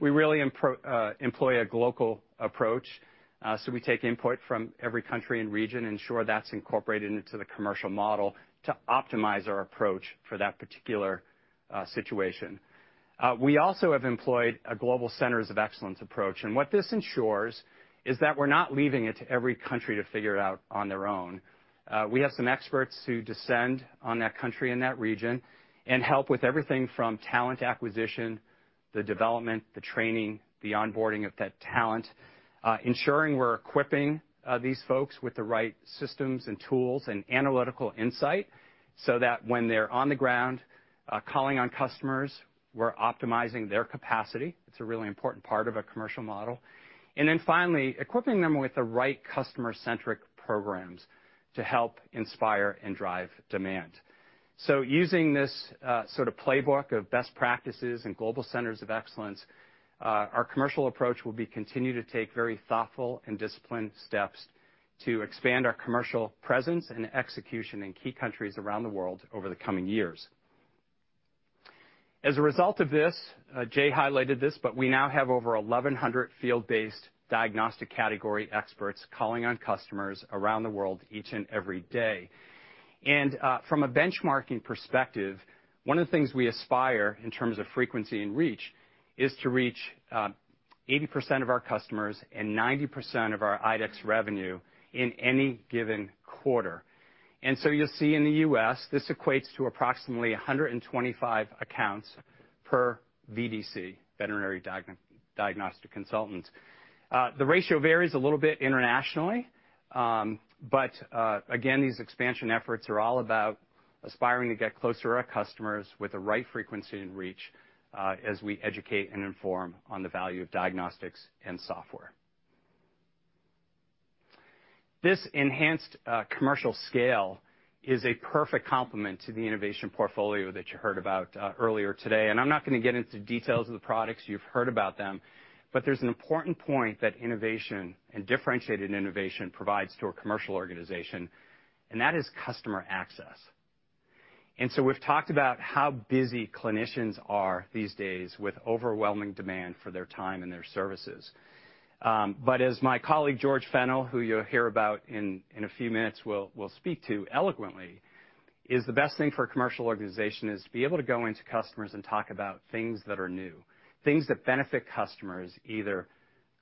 F: We really employ a global approach. We take input from every country and region, ensure that's incorporated into the commercial model to optimize our approach for that particular situation. We also have employed a global centers of excellence approach, and what this ensures is that we're not leaving it to every country to figure it out on their own. We have some experts who descend on that country and that region and help with everything from talent acquisition, the development, the training, the onboarding of that talent, ensuring we're equipping these folks with the right systems and tools and analytical insight so that when they're on the ground, calling on customers, we're optimizing their capacity. It's a really important part of our commercial model. Then finally, equipping them with the right customer-centric programs to help inspire and drive demand. Using this sort of playbook of best practices and global centers of excellence, our commercial approach will be continue to take very thoughtful and disciplined steps to expand our commercial presence and execution in key countries around the world over the coming years. As a result of this, Jay highlighted this, but we now have over 1,100 field-based diagnostic category experts calling on customers around the world each and every day. From a benchmarking perspective, one of the things we aspire in terms of frequency and reach is to reach 80% of our customers and 90% of our IDEXX revenue in any given quarter. You'll see in the U.S., this equates to approximately 125 accounts per VDC, Veterinary Diagnostic Consultant. The ratio varies a little bit internationally, but again, these expansion efforts are all about aspiring to get closer to our customers with the right frequency and reach, as we educate and inform on the value of diagnostics and software. This enhanced commercial scale is a perfect complement to the innovation portfolio that you heard about earlier today. I'm not gonna get into details of the products. You've heard about them, but there's an important point that innovation and differentiated innovation provides to a commercial organization, and that is customer access. We've talked about how busy clinicians are these days with overwhelming demand for their time and their services. As my colleague, George Fennell, who you'll hear about in a few minutes, will speak to eloquently, is the best thing for a commercial organization is to be able to go into customers and talk about things that are new, things that benefit customers, either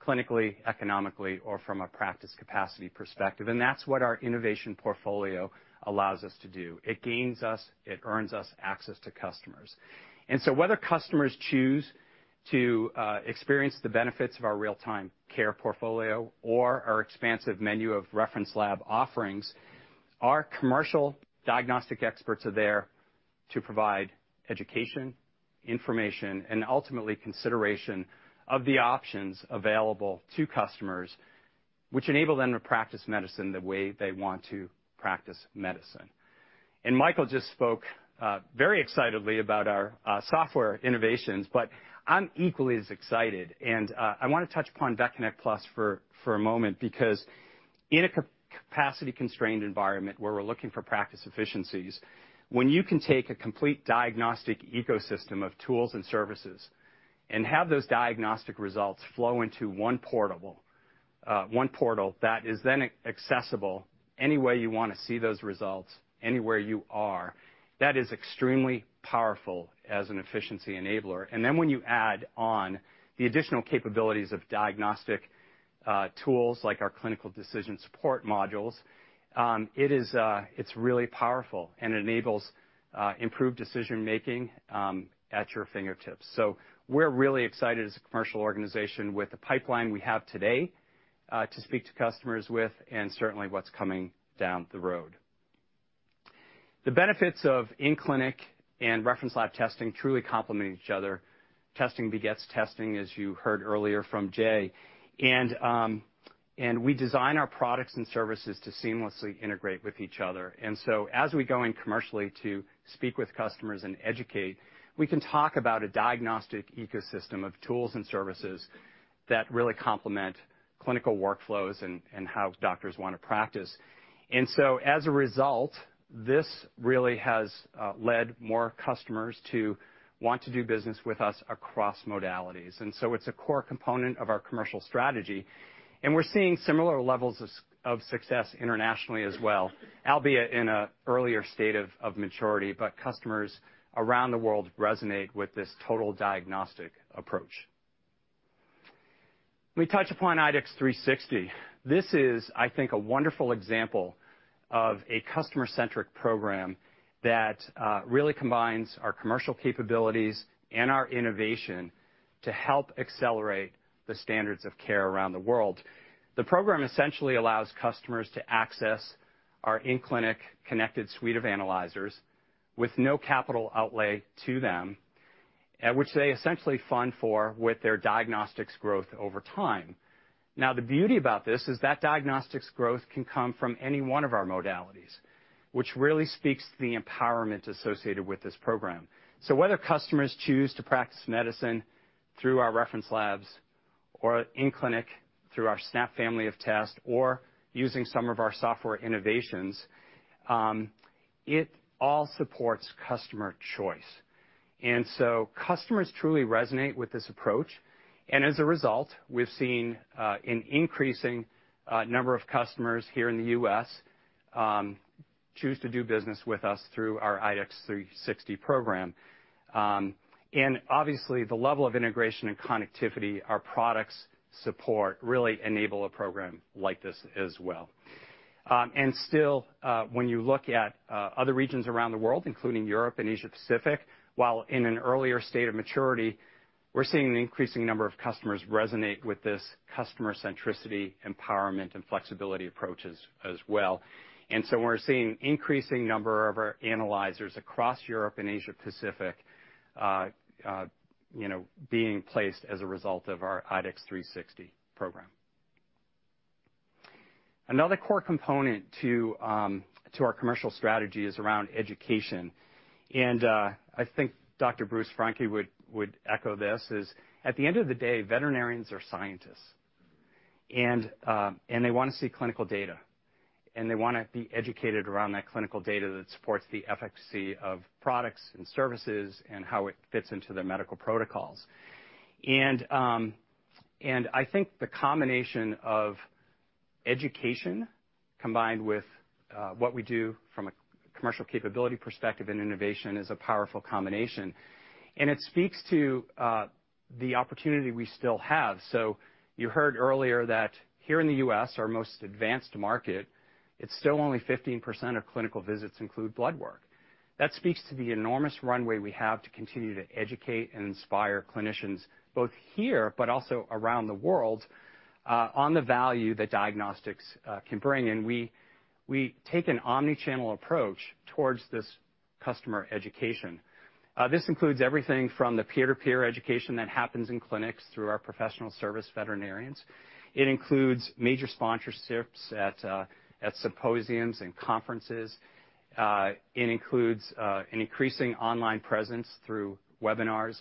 F: clinically, economically, or from a practice capacity perspective. That's what our innovation portfolio allows us to do. It gains us, it earns us access to customers. Whether customers choose to experience the benefits of our real-time care portfolio or our expansive menu of reference lab offerings, our commercial diagnostic experts are there to provide education, information, and ultimately consideration of the options available to customers, which enable them to practice medicine the way they want to practice medicine. Michael just spoke very excitedly about our software innovations, but I'm equally as excited. I wanna touch upon VetConnect PLUS for a moment because in a capacity constrained environment where we're looking for practice efficiencies, when you can take a complete diagnostic ecosystem of tools and services and have those diagnostic results flow into one portable portal that is then accessible any way you wanna see those results, anywhere you are, that is extremely powerful as an efficiency enabler. Then when you add on the additional capabilities of diagnostic tools like our clinical decision support modules, it's really powerful and enables improved decision-making at your fingertips. We're really excited as a commercial organization with the pipeline we have today to speak to customers with and certainly what's coming down the road. The benefits of in-clinic and reference lab testing truly complement each other. Testing begets testing, as you heard earlier from Jay. We design our products and services to seamlessly integrate with each other. We go in commercially to speak with customers and educate. We can talk about a diagnostic ecosystem of tools and services that really complement clinical workflows and how doctors wanna practice. As a result, this really has led more customers to want to do business with us across modalities. It's a core component of our commercial strategy, and we're seeing similar levels of success internationally as well, albeit in an earlier state of maturity, but customers around the world resonate with this total diagnostic approach. Let me touch upon IDEXX 360. This is, I think, a wonderful example of a customer-centric program that really combines our commercial capabilities and our innovation to help accelerate the standards of care around the world. The program essentially allows customers to access our in-clinic connected suite of analyzers with no capital outlay to them, which they essentially fund for with their diagnostics growth over time. Now, the beauty about this is that diagnostics growth can come from any one of our modalities, which really speaks to the empowerment associated with this program. So whether customers choose to practice medicine through our reference labs or in clinic through our SNAP family of tests or using some of our software innovations, it all supports customer choice. Customers truly resonate with this approach. As a result, we've seen an increasing number of customers here in the US choose to do business with us through our IDEXX 360 program. Obviously, the level of integration and connectivity our products support really enable a program like this as well. Still, when you look at other regions around the world, including Europe and Asia Pacific, while in an earlier state of maturity, we're seeing an increasing number of customers resonate with this customer centricity, empowerment, and flexibility approaches as well. We're seeing increasing number of our analyzers across Europe and Asia Pacific, you know, being placed as a result of our IDEXX 360 program. Another core component to our commercial strategy is around education. I think Dr. Bruce Francke would echo this. At the end of the day, veterinarians are scientists. They wanna see clinical data, and they wanna be educated around that clinical data that supports the efficacy of products and services and how it fits into their medical protocols. I think the combination of education combined with what we do from a commercial capability perspective and innovation is a powerful combination, and it speaks to the opportunity we still have. You heard earlier that here in the U.S., our most advanced market, it's still only 15% of clinical visits include blood work. That speaks to the enormous runway we have to continue to educate and inspire clinicians both here, but also around the world, on the value that diagnostics can bring. We take an omni-channel approach towards this customer education. This includes everything from the peer-to-peer education that happens in clinics through our professional service veterinarians. It includes major sponsorships at symposiums and conferences. It includes an increasing online presence through webinars.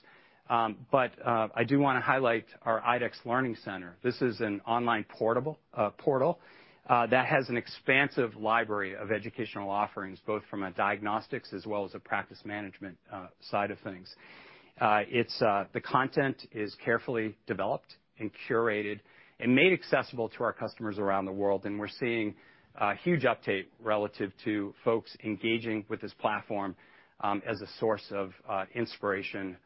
F: I do wanna highlight our IDEXX Learning Center. This is an online portal that has an expansive library of educational offerings, both from a diagnostics as well as a practice management side of things. It's the content is carefully developed and curated and made accessible to our customers around the world, and we're seeing huge uptake relative to folks engaging with this platform, as a source of inspiration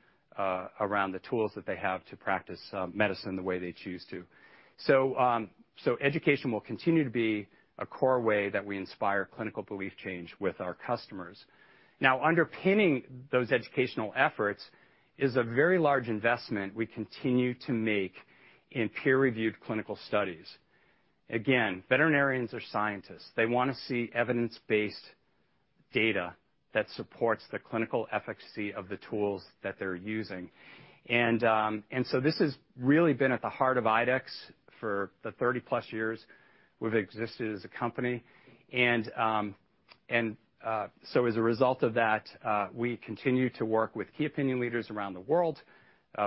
F: around the tools that they have to practice medicine the way they choose to. Education will continue to be a core way that we inspire clinical belief change with our customers. Now, underpinning those educational efforts is a very large investment we continue to make in peer-reviewed clinical studies. Again, veterinarians are scientists. They wanna see evidence-based data that supports the clinical efficacy of the tools that they're using. This has really been at the heart of IDEXX for the 30+ years we've existed as a company. As a result of that, we continue to work with key opinion leaders around the world,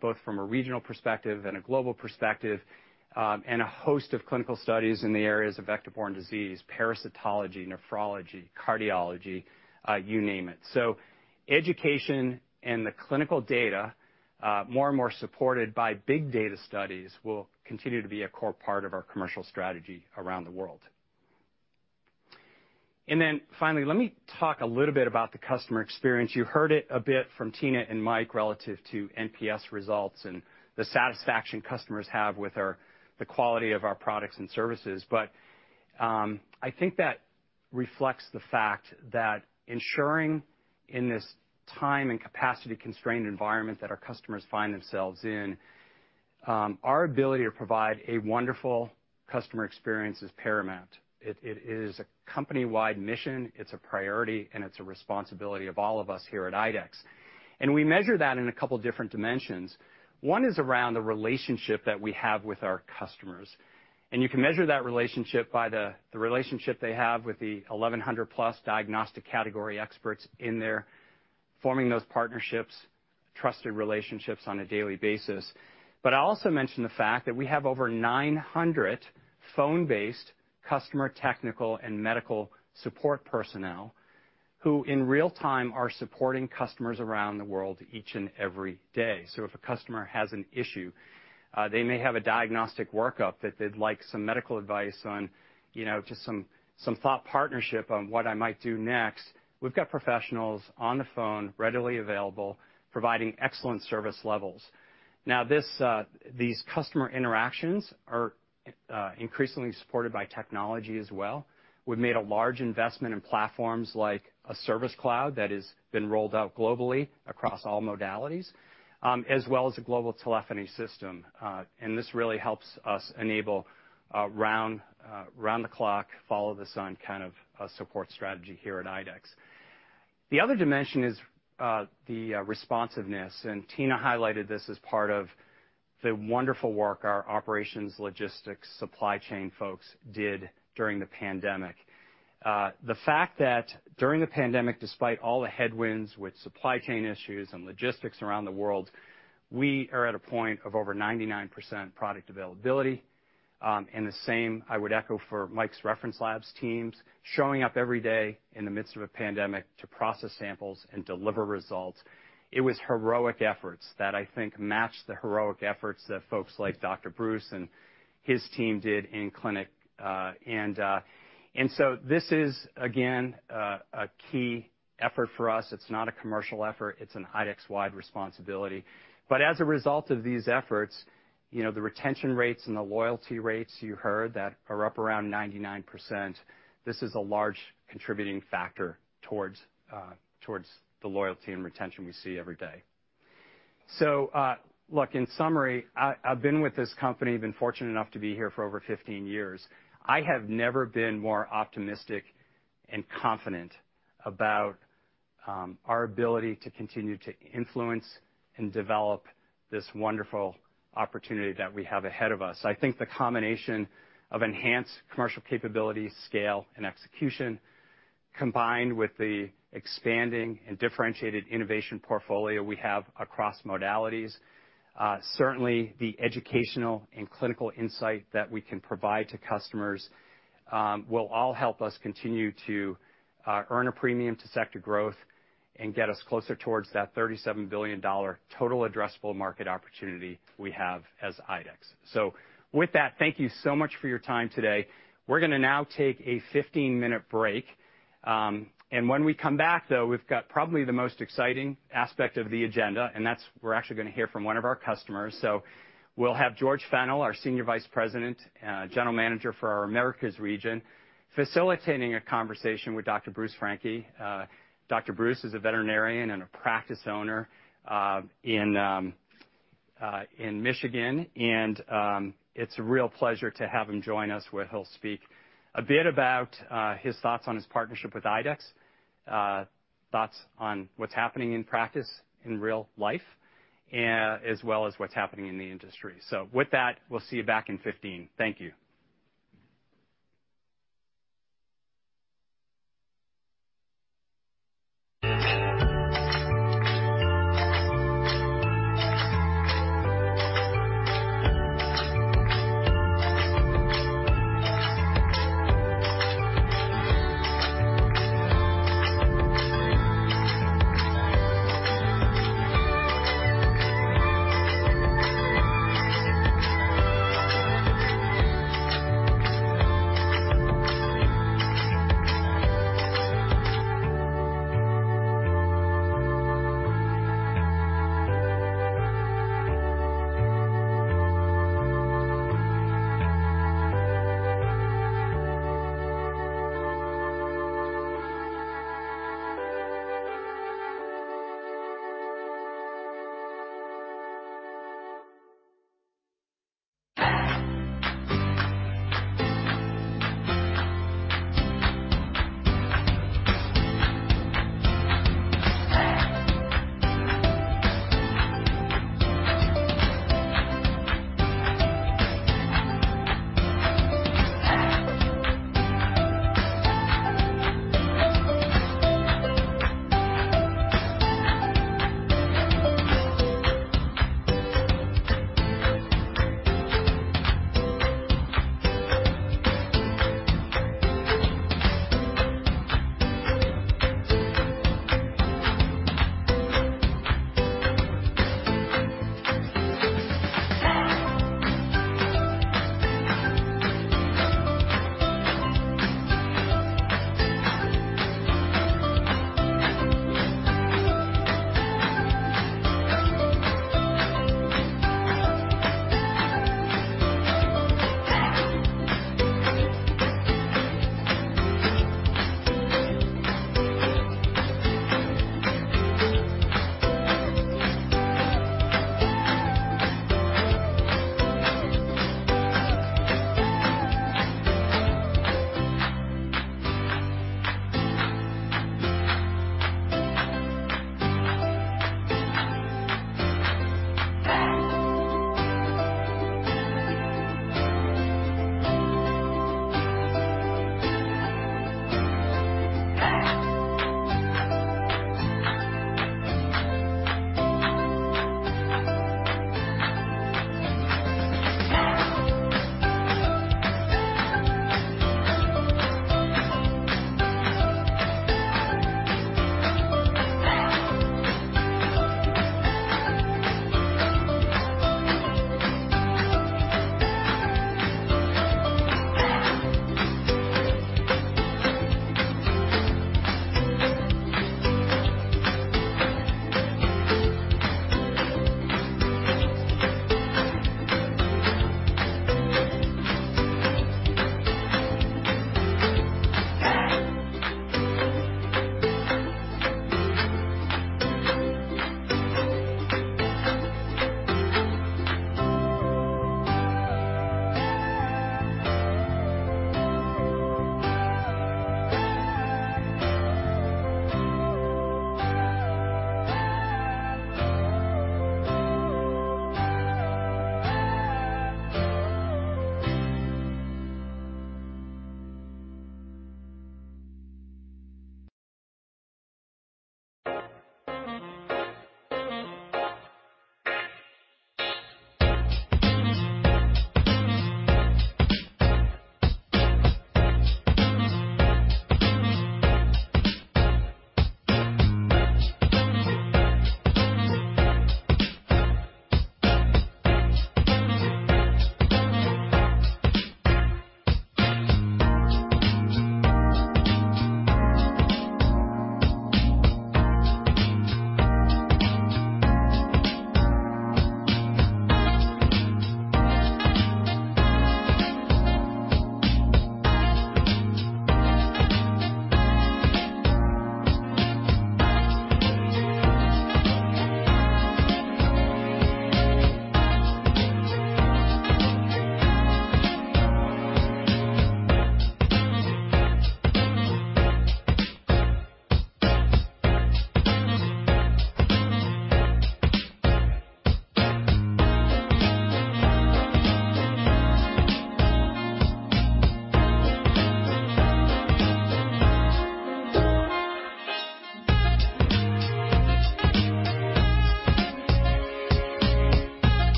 F: both from a regional perspective and a global perspective, and a host of clinical studies in the areas of vector-borne disease, parasitology, nephrology, cardiology, you name it. Education and the clinical data, more and more supported by big data studies, will continue to be a core part of our commercial strategy around the world. Finally, let me talk a little bit about the customer experience. You heard it a bit from Tina and Mike relative to NPS results and the satisfaction customers have with the quality of our products and services. I think that reflects the fact that ensuring in this time and capacity-constrained environment that our customers find themselves in, our ability to provide a wonderful customer experience is paramount. It is a company-wide mission, it's a priority, and it's a responsibility of all of us here at IDEXX. We measure that in a couple different dimensions. One is around the relationship that we have with our customers, and you can measure that relationship by the relationship they have with the 1,100+ diagnostic category experts in there, forming those partnerships, trusted relationships on a daily basis. I also mentioned the fact that we have over 900 phone-based customer technical and medical support personnel, who in real time are supporting customers around the world each and every day. If a customer has an issue, they may have a diagnostic workup that they'd like some medical advice on, you know, just some thought partnership on what I might do next, we've got professionals on the phone, readily available, providing excellent service levels. Now, this, these customer interactions are increasingly supported by technology as well. We've made a large investment in platforms like Salesforce Service Cloud that has been rolled out globally across all modalities, as well as a global telephony system. This really helps us enable round-the-clock, follow-the-sun kind of a support strategy here at IDEXX. The other dimension is the responsiveness, and Tina highlighted this as part of the wonderful work our operations, logistics, supply chain folks did during the pandemic. The fact that during the pandemic, despite all the headwinds with supply chain issues and logistics around the world, we are at a point of over 99% product availability. I would echo the same for Mike's reference labs teams, showing up every day in the midst of a pandemic to process samples and deliver results. It was heroic efforts that I think matched the heroic efforts that folks like Dr. Bruce Francke and his team did in clinic. This is, again, a key effort for us. It's not a commercial effort, it's an IDEXX-wide responsibility. But as a result of these efforts, you know, the retention rates and the loyalty rates you heard that are up around 99%, this is a large contributing factor towards the loyalty and retention we see every day. Look, in summary, I've been with this company, been fortunate enough to be here for over 15 years, I have never been more optimistic and confident about our ability to continue to influence and develop this wonderful opportunity that we have ahead of us. I think the combination of enhanced commercial capability, scale, and execution, combined with the expanding and differentiated innovation portfolio we have across modalities. Certainly the educational and clinical insight that we can provide to customers will all help us continue to earn a premium to sector growth and get us closer towards that $37 billion total addressable market opportunity we have as IDEXX. With that, thank you so much for your time today. We're gonna now take a 15-minute break. When we come back, though, we've got probably the most exciting aspect of the agenda, and that's we're actually gonna hear from one of our customers. We'll have George Fennell, our Senior Vice President, General Manager for our Americas region, facilitating a conversation with Dr. Bruce Francke. Dr. Bruce is a veterinarian and a practice owner in Michigan. It's a real pleasure to have him join us where he'll speak a bit about his thoughts on his partnership with IDEXX, thoughts on what's happening in practice in real life, as well as what's happening in the industry. With that, we'll see you back in 15. Thank you.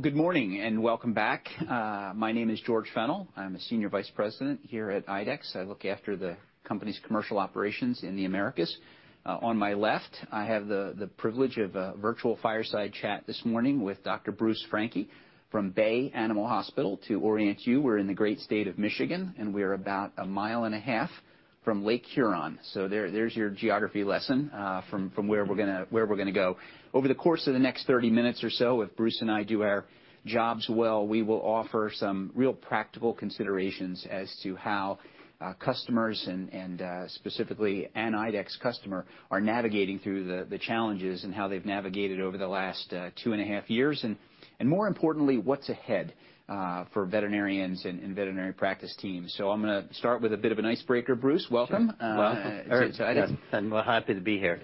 G: Good morning and welcome back. My name is George Fennell. I'm a senior vice president here at IDEXX. I look after the company's commercial operations in the Americas. On my left, I have the privilege of a virtual fireside chat this morning with Dr. Bruce Francke from Bay Animal Hospital. To orient you, we're in the great state of Michigan, and we're about a mile and a half from Lake Huron. There's your geography lesson from where we're gonna go. Over the course of the next 30 minutes or so, if Bruce and I do our jobs well, we will offer some real practical considerations as to how customers and specifically an IDEXX customer are navigating through the challenges and how they've navigated over the last two and a half years. More importantly, what's ahead for veterinarians and veterinary practice teams. I'm gonna start with a bit of an icebreaker, Bruce. Welcome.
H: Sure. Welcome. All right. Yes, I'm happy to be here.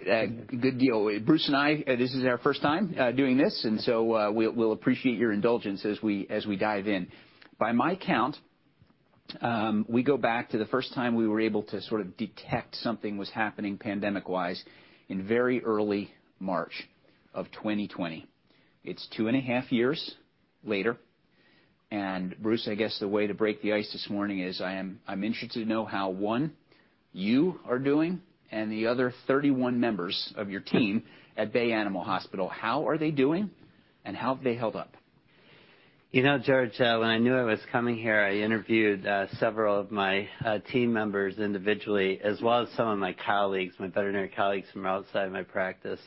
G: Good deal. Bruce and I, this is our first time doing this, and so we'll appreciate your indulgence as we dive in. By my count, we go back to the first time we were able to sort of detect something was happening pandemic-wise in very early March of 2020. It's two and a half years later. Bruce, I guess the way to break the ice this morning is I'm interested to know how, one, you are doing and the other 31 members of your team at Bay Animal Hospital. How are they doing, and how have they held up?
H: You know, George, when I knew I was coming here, I interviewed several of my team members individually as well as some of my colleagues, my veterinary colleagues from outside my practice.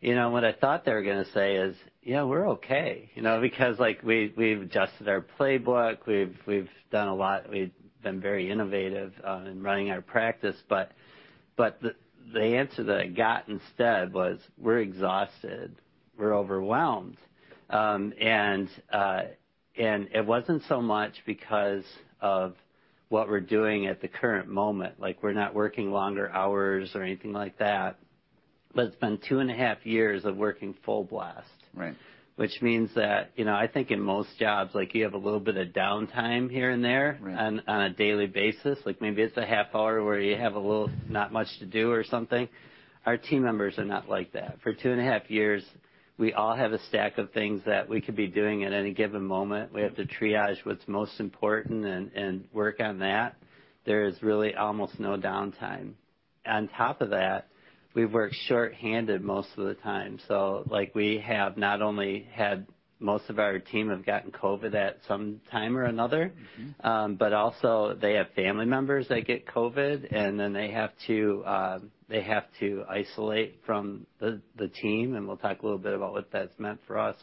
H: You know, what I thought they were gonna say is, "Yeah, we're okay." You know, because, like, we've adjusted our playbook, we've done a lot, we've been very innovative in running our practice. The answer that I got instead was, "We're exhausted. We're overwhelmed." It wasn't so much because of what we're doing at the current moment. Like, we're not working longer hours or anything like that. It's been two and a half years of working full blast.
G: Right. Which means that, you know, I think in most jobs, like, you have a little bit of downtime here and there. Right On a daily basis. Like, maybe it's a half hour where you have a little not much to do or something. Our team members are not like that. For two and a half years, we all have a stack of things that we could be doing at any given moment. We have to triage what's most important and work on that. There is really almost no downtime. On top of that, we work shorthanded most of the time. So, like, we have not only had most of our team have gotten COVID at some time or another. Mm-hmm
H: They have family members that get COVID, and then they have to isolate from the team, and we'll talk a little bit about what that's meant for us.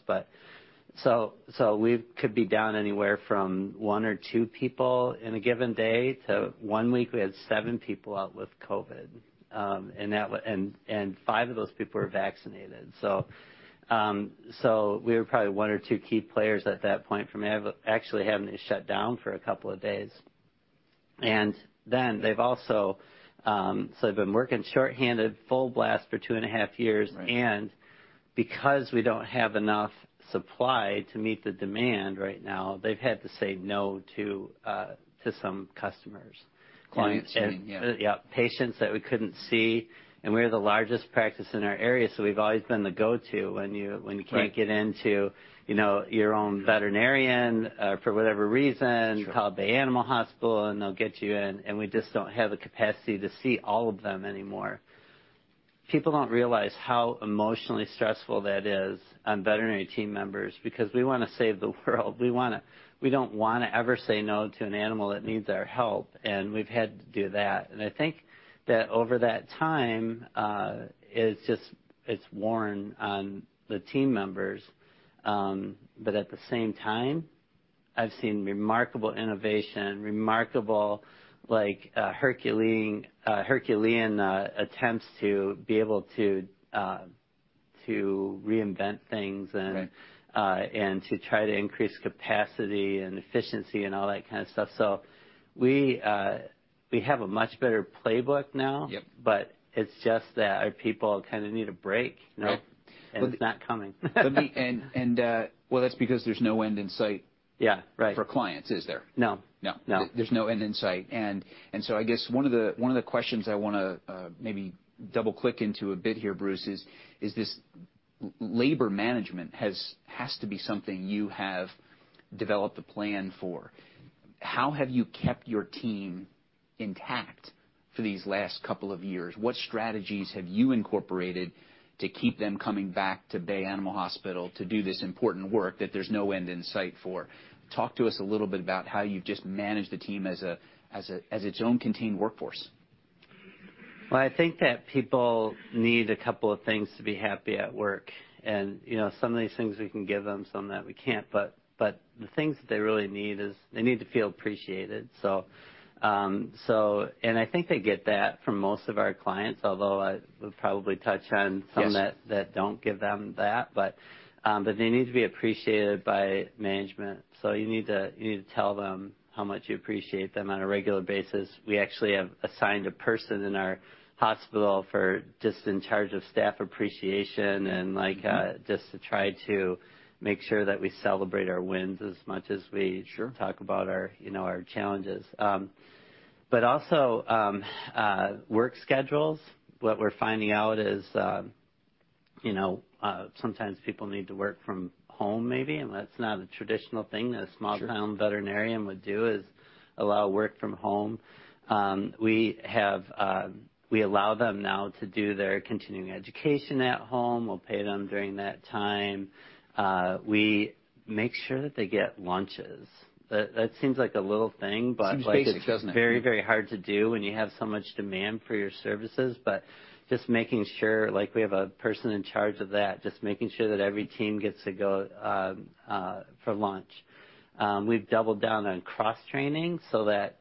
H: We could be down anywhere from one or two people in a given day to one week we had seven people out with COVID. Five of those people were vaccinated. We were probably one or two key players at that point from actually having to shut down for a couple of days. They've also been working shorthanded full blast for two and a half years.
G: Right.
H: Because we don't have enough supply to meet the demand right now, they've had to say no to some customers.
G: Clients coming, yeah.
H: Yeah, patients that we couldn't see. We're the largest practice in our area, so we've always been the go-to when you can't-
G: Right
H: Get into, you know, your own veterinarian, for whatever reason.
G: Sure.
H: Call Bay Animal Hospital, and they'll get you in, and we just don't have the capacity to see all of them anymore. People don't realize how emotionally stressful that is on veterinary team members, because we wanna save the world. We don't wanna ever say no to an animal that needs our help, and we've had to do that. I think that over that time, it's just worn on the team members. At the same time, I've seen remarkable innovation, like, Herculean attempts to be able to reinvent things and.
G: Right
H: To try to increase capacity and efficiency and all that kind of stuff. We have a much better playbook now.
G: Yep.
H: It's just that our people kind of need a break, you know?
G: Right.
H: It's not coming.
G: Well, that's because there's no end in sight.
H: Yeah, right.
G: For clients, is there?
H: No.
G: No.
H: No.
G: There's no end in sight. I guess one of the questions I wanna maybe double-click into a bit here, Bruce, is this labor management has to be something you have developed a plan for. How have you kept your team intact for these last couple of years? What strategies have you incorporated to keep them coming back to Bay Animal Hospital to do this important work that there's no end in sight for? Talk to us a little bit about how you've just managed the team as its own contained workforce.
H: Well, I think that people need a couple of things to be happy at work. You know, some of these things we can give them, some that we can't. The things that they really need is they need to feel appreciated. I think they get that from most of our clients, although I will probably touch on.
G: Yes
H: Some that don't give them that. They need to be appreciated by management. You need to tell them how much you appreciate them on a regular basis. We actually have assigned a person in our hospital for just in charge of staff appreciation and, like.
G: Mm-hmm
H: just to try to make sure that we celebrate our wins as much as we
G: Sure
H: talk about our, you know, our challenges. also work schedules. What we're finding out is, you know, sometimes people need to work from home maybe, and that's not a traditional thing.
G: Sure
H: A small town veterinarian would do is allow work from home. We allow them now to do their continuing education at home. We'll pay them during that time. We make sure that they get lunches. That seems like a little thing, but like
G: Seems basic, doesn't it?
H: It's very, very hard to do when you have so much demand for your services. Just making sure, like, we have a person in charge of that, just making sure that every team gets to go for lunch. We've doubled down on cross-training so that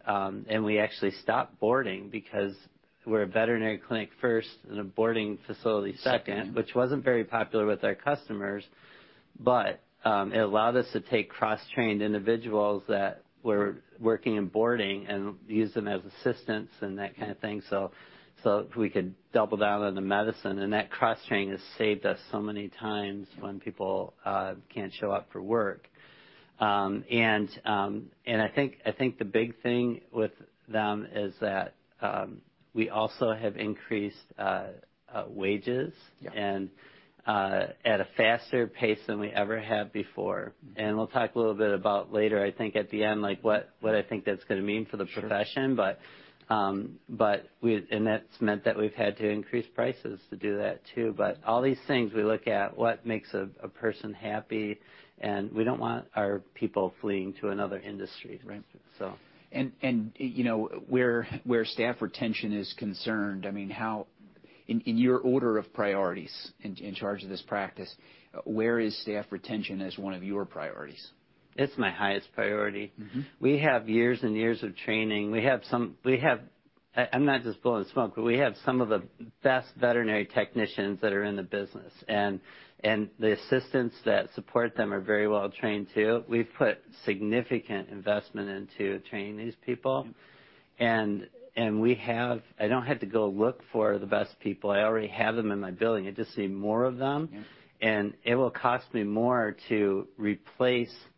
H: we actually stopped boarding because we're a veterinary clinic first and a boarding facility second.
G: Second
H: which wasn't very popular with our customers. It allowed us to take cross-trained individuals that were working in boarding and use them as assistants and that kind of thing, so we could double down on the medicine. That cross-training has saved us so many times when people can't show up for work. I think the big thing with them is that we also have increased wages.
G: Yeah.
H: at a faster pace than we ever have before. We'll talk a little bit about later, I think at the end, like, what I think that's gonna mean for the profession.
G: Sure.
H: That's meant that we've had to increase prices to do that too. All these things we look at what makes a person happy, and we don't want our people fleeing to another industry.
G: Right.
H: So.
G: You know, where staff retention is concerned, I mean, how in your order of priorities in charge of this practice, where is staff retention as one of your priorities?
H: It's my highest priority.
G: Mm-hmm.
H: We have years and years of training. I'm not just blowing smoke, but we have some of the best veterinary technicians that are in the business. The assistants that support them are very well trained too. We've put significant investment into training these people.
G: Yeah.
H: I don't have to go look for the best people. I already have them in my building. I just need more of them.
G: Yeah.
H: It will cost me more to replace a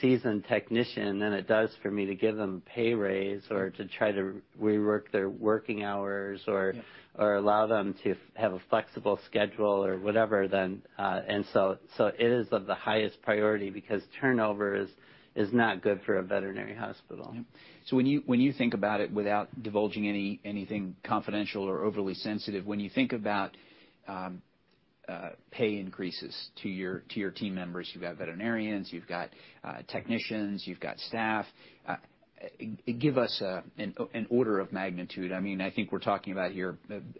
H: seasoned technician than it does for me to give them a pay raise or to try to rework their working hours or.
G: Yeah...
H: or allow them to have a flexible schedule or whatever then. It is of the highest priority because turnover is not good for a veterinary hospital.
G: Yeah. When you think about it, without divulging anything confidential or overly sensitive, pay increases to your team members, you've got veterinarians, you've got technicians, you've got staff, give us an order of magnitude. I mean, I think we're talking about here.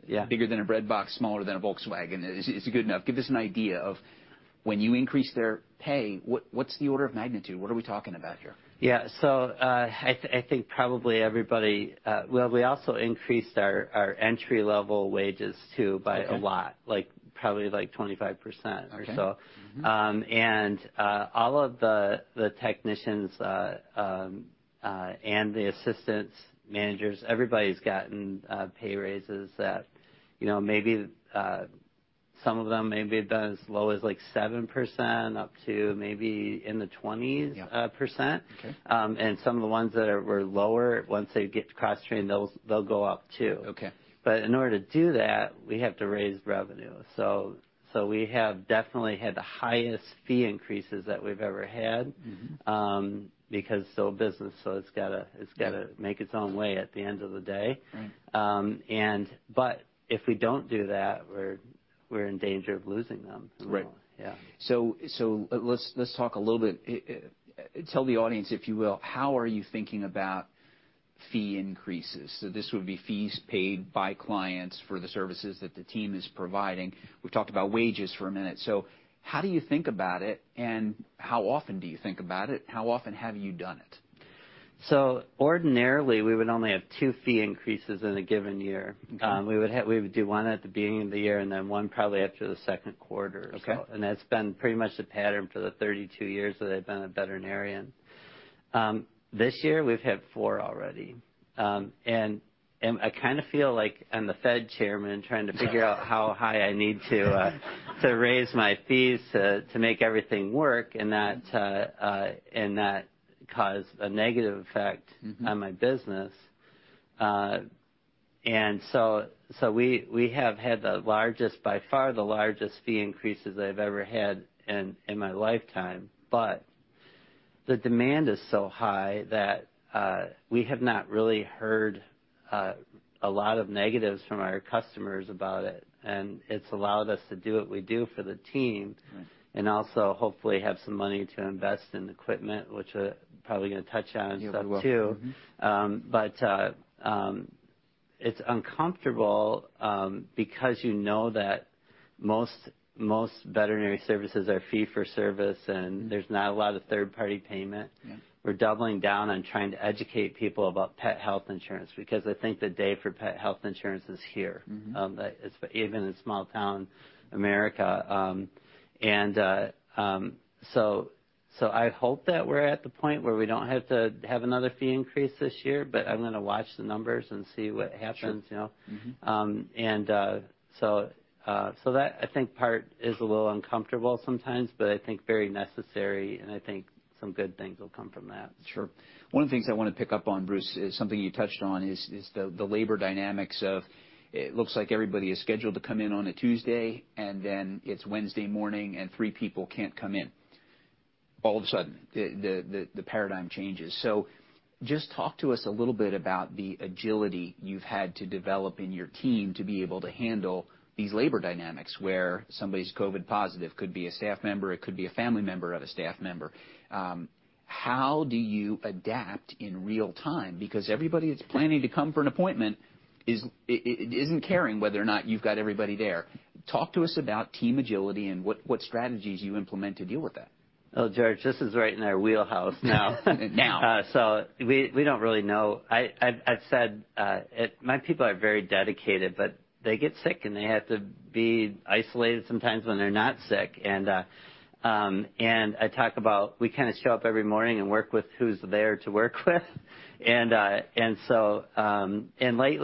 H: Yeah
G: Bigger than a breadbox, smaller than a Volkswagen. Is good enough. Give us an idea of when you increase their pay, what's the order of magnitude? What are we talking about here?
H: Yeah, I think probably everybody. Well, we also increased our entry-level wages too by-
G: Okay
H: a lot, like, probably, like, 25% or so.
G: Okay. Mm-hmm.
H: all of the technicians and the assistants, managers, everybody's gotten pay raises that, you know, maybe some of them maybe have done as low as, like, 7% up to maybe in the twenties.
G: Yeah
H: %.
G: Okay.
H: Some of the ones that were lower, once they get cross-trained, they'll go up too.
G: Okay.
H: In order to do that, we have to raise revenue. We have definitely had the highest fee increases that we've ever had.
G: Mm-hmm.
H: Because it's still a business, so it's gotta make its own way at the end of the day.
G: Right.
H: If we don't do that, we're in danger of losing them.
G: Right.
H: Yeah.
G: Let's talk a little bit. Tell the audience, if you will, how are you thinking about fee increases? This would be fees paid by clients for the services that the team is providing. We've talked about wages for a minute. How do you think about it, and how often do you think about it? How often have you done it?
H: Ordinarily, we would only have two fee increases in a given year.
G: Okay.
H: We would do one at the beginning of the year and then one probably after Q2 or so.
G: Okay.
H: That's been pretty much the pattern for the 32 years that I've been a veterinarian. This year, we've had four already. I kinda feel like I'm the Fed Chairman trying to figure out how high I need to raise my fees to make everything work and not cause a negative effect.
G: Mm-hmm
H: On my business. We have had the largest by far fee increases I've ever had in my lifetime. The demand is so high that we have not really heard a lot of negatives from our customers about it, and it's allowed us to do what we do for the team.
G: Right.
H: Also, hopefully, have some money to invest in equipment, which I'm probably gonna touch on and stuff too.
G: Yeah, we will. Mm-hmm.
H: It's uncomfortable because you know that most veterinary services are fee for service, and there's not a lot of third-party payment.
G: Yeah.
H: We're doubling down on trying to educate people about pet health insurance because I think the day for pet health insurance is here.
G: Mm-hmm.
H: Even in small town America. I hope that we're at the point where we don't have to have another fee increase this year, but I'm gonna watch the numbers and see what happens, you know?
G: Sure. Mm-hmm.
H: That, I think, part is a little uncomfortable sometimes, but I think very necessary, and I think some good things will come from that.
G: Sure. One of the things I wanna pick up on, Bruce, is something you touched on, the labor dynamics. It looks like everybody is scheduled to come in on a Tuesday, and then it's Wednesday morning, and three people can't come in. All of a sudden, the paradigm changes. Just talk to us a little bit about the agility you've had to develop in your team to be able to handle these labor dynamics where somebody's COVID positive, could be a staff member, it could be a family member of a staff member. How do you adapt in real time? Because everybody that's planning to come for an appointment isn't caring whether or not you've got everybody there. Talk to us about team agility and what strategies you implement to deal with that.
H: Oh, George, this is right in our wheelhouse now.
G: Now.
H: We don't really know. I've said my people are very dedicated, but they get sick, and they have to be isolated sometimes when they're not sick. I talk about we kinda show up every morning and work with who's there to work with. Lately,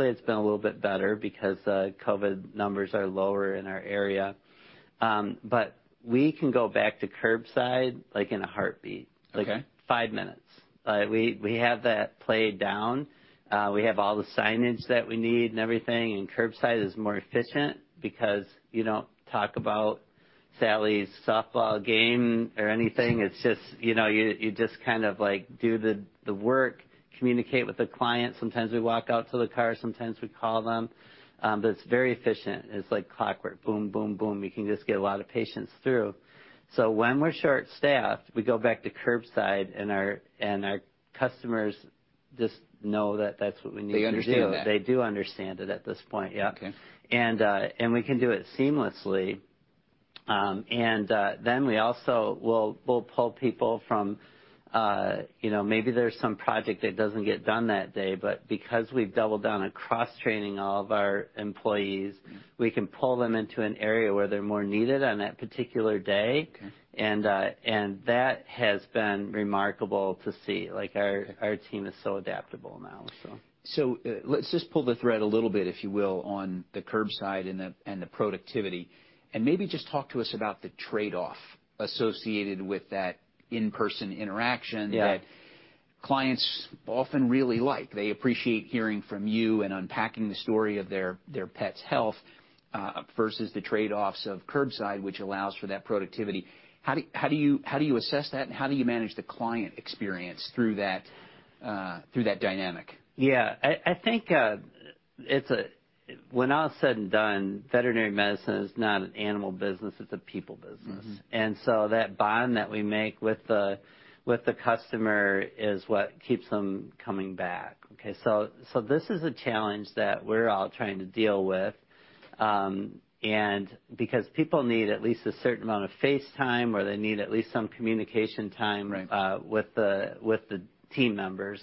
H: it's been a little bit better because COVID numbers are lower in our area. We can go back to curbside, like, in a heartbeat.
G: Okay.
H: Like five minutes. We have that played down. We have all the signage that we need and everything, and curbside is more efficient because you don't talk about Sally's softball game or anything. It's just, you know, you just kind of like do the work, communicate with the client. Sometimes we walk out to the car, sometimes we call them, but it's very efficient. It's like clockwork. Boom, boom. We can just get a lot of patients through. When we're short-staffed, we go back to curbside, and our customers just know that that's what we need to do.
G: They understand that.
H: They do understand it at this point, yeah.
G: Okay.
H: We can do it seamlessly, and then we also will pull people from you know, maybe there's some project that doesn't get done that day, but because we've doubled down on cross-training all of our employees, we can pull them into an area where they're more needed on that particular day.
G: Okay.
H: that has been remarkable to see. Like, our team is so adaptable now, so.
G: Let's just pull the thread a little bit, if you will, on the curbside and the productivity, and maybe just talk to us about the trade-off associated with that in-person interaction.
H: Yeah
G: that clients often really like. They appreciate hearing from you and unpacking the story of their pet's health versus the trade-offs of curbside, which allows for that productivity. How do you assess that, and how do you manage the client experience through that dynamic?
H: When all is said and done, veterinary medicine is not an animal business, it's a people business.
G: Mm-hmm.
H: That bond that we make with the customer is what keeps them coming back. Okay. This is a challenge that we're all trying to deal with, and because people need at least a certain amount of face time, or they need at least some communication time.
G: Right
H: with the team members.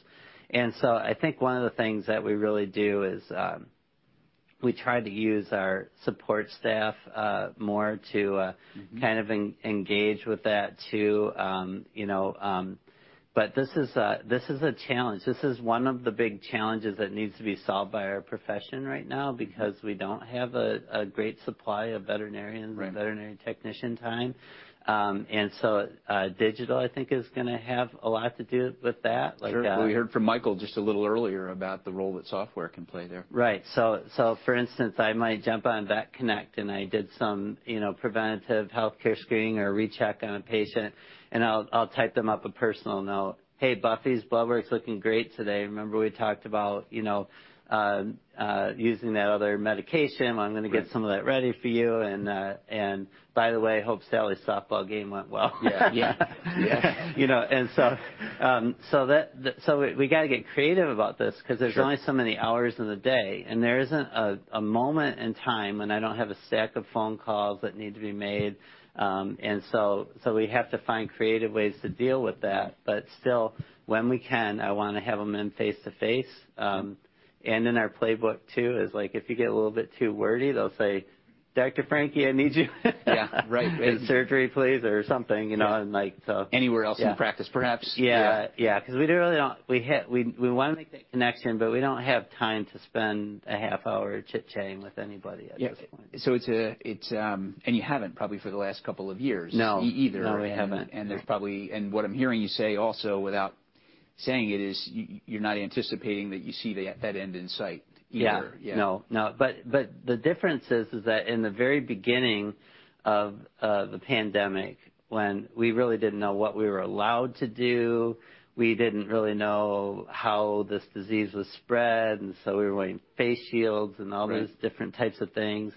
H: I think one of the things that we really do is, we try to use our support staff more to,
G: Mm-hmm
H: kind of engage with that too. You know, but this is a challenge. This is one of the big challenges that needs to be solved by our profession right now.
G: Mm-hmm
H: because we don't have a great supply of veterinarians.
G: Right
H: or veterinary technician time. Digital, I think, is gonna have a lot to do with that.
G: Sure. Well, we heard from Michael just a little earlier about the role that software can play there.
H: For instance, I might jump on VetConnect, and I do some, you know, preventive healthcare screening or recheck on a patient, and I'll type them up a personal note. "Hey, Buffy's blood work's looking great today. Remember we talked about, you know, using that other medication. Well, I'm gonna get some of that ready for you. And by the way, hope Sally's softball game went well.
G: Yeah. Yeah. Yeah.
H: You know, we gotta get creative about this.
G: Sure
H: 'Cause there's only so many hours in the day, and there isn't a moment in time when I don't have a stack of phone calls that need to be made. We have to find creative ways to deal with that. Still, when we can, I wanna have them in face-to-face. In our playbook, too, is like if you get a little bit too wordy, they'll say, "Dr. Francke, I need you.
G: Yeah, right.
H: In surgery, please or something, you know, and like, so.
G: Anywhere else in practice perhaps.
H: Yeah. Yeah.
G: Yeah.
H: We wanna make that connection, but we don't have time to spend a half hour chit-chatting with anybody at this point.
G: Yeah. You haven't probably for the last couple of years.
H: No
G: either.
H: No, we haven't.
G: What I'm hearing you say also, without saying it, is you're not anticipating that end in sight either.
H: Yeah.
G: Yeah.
H: No. The difference is that in the very beginning of the pandemic, when we really didn't know what we were allowed to do, we didn't really know how this disease was spread, and so we were wearing face shields and all those.
G: Right
H: different types of things.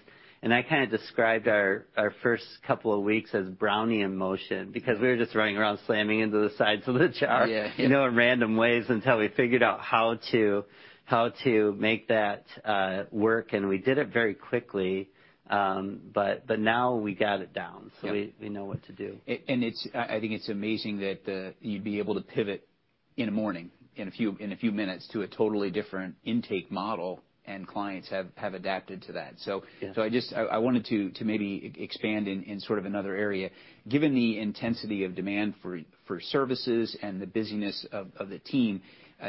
H: I kind of described our first couple of weeks as Brownian motion, because we were just running around slamming into the sides of the chart.
G: Yeah.
H: You know, in random ways until we figured out how to make that work, and we did it very quickly. Now we got it down.
G: Yeah.
H: We know what to do.
G: I think it's amazing that you'd be able to pivot in a few minutes to a totally different intake model, and clients have adapted to that.
H: Yeah
G: I just wanted to maybe expand in sort of another area. Given the intensity of demand for services and the busyness of the team,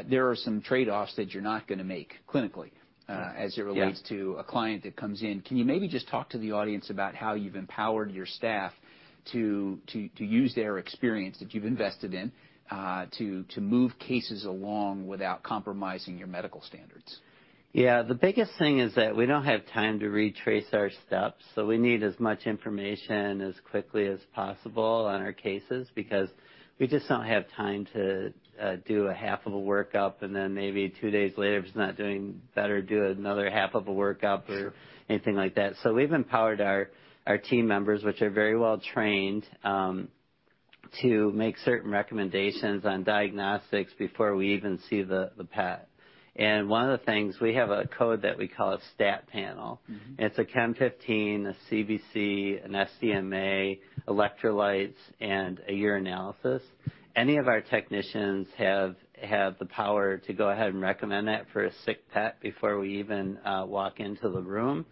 G: there are some trade-offs that you're not gonna make clinically.
H: Yeah
G: As it relates to a client that comes in. Can you maybe just talk to the audience about how you've empowered your staff to use their experience that you've invested in to move cases along without compromising your medical standards?
H: Yeah. The biggest thing is that we don't have time to retrace our steps, so we need as much information as quickly as possible on our cases, because we just don't have time to do a half of a workup and then maybe two days later, if it's not doing better, do another half of a workup or,
G: Sure
H: anything like that. We've empowered our team members, which are very well trained, to make certain recommendations on diagnostics before we even see the pet. One of the things, we have a code that we call a stat panel.
G: Mm-hmm.
H: It's a Chem 15, a CBC, an SDMA, electrolytes, and a urinalysis. Any of our technicians have the power to go ahead and recommend that for a sick pet before we even walk into the room.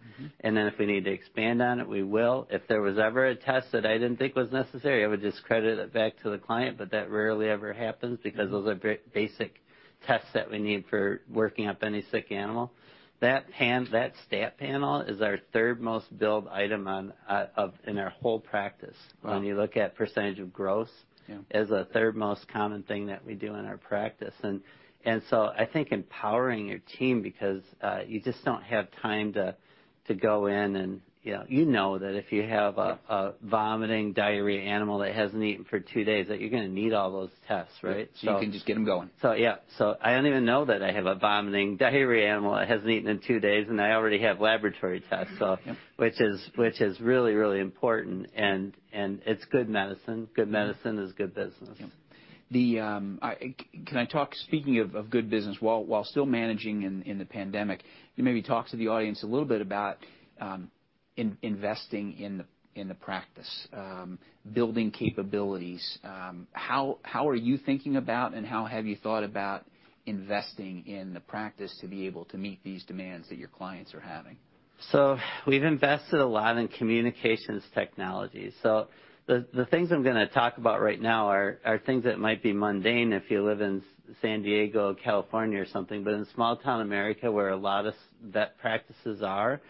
G: Mm-hmm.
H: If we need to expand on it, we will. If there was ever a test that I didn't think was necessary, I would just credit it back to the client, but that rarely ever happens because those are very basic tests that we need for working up any sick animal. That panel, that stat panel is our third most billed item in our whole practice.
G: Wow.
H: When you look at percentage of gross.
G: Yeah
H: is the third most common thing that we do in our practice. I think empowering your team because you just don't have time to go in and, you know. You know that if you have a-
G: Yeah
H: A vomiting, diarrhea animal that hasn't eaten for two days, that you're gonna need all those tests, right?
G: You can just get them going.
H: I don't even know that I have a vomiting, diarrhea animal that hasn't eaten in two days, and I already have laboratory tests.
G: Yeah.
H: Which is really important and it's good medicine. Good medicine is good business.
G: Can I talk, speaking of good business while still managing in the pandemic, can you maybe talk to the audience a little bit about investing in the practice, building capabilities, how are you thinking about and how have you thought about investing in the practice to be able to meet these demands that your clients are having?
H: We've invested a lot in communications technology. The things I'm gonna talk about right now are things that might be mundane if you live in San Diego, California, or something. In small town America, where a lot of small vet practices are,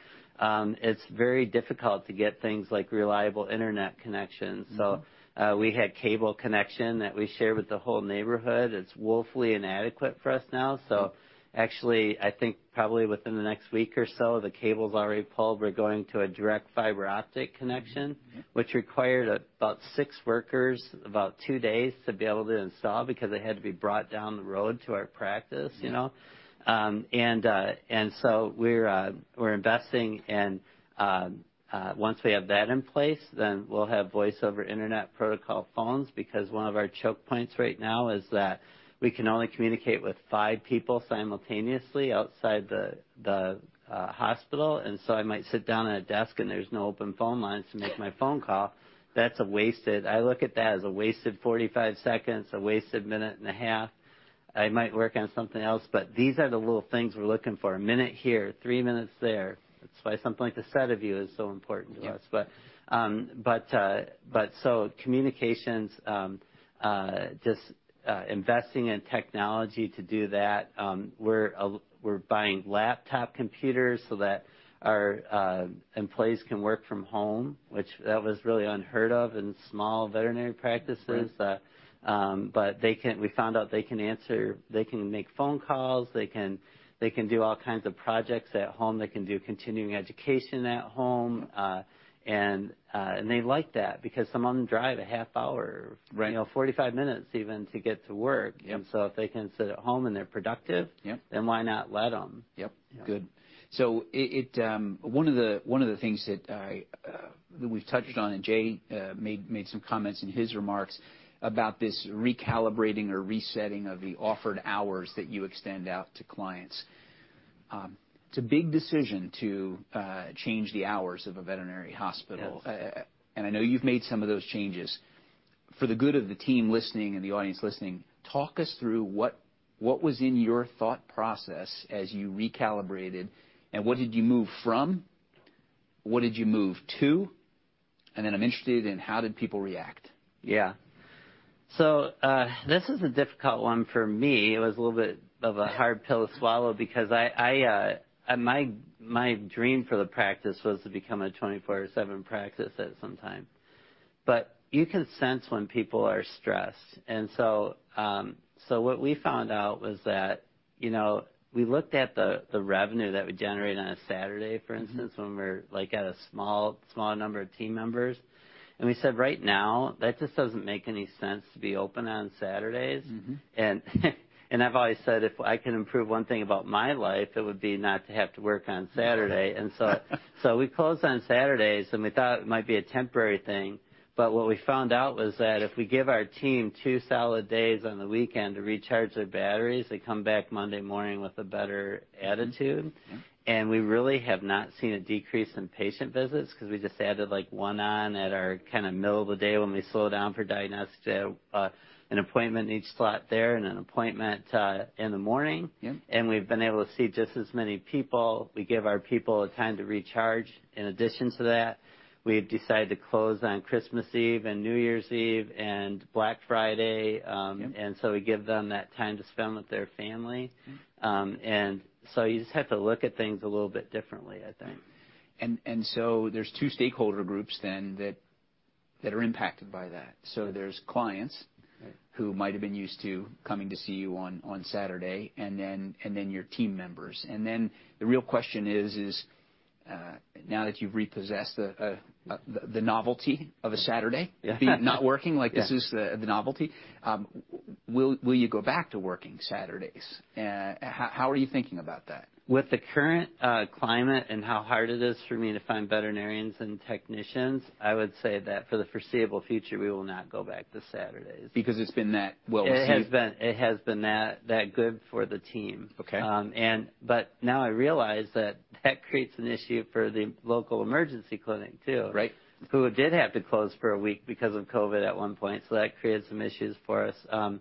H: it's very difficult to get things like reliable internet connections.
G: Mm-hmm.
H: We had cable connection that we share with the whole neighborhood. It's woefully inadequate for us now.
G: Mm.
H: Actually, I think probably within the next week or so, the cable's already pulled. We're going to a direct fiber-optic connection.
G: Mm-hmm...
H: which required about six workers about two days to be able to install because they had to be brought down the road to our practice, you know.
G: Mm-hmm.
H: We're investing in once we have that in place, we'll have voice over internet protocol phones, because one of our choke points right now is that we can only communicate with five people simultaneously outside the hospital. I might sit down at a desk, and there's no open phone lines to make my phone call. I look at that as a wasted 45 seconds, a wasted minute and a half. I might work on something else, but these are the little things we're looking for, a minute here, three minutes there. That's why something like the SediVue is so important to us.
G: Yeah.
H: Communications, just investing in technology to do that, we're buying laptop computers so that our employees can work from home, which that was really unheard of in small veterinary practices.
G: Right.
H: We found out they can. They can make phone calls. They can do all kinds of projects at home. They can do continuing education at home.
G: Mm-hmm.
H: They like that because some of them drive a half hour.
G: Right
H: you know, 45 minutes even to get to work.
G: Yep.
H: If they can sit at home and they're productive.
G: Yep
H: Why not let them?
G: Yep.
H: Yeah.
G: Good. One of the things that we've touched on, and Jay made some comments in his remarks about this recalibrating or resetting of the offered hours that you extend out to clients. It's a big decision to change the hours of a veterinary hospital.
H: Yes.
G: I know you've made some of those changes. For the good of the team listening and the audience listening, talk us through what was in your thought process as you recalibrated, and what did you move from? What did you move to? Then I'm interested in how did people react?
H: Yeah. This is a difficult one for me. It was a little bit of a hard pill to swallow because my dream for the practice was to become a 24/7 practice at some time. You can sense when people are stressed. What we found out was that we looked at the revenue that we generate on a Saturday, for instance.
G: Mm-hmm
H: when we're like at a small number of team members, and we said, "Right now, that just doesn't make any sense to be open on Saturdays.
G: Mm-hmm.
H: I've always said, if I can improve one thing about my life, it would be not to have to work on Saturday. We closed on Saturdays, and we thought it might be a temporary thing. What we found out was that if we give our team two solid days on the weekend to recharge their batteries, they come back Monday morning with a better attitude.
G: Yeah.
H: We really have not seen a decrease in patient visits because we just added like one on at our kind of middle of the day when we slow down for diagnostic an appointment each slot there and an appointment in the morning.
G: Yeah.
H: We've been able to see just as many people. We give our people time to recharge. In addition to that, we've decided to close on Christmas Eve and New Year's Eve and Black Friday.
G: Yep.
H: We give them that time to spend with their family.
G: Mm-hmm.
H: You just have to look at things a little bit differently, I think.
G: There's two stakeholder groups then that are impacted by that. There's clients-
H: Right
G: who might have been used to coming to see you on Saturday, and then your team members. The real question is now that you've repossessed the novelty of a Saturday-
H: Yeah.
G: being not working, like this is the novelty, will you go back to working Saturdays? How are you thinking about that?
H: With the current climate and how hard it is for me to find veterinarians and technicians, I would say that for the foreseeable future, we will not go back to Saturdays.
G: Because it's been that well received?
H: It has been that good for the team.
G: Okay.
H: Now I realize that creates an issue for the local emergency clinic, too.
G: Right...
H: who did have to close for a week because of COVID at one point, so that created some issues for us.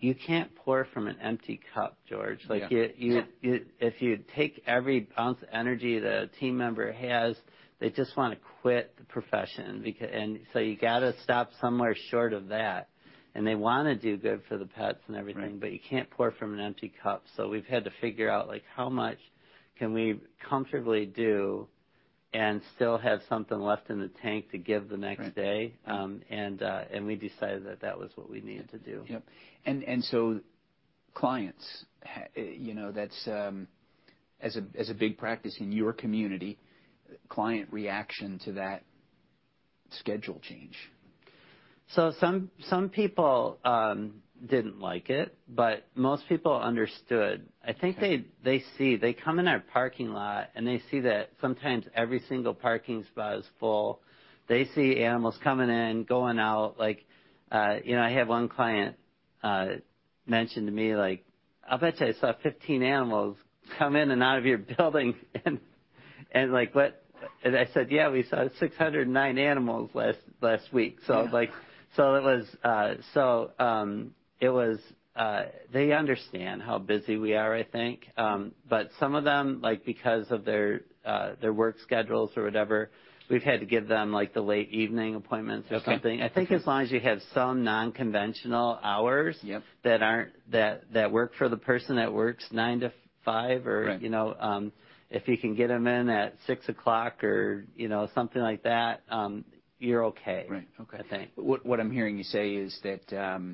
H: You can't pour from an empty cup, George.
G: Yeah.
H: Like you.
G: Yeah
H: If you take every ounce of energy the team member has, they just wanna quit the profession. You gotta stop somewhere short of that, and they wanna do good for the pets and everything.
G: Right.
H: You can't pour from an empty cup. We've had to figure out, like, how much can we comfortably do and still have something left in the tank to give the next day.
G: Right.
H: We decided that was what we needed to do.
G: Yep. Clients, you know, that's as a big practice in your community, client reaction to that schedule change.
H: Some people didn't like it, but most people understood.
G: Okay.
H: I think they see. They come in our parking lot, and they see that sometimes every single parking spot is full. They see animals coming in, going out. Like, you know, I have one client mentioned to me like, "I'll bet you I saw 15 animals come in and out of your building." Like, what. I said, "Yeah, we saw 609 animals last week.
G: Yeah.
H: They understand how busy we are, I think. Some of them, like, because of their work schedules or whatever, we've had to give them, like, the late evening appointments or something.
G: Okay. Okay.
H: I think as long as you have some non-conventional hours.
G: Yep
H: that work for the person that works nine to five or-
G: Right
H: You know, if you can get them in at six o'clock or, you know, something like that, you're okay.
G: Right. Okay.
H: I think.
G: What I'm hearing you say is that,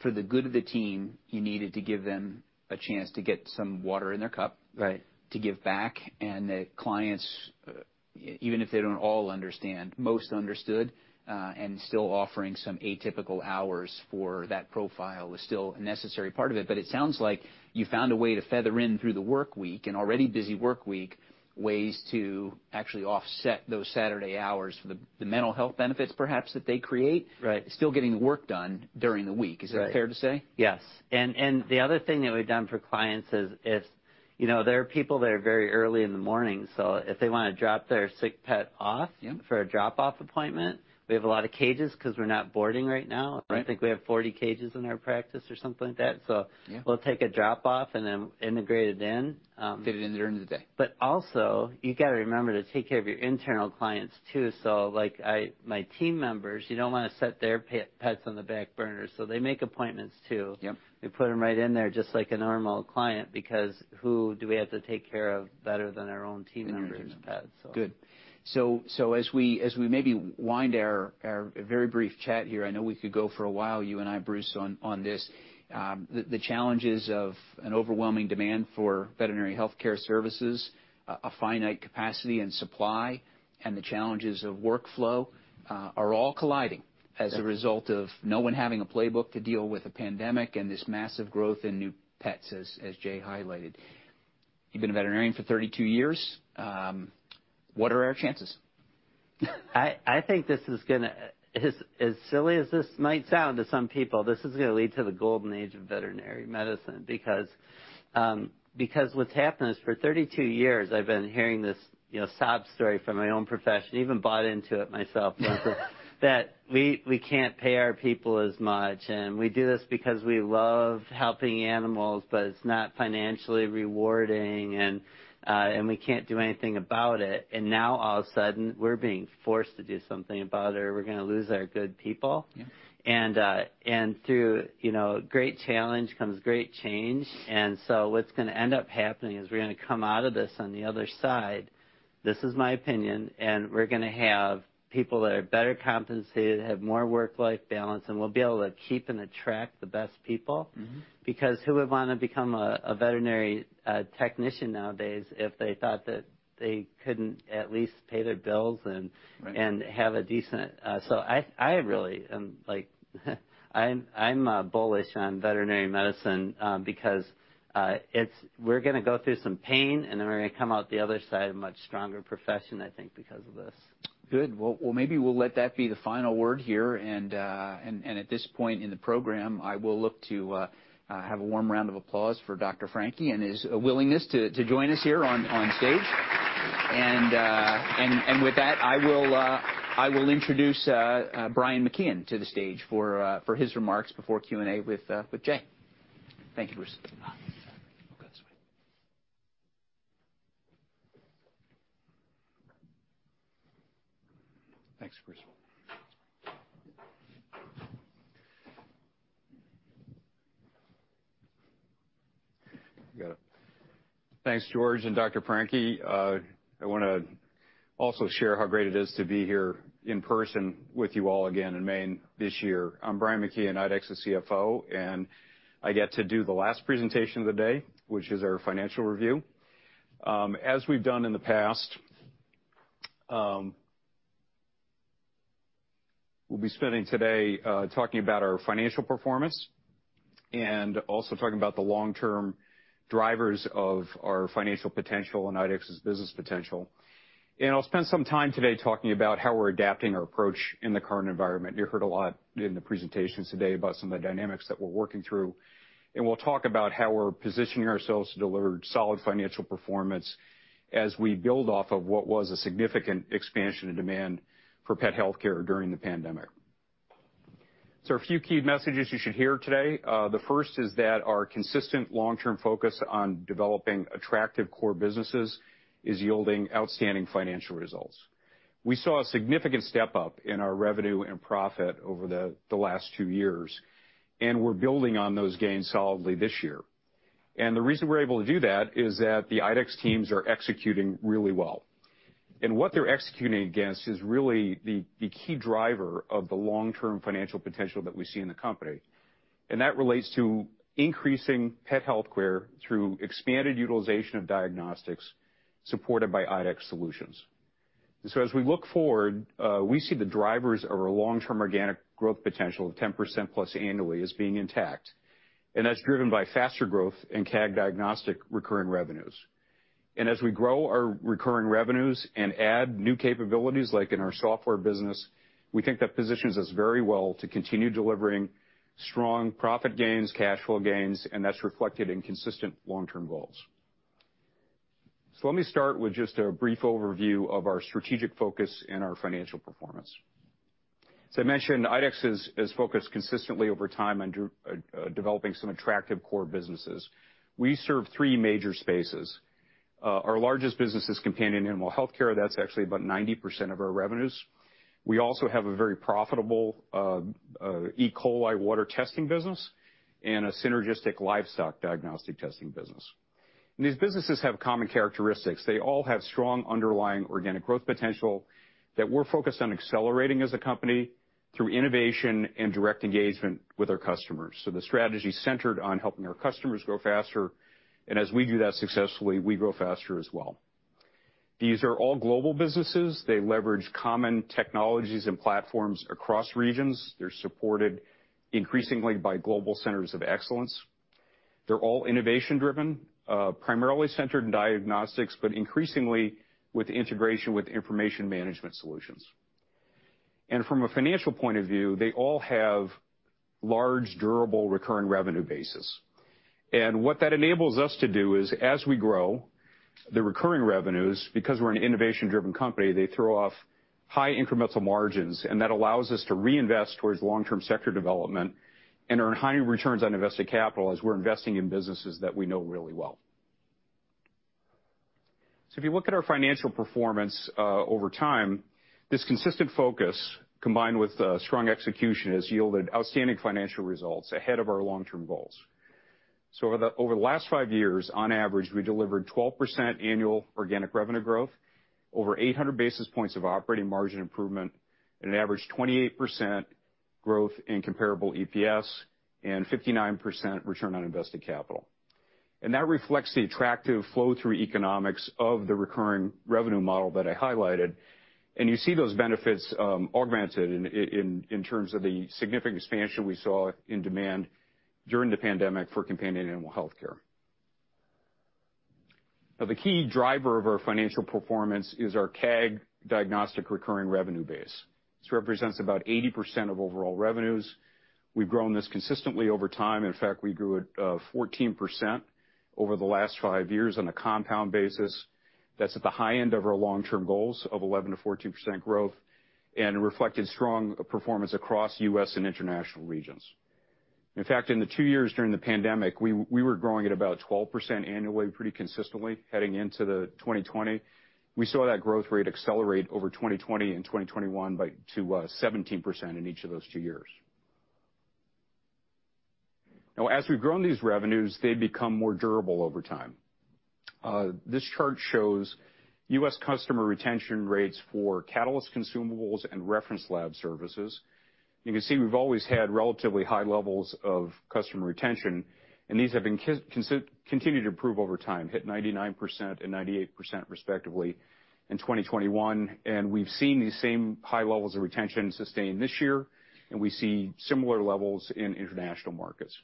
G: for the good of the team, you needed to give them a chance to get some water in their cup.
H: Right.
G: To give back. The clients, even if they don't all understand, most understood and still offering some atypical hours for that profile is still a necessary part of it. It sounds like you found a way to feather in through the workweek, an already busy workweek, ways to actually offset those Saturday hours for the mental health benefits perhaps that they create.
H: Right
G: still getting the work done during the week.
H: Right.
G: Is that fair to say?
H: Yes. The other thing that we've done for clients is if, you know, there are people that are very early in the morning, so if they wanna drop their sick pet off.
G: Yeah
H: For a drop-off appointment, we have a lot of cages 'cause we're not boarding right now.
G: Right.
H: I think we have 40 cages in our practice or something like that.
G: Yeah
H: We'll take a drop-off and then integrate it in.
G: Fit it in during the day.
H: you gotta remember to take care of your internal clients too. Like, my team members, you don't wanna set their pets on the back burner, they make appointments too.
G: Yep.
H: We put them right in there just like a normal client because who do we have to take care of better than our own team members' pets? So.
G: Good. As we maybe wind our very brief chat here, I know we could go for a while, you and I, Bruce, on this. The challenges of an overwhelming demand for veterinary healthcare services, a finite capacity and supply, and the challenges of workflow are all colliding as a result of no one having a playbook to deal with a pandemic and this massive growth in new pets, as Jay highlighted. You've been a veterinarian for 32 years. What are our chances?
H: I think this is gonna. As silly as this might sound to some people, this is gonna lead to the golden age of veterinary medicine because what's happened is, for 32 years I've been hearing this, you know, sob story from my own profession, even bought into it myself once that we can't pay our people as much, and we do this because we love helping animals, but it's not financially rewarding, and we can't do anything about it. Now all of a sudden, we're being forced to do something about it or we're gonna lose our good people.
G: Yeah.
H: Through, you know, great challenge comes great change. What's gonna end up happening is we're gonna come out of this on the other side, this is my opinion, and we're gonna have people that are better compensated, have more work-life balance, and we'll be able to keep and attract the best people.
G: Mm-hmm.
H: Because who would wanna become a veterinary technician nowadays if they thought that they couldn't at least pay their bills.
G: Right
H: I really am, like, I'm bullish on veterinary medicine, because we're gonna go through some pain, and then we're gonna come out the other side a much stronger profession, I think, because of this.
G: Good. Well, maybe we'll let that be the final word here. At this point in the program, I will look to have a warm round of applause for Dr. Francke and his willingness to join us here on stage. With that, I will introduce Brian McKeon to the stage for his remarks before Q&A with Jay. Thank you, Bruce. We'll go this way.
I: Thanks, George and Dr. Francke. I wanna also share how great it is to be here in person with you all again in Maine this year. I'm Brian McKeon, IDEXX's CFO, and I get to do the last presentation of the day, which is our financial review. As we've done in the past, we'll be spending today talking about our financial performance and also talking about the long-term drivers of our financial potential and IDEXX's business potential. I'll spend some time today talking about how we're adapting our approach in the current environment. You heard a lot in the presentations today about some of the dynamics that we're working through, and we'll talk about how we're positioning ourselves to deliver solid financial performance as we build off of what was a significant expansion in demand for pet healthcare during the pandemic. A few key messages you should hear today. The first is that our consistent long-term focus on developing attractive core businesses is yielding outstanding financial results. We saw a significant step-up in our revenue and profit over the last two years, and we're building on those gains solidly this year. The reason we're able to do that is that the IDEXX teams are executing really well. What they're executing against is really the key driver of the long-term financial potential that we see in the company, and that relates to increasing pet healthcare through expanded utilization of diagnostics supported by IDEXX solutions. As we look forward, we see the drivers of our long-term organic growth potential of 10%+ annually as being intact. That's driven by faster growth in CAG Diagnostics recurring revenues. As we grow our recurring revenues and add new capabilities, like in our software business, we think that positions us very well to continue delivering strong profit gains, cash flow gains, and that's reflected in consistent long-term goals. Let me start with just a brief overview of our strategic focus and our financial performance. As I mentioned, IDEXX is focused consistently over time on developing some attractive core businesses. We serve three major spaces. Our largest business is companion animal healthcare. That's actually about 90% of our revenues. We also have a very profitable E. coli water testing business and a synergistic livestock diagnostic testing business. These businesses have common characteristics. They all have strong underlying organic growth potential that we're focused on accelerating as a company through innovation and direct engagement with our customers. The strategy's centered on helping our customers grow faster, and as we do that successfully, we grow faster as well. These are all global businesses. They leverage common technologies and platforms across regions. They're supported increasingly by global centers of excellence. They're all innovation driven, primarily centered in diagnostics, but increasingly with integration with information management solutions. From a financial point of view, they all have large, durable, recurring revenue bases. What that enables us to do is, as we grow the recurring revenues, because we're an innovation-driven company, they throw off high incremental margins, and that allows us to reinvest towards long-term sector development and earn high returns on invested capital as we're investing in businesses that we know really well. If you look at our financial performance over time, this consistent focus, combined with strong execution, has yielded outstanding financial results ahead of our long-term goals. Over the last five years, on average, we delivered 12% annual organic revenue growth, over 800 basis points of operating margin improvement, and an average 28% growth in comparable EPS and 59% return on invested capital. That reflects the attractive flow-through economics of the recurring revenue model that I highlighted. You see those benefits augmented in terms of the significant expansion we saw in demand during the pandemic for companion animal healthcare. Now, the key driver of our financial performance is our CAG diagnostics recurring revenue base. This represents about 80% of overall revenues. We've grown this consistently over time. In fact, we grew it 14% over the last five years on a compound basis. That's at the high end of our long-term goals of 11%-14% growth and reflected strong performance across U.S. and international regions. In fact, in the two years during the pandemic, we were growing at about 12% annually, pretty consistently heading into 2020. We saw that growth rate accelerate over 2020 and 2021 to 17% in each of those two years. Now, as we've grown these revenues, they've become more durable over time. This chart shows U.S. customer retention rates for Catalyst consumables and reference lab services. You can see we've always had relatively high levels of customer retention, and these have continued to improve over time, hit 99% and 98% respectively in 2021. We've seen these same high levels of retention sustained this year, and we see similar levels in international markets.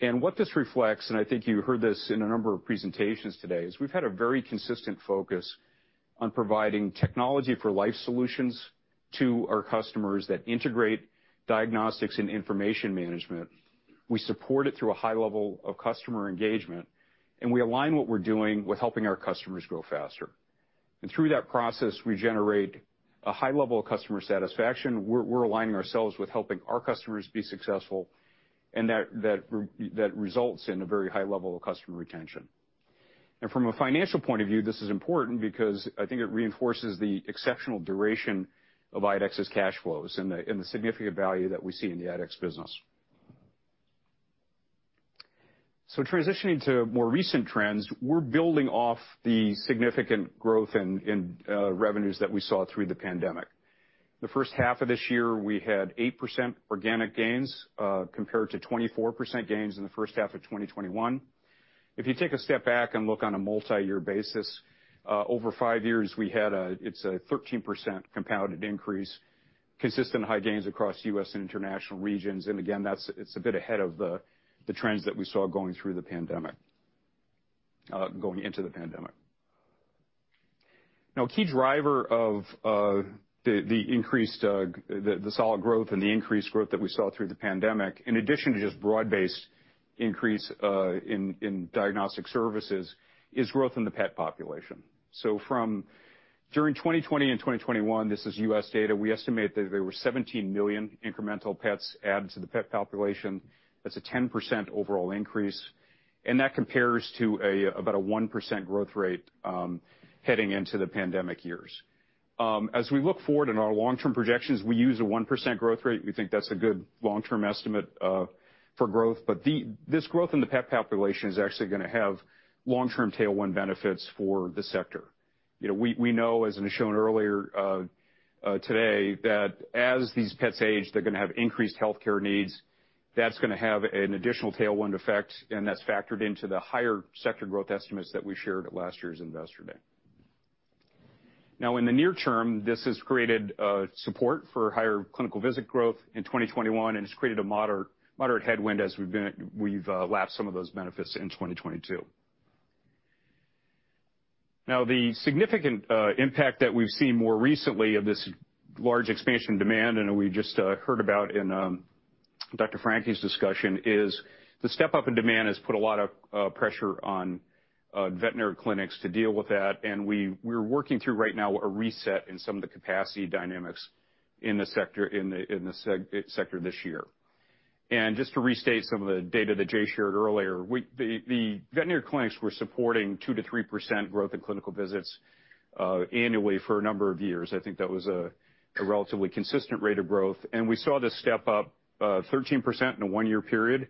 I: What this reflects, and I think you heard this in a number of presentations today, is we've had a very consistent focus on providing technology for life solutions to our customers that integrate diagnostics and information management. We support it through a high level of customer engagement, and we align what we're doing with helping our customers grow faster. Through that process, we generate a high level of customer satisfaction. We're aligning ourselves with helping our customers be successful, and that results in a very high level of customer retention. From a financial point of view, this is important because I think it reinforces the exceptional duration of IDEXX's cash flows and the significant value that we see in the IDEXX business. Transitioning to more recent trends, we're building off the significant growth in revenues that we saw through the pandemic. The first half of this year, we had 8% organic gains, compared to 24% gains in the first half of 2021. If you take a step back and look on a multi-year basis, over five years, we had a 13% compounded increase, consistent high gains across U.S. and international regions. Again, that's a bit ahead of the trends that we saw going through the pandemic, going into the pandemic. Now, a key driver of the increased solid growth and the increased growth that we saw through the pandemic, in addition to just broad-based increase in diagnostic services, is growth in the pet population. From during 2020 and 2021, this is U.S. data, we estimate that there were 17 million incremental pets added to the pet population. That's a 10% overall increase, and that compares to about a 1% growth rate heading into the pandemic years. As we look forward in our long-term projections, we use a 1% growth rate. We think that's a good long-term estimate for growth. This growth in the pet population is actually gonna have long-term tailwind benefits for the sector. You know, we know, as shown earlier today, that as these pets age, they're gonna have increased healthcare needs. That's gonna have an additional tailwind effect, and that's factored into the higher sector growth estimates that we shared at last year's Investor Day. Now in the near term, this has created support for higher clinical visit growth in 2021, and it's created a moderate headwind as we've lapped some of those benefits in 2022. Now, the significant impact that we've seen more recently of this large expansion demand, and we just heard about in Dr. Francke's discussion, is the step up in demand has put a lot of pressure on veterinary clinics to deal with that. We're working through right now a reset in some of the capacity dynamics in the sector this year. Just to restate some of the data that Jay shared earlier, the veterinary clinics were supporting 2%-3% growth in clinical visits annually for a number of years. I think that was a relatively consistent rate of growth. We saw this step up 13% in a one-year period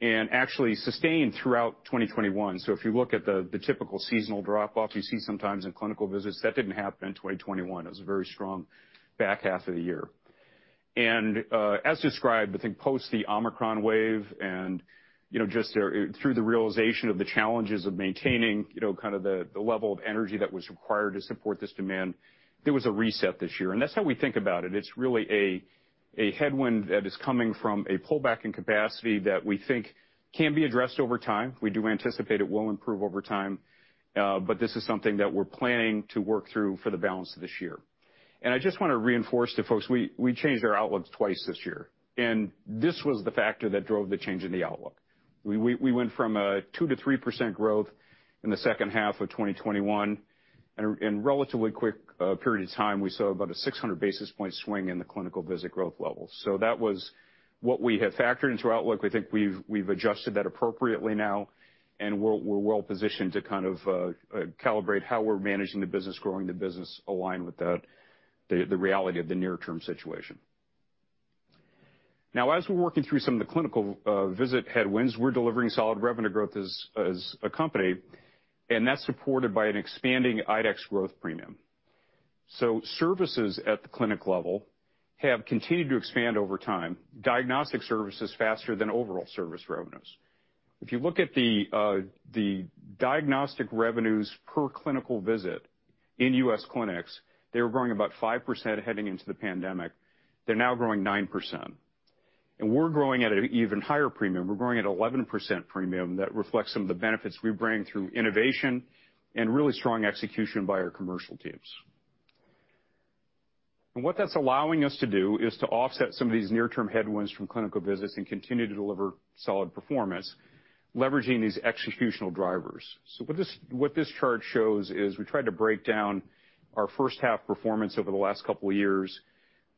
I: and actually sustained throughout 2021. If you look at the typical seasonal drop off you see sometimes in clinical visits, that didn't happen in 2021. It was a very strong back half of the year. As described, I think post the Omicron wave and, you know, just through the realization of the challenges of maintaining, you know, kind of the level of energy that was required to support this demand, there was a reset this year, and that's how we think about it. It's really a headwind that is coming from a pullback in capacity that we think can be addressed over time. We do anticipate it will improve over time, but this is something that we're planning to work through for the balance of this year. I just wanna reinforce to folks, we changed our outlooks twice this year, and this was the factor that drove the change in the outlook. We went from a 2%-3% growth in the second half of 2021, and in relatively quick period of time, we saw about a 600 basis point swing in the clinical visit growth levels. That was what we had factored into our outlook. We think we've adjusted that appropriately now, and we're well positioned to kind of calibrate how we're managing the business, growing the business aligned with the reality of the near-term situation. Now as we're working through some of the clinical visit headwinds, we're delivering solid revenue growth as a company, and that's supported by an expanding IDEXX growth premium. Services at the clinic level have continued to expand over time, diagnostic services faster than overall service revenues. If you look at the diagnostic revenues per clinical visit in U.S. clinics, they were growing about 5% heading into the pandemic. They're now growing 9%. We're growing at an even higher premium. We're growing at 11% premium that reflects some of the benefits we bring through innovation and really strong execution by our commercial teams. What that's allowing us to do is to offset some of these near-term headwinds from clinical visits and continue to deliver solid performance, leveraging these executional drivers. What this chart shows is we tried to break down our first half performance over the last couple of years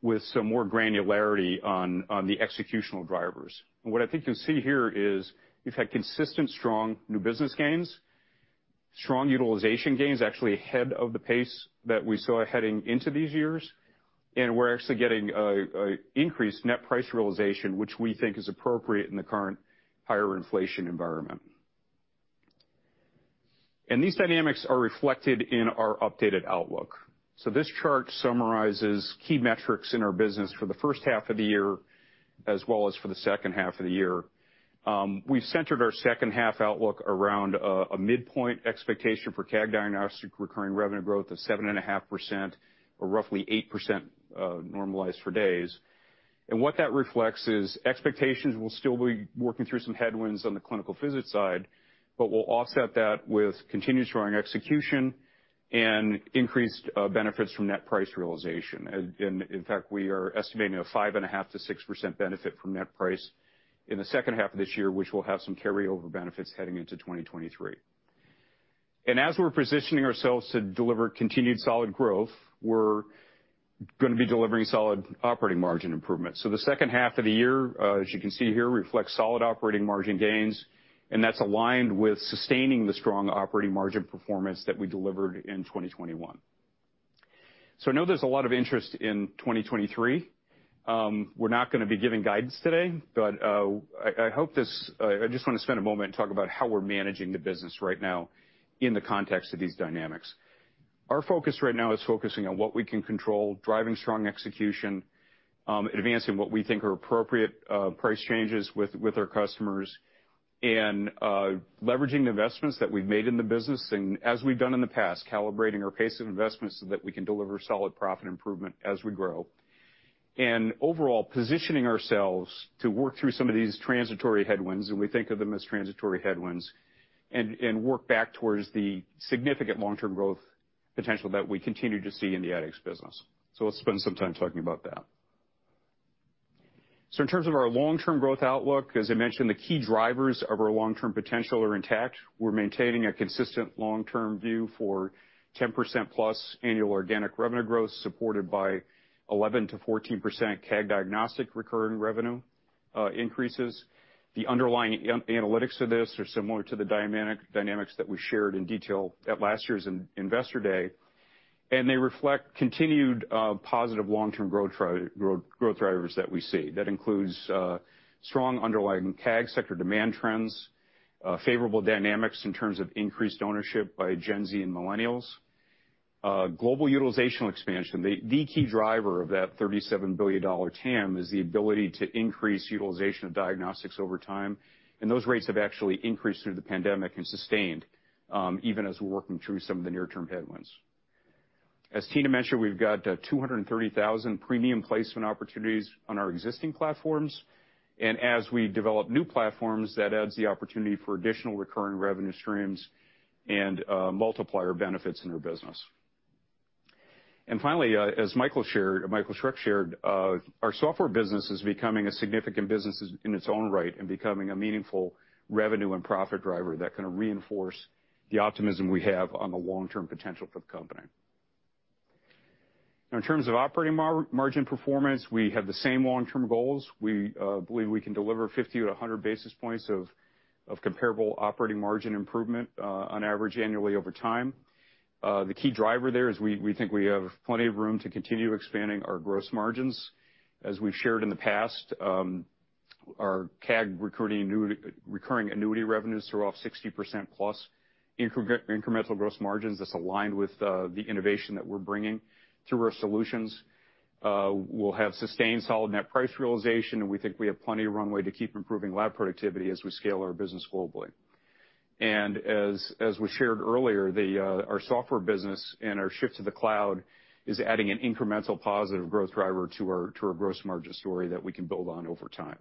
I: with some more granularity on the executional drivers. What I think you'll see here is we've had consistent strong new business gains, strong utilization gains, actually ahead of the pace that we saw heading into these years. We're actually getting increased net price realization, which we think is appropriate in the current higher inflation environment. These dynamics are reflected in our updated outlook. This chart summarizes key metrics in our business for the first half of the year as well as for the second half of the year. We've centered our second half outlook around a midpoint expectation for CAG diagnostic recurring revenue growth of 7.5% or roughly 8%, normalized for days. What that reflects is expectations we'll still be working through some headwinds on the clinical visit side, but we'll offset that with continued strong execution and increased benefits from net price realization. In fact, we are estimating a 5.5%-6% benefit from net price in the second half of this year, which will have some carryover benefits heading into 2023. As we're positioning ourselves to deliver continued solid growth, we're gonna be delivering solid operating margin improvements. The second half of the year, as you can see here, reflects solid operating margin gains, and that's aligned with sustaining the strong operating margin performance that we delivered in 2021. I know there's a lot of interest in 2023. We're not gonna be giving guidance today, but I just wanna spend a moment and talk about how we're managing the business right now in the context of these dynamics. Our focus right now is focusing on what we can control, driving strong execution, advancing what we think are appropriate price changes with our customers and leveraging the investments that we've made in the business. As we've done in the past, calibrating our pace of investment so that we can deliver solid profit improvement as we grow. Overall, positioning ourselves to work through some of these transitory headwinds, and we think of them as transitory headwinds, and work back towards the significant long-term growth potential that we continue to see in the IDEXX business. Let's spend some time talking about that. In terms of our long-term growth outlook, as I mentioned, the key drivers of our long-term potential are intact. We're maintaining a consistent long-term view for 10%+ annual organic revenue growth, supported by 11%-14% CAG diagnostic recurring revenue increases. The underlying analytics to this are similar to the dynamics that we shared in detail at last year's investor day, and they reflect continued positive long-term growth drivers that we see. That includes strong underlying CAG sector demand trends, favorable dynamics in terms of increased ownership by Gen Z and millennials, global utilization expansion. The key driver of that $37 billion TAM is the ability to increase utilization of diagnostics over time, and those rates have actually increased through the pandemic and sustained even as we're working through some of the near-term headwinds. As Tina mentioned, we've got 230,000 premium placement opportunities on our existing platforms. As we develop new platforms, that adds the opportunity for additional recurring revenue streams and multiplier benefits in our business. Finally, as Michael Schreck shared, our software business is becoming a significant business in its own right and becoming a meaningful revenue and profit driver that can reinforce the optimism we have on the long-term potential for the company. Now, in terms of operating margin performance, we have the same long-term goals. We believe we can deliver 50-100 basis points of comparable operating margin improvement on average annually over time. The key driver there is we think we have plenty of room to continue expanding our gross margins. As we've shared in the past, our CAG recurring annuity revenues are off 60% plus incremental gross margins that's aligned with the innovation that we're bringing through our solutions. We'll have sustained solid net price realization, and we think we have plenty of runway to keep improving lab productivity as we scale our business globally. As we shared earlier, our software business and our shift to the cloud is adding an incremental positive growth driver to our gross margin story that we can build on over time.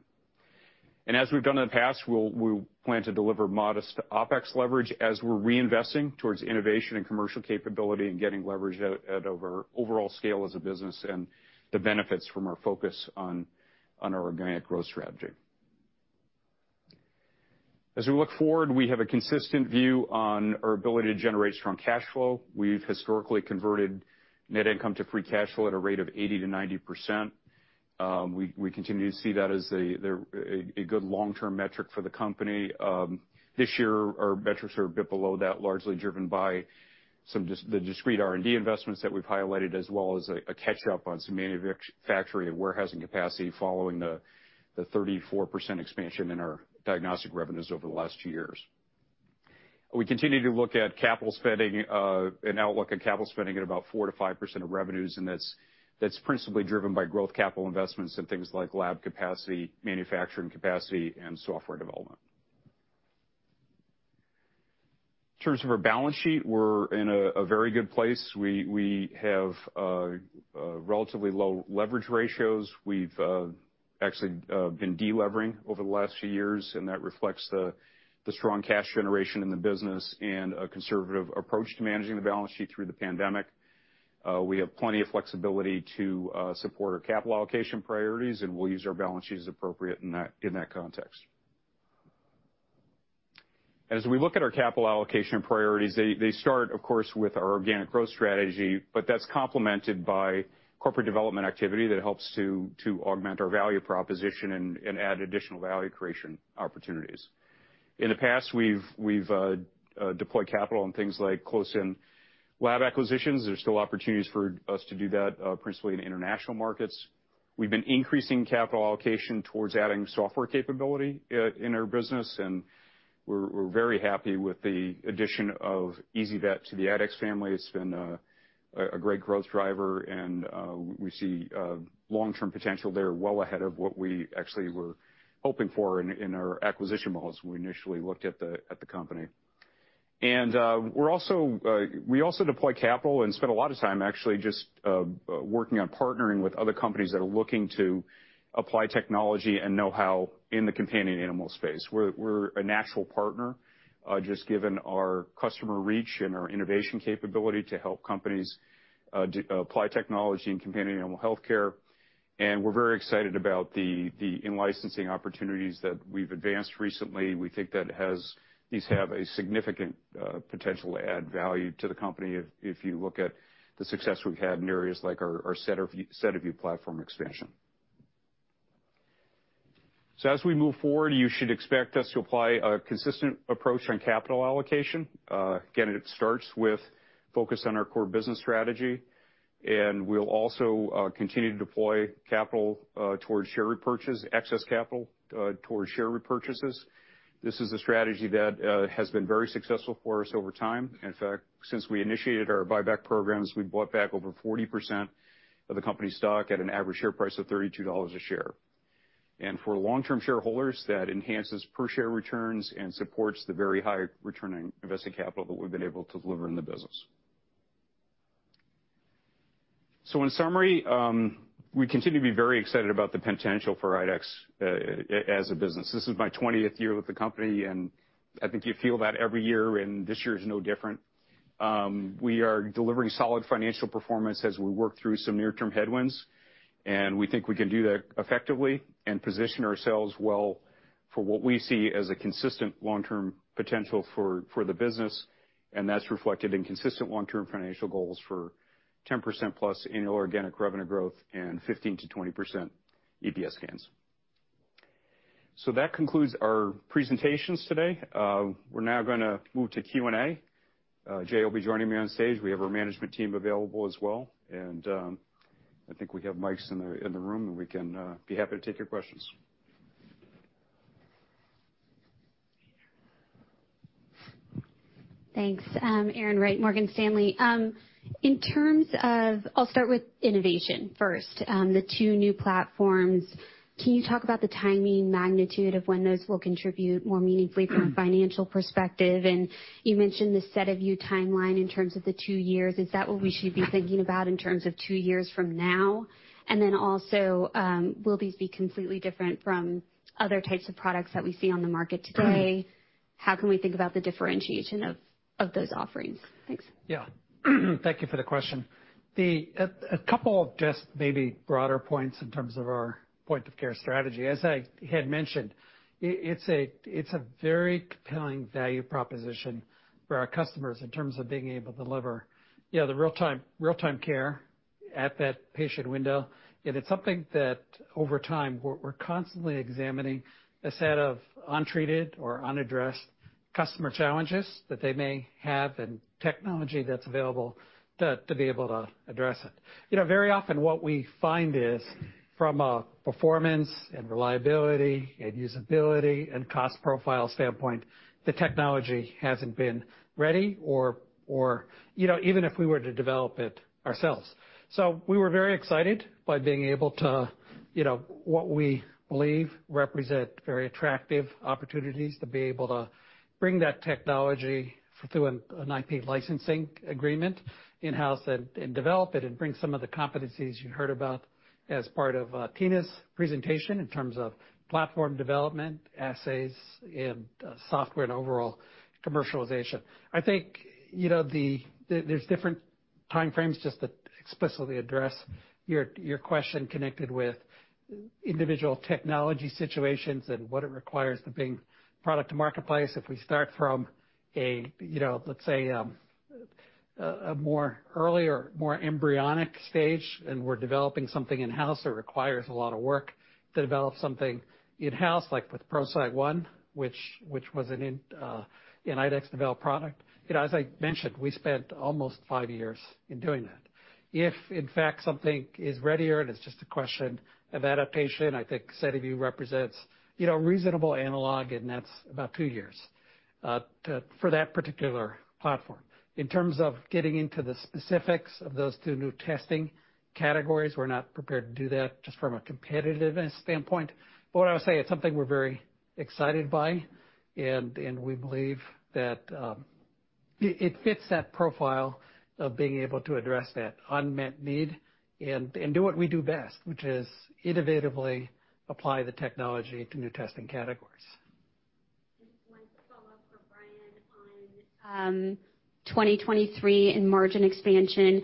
I: As we've done in the past, we plan to deliver modest OpEx leverage as we're reinvesting towards innovation and commercial capability and getting leverage out at our overall scale as a business and the benefits from our focus on our organic growth strategy. As we look forward, we have a consistent view on our ability to generate strong cash flow. We've historically converted net income to free cash flow at a rate of 80%-90%. We continue to see that as a good long-term metric for the company. This year, our metrics are a bit below that, largely driven by the discrete R&D investments that we've highlighted, as well as a catch-up on some manufacturing and warehousing capacity following the 34% expansion in our diagnostic revenues over the last two years. We continue to look at capital spending, an outlook on capital spending at about 4%-5% of revenues, and that's principally driven by growth capital investments in things like lab capacity, manufacturing capacity, and software development. In terms of our balance sheet, we're in a very good place. We have relatively low leverage ratios. We've actually been de-levering over the last few years, and that reflects the strong cash generation in the business and a conservative approach to managing the balance sheet through the pandemic. We have plenty of flexibility to support our capital allocation priorities, and we'll use our balance sheet as appropriate in that context. As we look at our capital allocation priorities, they start, of course, with our organic growth strategy, but that's complemented by corporate development activity that helps to augment our value proposition and add additional value creation opportunities. In the past, we've deployed capital on things like close-in lab acquisitions. There's still opportunities for us to do that, principally in international markets. We've been increasing capital allocation towards adding software capability in our business, and we're very happy with the addition of ezyVet to the IDEXX family. It's been a great growth driver and we see long-term potential there, well ahead of what we actually were hoping for in our acquisition models when we initially looked at the company. We're also we also deploy capital and spend a lot of time actually just working on partnering with other companies that are looking to apply technology and know-how in the companion animal space. We're a natural partner just given our customer reach and our innovation capability to help companies apply technology in companion animal healthcare. We're very excited about the in-licensing opportunities that we've advanced recently. We think that these have a significant potential to add value to the company if you look at the success we've had in areas like our SediVue platform expansion. As we move forward, you should expect us to apply a consistent approach on capital allocation. Again, it starts with focus on our core business strategy, and we'll also continue to deploy capital towards share repurchase, excess capital towards share repurchases. This is a strategy that has been very successful for us over time. In fact, since we initiated our buyback programs, we bought back over 40% of the company stock at an average share price of $32 a share. For long-term shareholders, that enhances per share returns and supports the very high return on invested capital that we've been able to deliver in the business. In summary, we continue to be very excited about the potential for IDEXX as a business. This is my 20th year with the company, and I think you feel that every year, and this year is no different. We are delivering solid financial performance as we work through some near-term headwinds, and we think we can do that effectively and position ourselves well for what we see as a consistent long-term potential for the business. That's reflected in consistent long-term financial goals for 10%+ annual organic revenue growth and 15%-20% EPS gains. That concludes our presentations today. We're now gonna move to Q&A. Jay will be joining me on stage. We have our management team available as well. I think we have mics in the room, and we can be happy to take your questions.
J: Thanks. Erin Wright, Morgan Stanley. In terms of, I'll start with innovation first, the two new platforms. Can you talk about the timing and magnitude of when those will contribute more meaningfully from a financial perspective? You mentioned the SediVue timeline in terms of the 2 years. Is that what we should be thinking about in terms of two years from now? Then also, will these be completely different from other types of products that we see on the market today? How can we think about the differentiation of those offerings? Thanks.
A: Yeah. Thank you for the question. A couple of just maybe broader points in terms of our point of care strategy. As I had mentioned, it's a very compelling value proposition for our customers in terms of being able to deliver, you know, the real time care at that patient window. It is something that over time, we're constantly examining a set of untreated or unaddressed customer challenges that they may have and technology that's available to be able to address it. You know, very often what we find is from a performance and reliability and usability and cost profile standpoint, the technology hasn't been ready or, you know, even if we were to develop it ourselves. We were very excited by being able to, you know, what we believe represent very attractive opportunities to be able to bring that technology through an IP licensing agreement in-house and develop it and bring some of the competencies you heard about as part of Tina's presentation in terms of platform development, assays and software and overall commercialization. I think, you know, there's different timeframes just to explicitly address your question connected with individual technology situations and what it requires to bring product to marketplace. If we start from a, you know, let's say, a more earlier, more embryonic stage, and we're developing something in-house that requires a lot of work to develop something in-house, like with ProCyte One, which was an in, an IDEXX developed product. You know, as I mentioned, we spent almost five years in doing that. If in fact something is readier and it's just a question of adaptation, I think SediVue represents, you know, reasonable analog, and that's about 2 years for that particular platform. In terms of getting into the specifics of those two new testing categories, we're not prepared to do that just from a competitiveness standpoint. What I would say, it's something we're very excited by, and we believe that it fits that profile of being able to address that unmet need and do what we do best, which is innovatively apply the technology to new testing categories.
J: Just one follow-up for Brian on 2023 and margin expansion.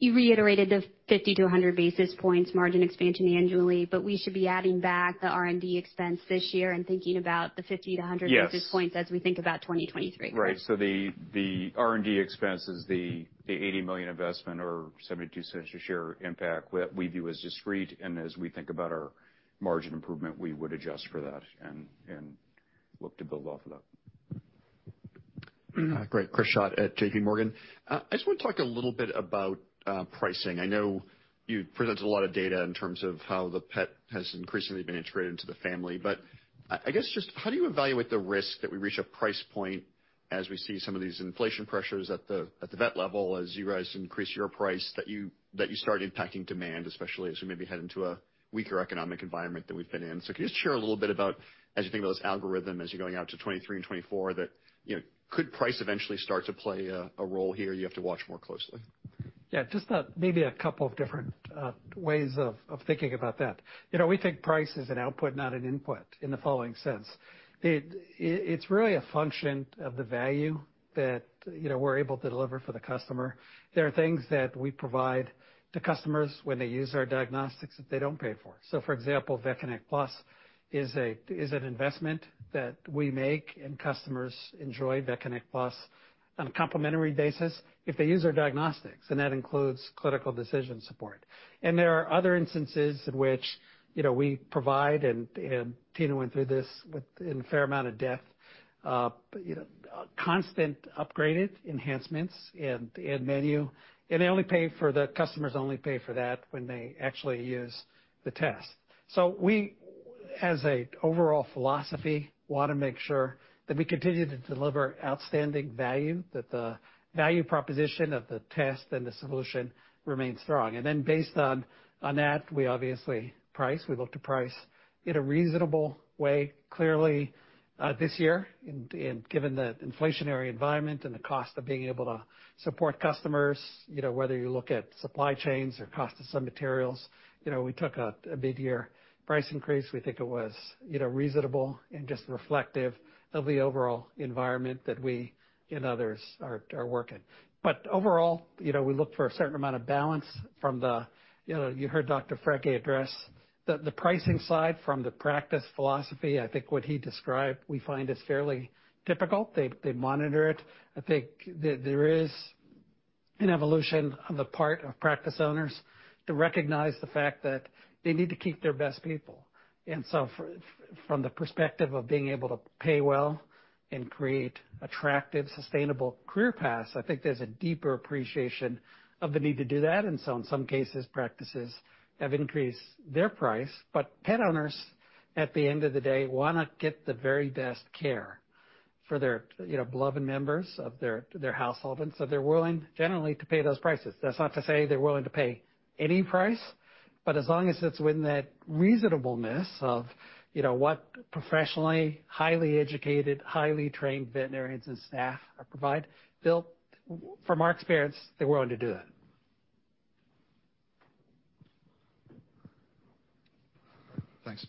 J: You reiterated the 50-100 basis points margin expansion annually. We should be adding back the R&D expense this year and thinking about the 50-100-
I: Yes
J: basis points as we think about 2023.
I: The R&D expense is the $80 million investment or $0.72 a share impact we view as discrete. As we think about our margin improvement, we would adjust for that and look to build off of that.
K: Great. Chris Schott at JPMorgan. I just want to talk a little bit about pricing. I know you presented a lot of data in terms of how the pet has increasingly been integrated into the family, but I guess just how do you evaluate the risk that we reach a price point as we see some of these inflation pressures at the vet level, as you guys increase your price, that you start impacting demand, especially as we maybe head into a weaker economic environment than we've been in. Can you just share a little bit about as you think about this algorithm, as you're going out to 2023 and 2024, that you know, could price eventually start to play a role here you have to watch more closely?
A: Yeah, just maybe a couple of different ways of thinking about that. You know, we think price is an output, not an input in the following sense. It's really a function of the value that, you know, we're able to deliver for the customer. There are things that we provide to customers when they use our diagnostics that they don't pay for. So for example, VetConnect PLUS is an investment that we make, and customers enjoy VetConnect PLUS on a complimentary basis if they use our diagnostics, and that includes clinical decision support. There are other instances in which, you know, we provide and Tina went through this in a fair amount of depth, you know, constant upgraded enhancements and menu. They only pay for the customers only pay for that when they actually use the test. We, as an overall philosophy, wanna make sure that we continue to deliver outstanding value, that the value proposition of the test and the solution remains strong. Then based on that, we obviously price. We look to price in a reasonable way. Clearly, this year and given the inflationary environment and the cost of being able to support customers, you know, whether you look at supply chains or cost of some materials, you know, we took a mid-year price increase. We think it was, you know, reasonable and just reflective of the overall environment that we and others are working. Overall, you know, we look for a certain amount of balance. You know, you heard Dr. Francke address the pricing side from the practice philosophy. I think what he described we find is fairly typical. They monitor it. I think there is an evolution on the part of practice owners to recognize the fact that they need to keep their best people. From the perspective of being able to pay well and create attractive, sustainable career paths, I think there's a deeper appreciation of the need to do that. In some cases, practices have increased their price. Pet owners, at the end of the day, wanna get the very best care for their, you know, beloved members of their household. They're willing, generally, to pay those prices. That's not to say they're willing to pay any price, but as long as it's within that reasonableness of, you know, what professionally, highly educated, highly trained veterinarians and staff are provide, Bill, from our experience, they're willing to do that.
L: Thanks.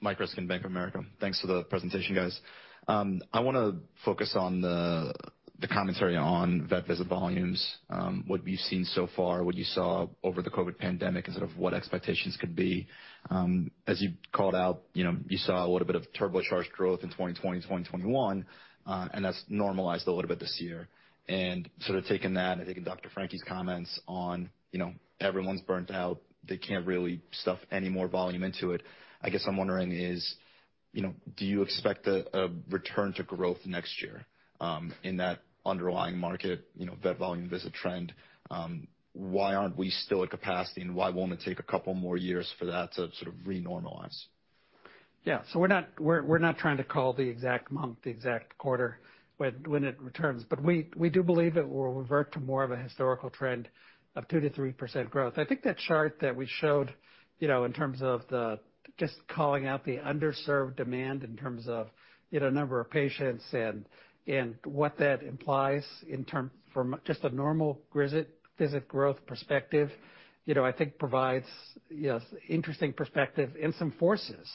L: Mike Ryskin, Bank of America. Thanks for the presentation, guys. I wanna focus on the commentary on vet visit volumes, what you've seen so far, what you saw over the COVID pandemic and sort of what expectations could be. As you called out, you know, you saw a little bit of turbocharged growth in 2020, 2021, and that's normalized a little bit this year. Sort of taking that and taking Dr. Francke's comments on, you know, everyone's burnt out, they can't really stuff any more volume into it. I guess I'm wondering is, you know, do you expect a return to growth next year in that underlying market, you know, vet volume visit trend? Why aren't we still at capacity, and why won't it take a couple more years for that to sort of re-normalize?
A: We're not trying to call the exact month, the exact quarter when it returns, but we do believe it will revert to more of a historical trend of 2%-3% growth. I think that chart that we showed, you know, in terms of just calling out the underserved demand in terms of, you know, number of patients and what that implies in terms from just a normal visit growth perspective, you know, I think provides, you know, interesting perspective and some forces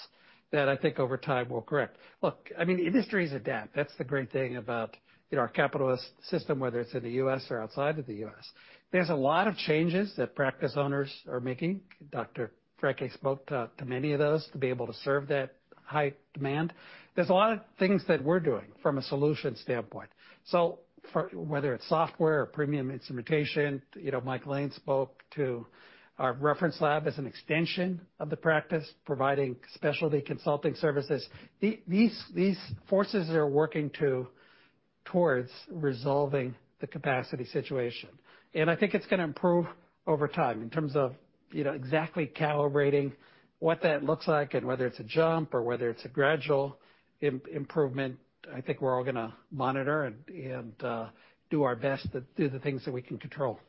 A: that I think over time will correct. Look, I mean, industries adapt. That's the great thing about, you know, our capitalist system, whether it's in the U.S. or outside of the U.S. There's a lot of changes that practice owners are making. Dr. Francke spoke to many of those to be able to serve that high demand. There's a lot of things that we're doing from a solution standpoint. For whether it's software or premium instrumentation, you know, Mike Lane spoke to our reference lab as an extension of the practice, providing specialty consulting services. These forces are working towards resolving the capacity situation. I think it's gonna improve over time in terms of, you know, exactly calibrating what that looks like and whether it's a jump or whether it's a gradual improvement. I think we're all gonna monitor and do our best to do the things that we can control.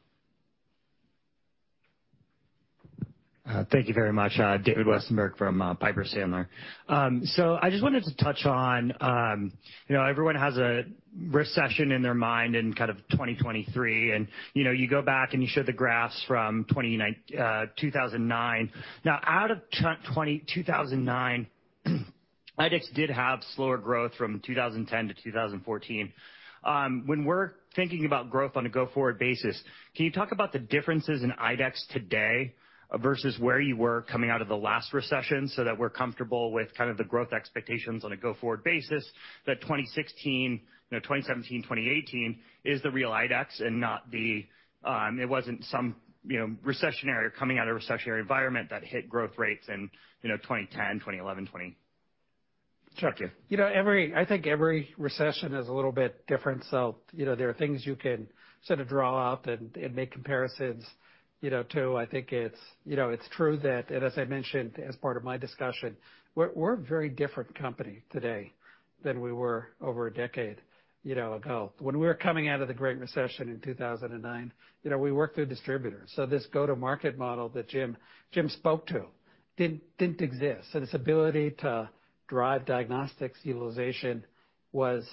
M: Thank you very much. David Westenberg from Piper Sandler. I just wanted to touch on, you know, everyone has a recession in their mind in kind of 2023, and, you know, you go back and you show the graphs from 2009. Now out of 2009, IDEXX did have slower growth from 2010 to 2014. When we're thinking about growth on a go-forward basis, can you talk about the differences in IDEXX today versus where you were coming out of the last recession so that we're comfortable with kind of the growth expectations on a go-forward basis, that 2016, you know, 2017, 2018 is the real IDEXX and not the. It wasn't some, you know, recessionary or coming out of a recessionary environment that hit growth rates in, you know, 2010, 2011, 20-
A: Sure. You know, I think every recession is a little bit different. You know, there are things you can sort of draw up and make comparisons, you know, to. I think it's, you know, it's true that, and as I mentioned as part of my discussion, we're a very different company today than we were over a decade, you know, ago. When we were coming out of the Great Recession in 2009, you know, we worked through distributors. This go-to-market model that Jim spoke to didn't exist. This ability to drive diagnostics utilization was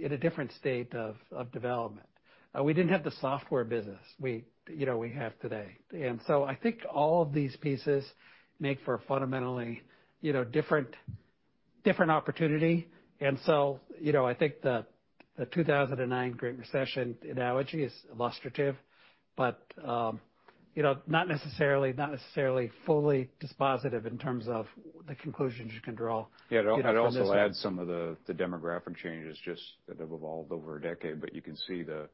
A: in a different state of development. We didn't have the software business we, you know, we have today. I think all of these pieces make for a fundamentally, you know, different opportunity. You know, I think the 2009 Great Recession analogy is illustrative, but you know, not necessarily fully dispositive in terms of the conclusions you can draw, you know, from this.
I: Yeah. I'd also add some of the demographic changes just that have evolved over a decade, but you can see the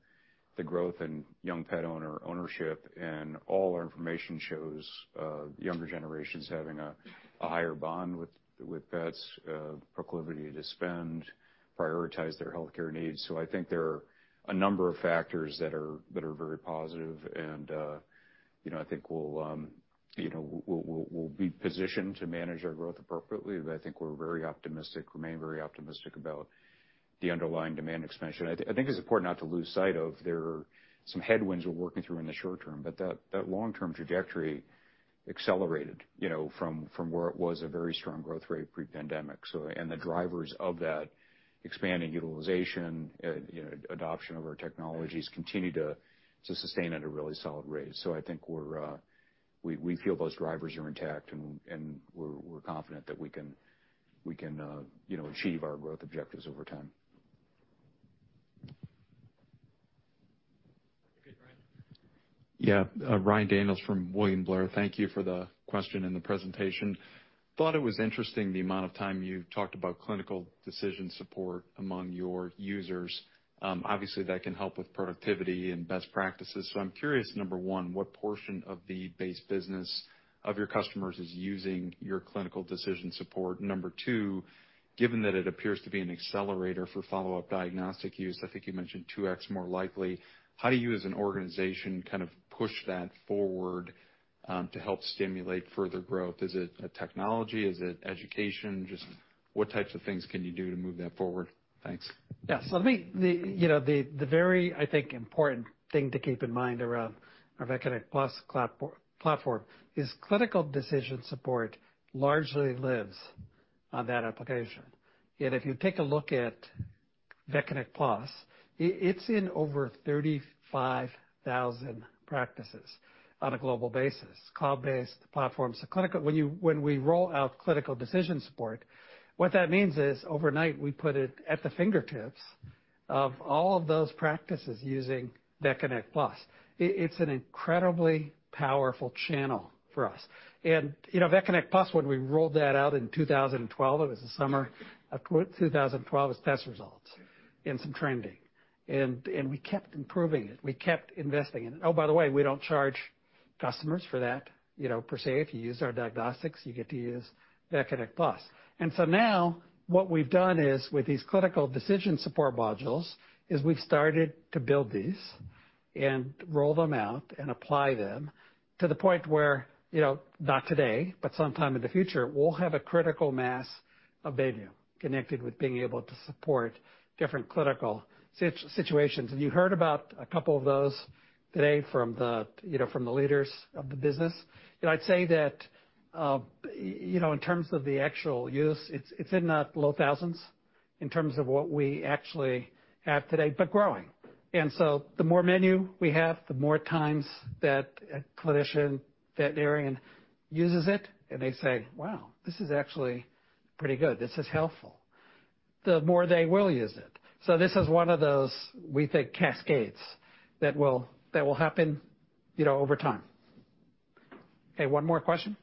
I: growth in young pet owner ownership and all our information shows younger generations having a higher bond with pets, proclivity to spend, prioritize their healthcare needs. I think there are a number of factors that are very positive and, you know, I think we'll be positioned to manage our growth appropriately, but I think we're very optimistic, remain very optimistic about the underlying demand expansion. I think it's important not to lose sight of there are some headwinds we're working through in the short term, but that long-term trajectory accelerated, you know, from where it was a very strong growth rate pre-pandemic. The drivers of that expanding utilization, you know, adoption of our technologies continue to sustain at a really solid rate. I think we feel those drivers are intact and we're confident that we can, you know, achieve our growth objectives over time.
M: Okay. Brian.
N: Yeah. Ryan Daniels from William Blair. Thank you for the question and the presentation. Thought it was interesting the amount of time you talked about clinical decision support among your users. Obviously, that can help with productivity and best practices. I'm curious, number one, what portion of the base business of your customers is using your clinical decision support? Number two, given that it appears to be an accelerator for follow-up diagnostic use, I think you mentioned 2x more likely, how do you as an organization kind of push that forward, to help stimulate further growth? Is it a technology? Is it education? Just what types of things can you do to move that forward? Thanks.
A: Yes. The, you know, the very, I think, important thing to keep in mind around our VetConnect PLUS cloud-based platform is clinical decision support largely lives on that application. Yet if you take a look at VetConnect PLUS, it's in over 35,000 practices on a global basis, cloud-based platform. So when we roll out clinical decision support, what that means is, overnight, we put it at the fingertips of all of those practices using VetConnect PLUS. It's an incredibly powerful channel for us. You know, VetConnect PLUS, when we rolled that out in 2012, it was the summer of 2012, as test results and some trending. We kept improving it, we kept investing in it. Oh, by the way, we don't charge customers for that, you know, per se. If you use our diagnostics, you get to use VetConnect PLUS. Now what we've done is, with these clinical decision support modules, we've started to build these and roll them out and apply them to the point where, you know, not today, but sometime in the future, we'll have a critical mass of menu connected with being able to support different clinical situations. You heard about a couple of those today from the leaders of the business. You know, I'd say that, you know, in terms of the actual use, it's in the low thousands in terms of what we actually have today, but growing. The more menu we have, the more times that a clinician, veterinarian uses it and they say, "Wow, this is actually pretty good. This is helpful," the more they will use it. This is one of those, we think, cascades that will happen, you know, over time. Okay, one more question.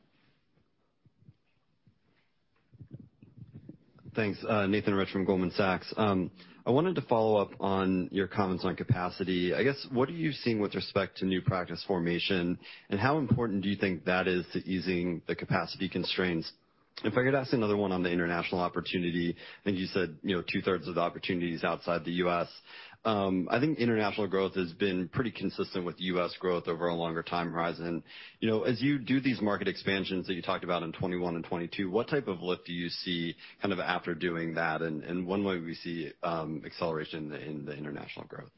O: Thanks. Nathan Roth from Goldman Sachs. I wanted to follow up on your comments on capacity. I guess, what are you seeing with respect to new practice formation, and how important do you think that is to easing the capacity constraints? If I could ask another one on the international opportunity, I think you said, you know, two-thirds of the opportunity is outside the U.S. I think international growth has been pretty consistent with U.S. growth over a longer time horizon. You know, as you do these market expansions that you talked about in 2021 and 2022, what type of lift do you see kind of after doing that, and one way we see acceleration in the international growth?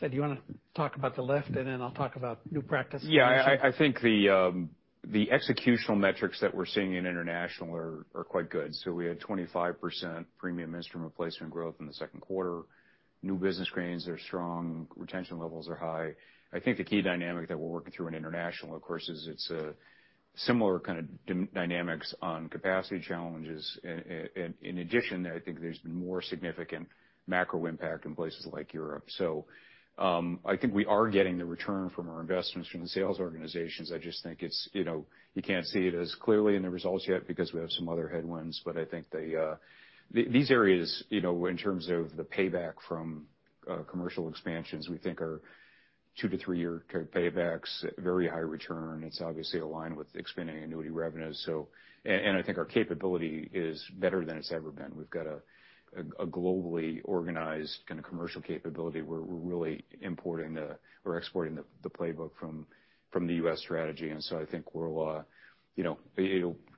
A: Brian McKeon, do you wanna talk about the lift, and then I'll talk about new practice formation?
I: Yeah. I think the executional metrics that we're seeing in international are quite good. We had 25% premium instrument placement growth in Q2. New business gains are strong. Retention levels are high. I think the key dynamic that we're working through in international, of course, is it's a similar kind of dynamics on capacity challenges. In addition, I think there's been more significant macro impact in places like Europe. I think we are getting the return from our investments from the sales organizations. I just think it's, you know, you can't see it as clearly in the results yet because we have some other headwinds, but I think these areas, you know, in terms of the payback from commercial expansions, we think are two- to three-year paybacks, very high return. It's obviously aligned with expanding annuity revenues. I think our capability is better than it's ever been. We've got a globally organized kind of commercial capability where we're really importing or exporting the playbook from the U.S. strategy. I think it'll,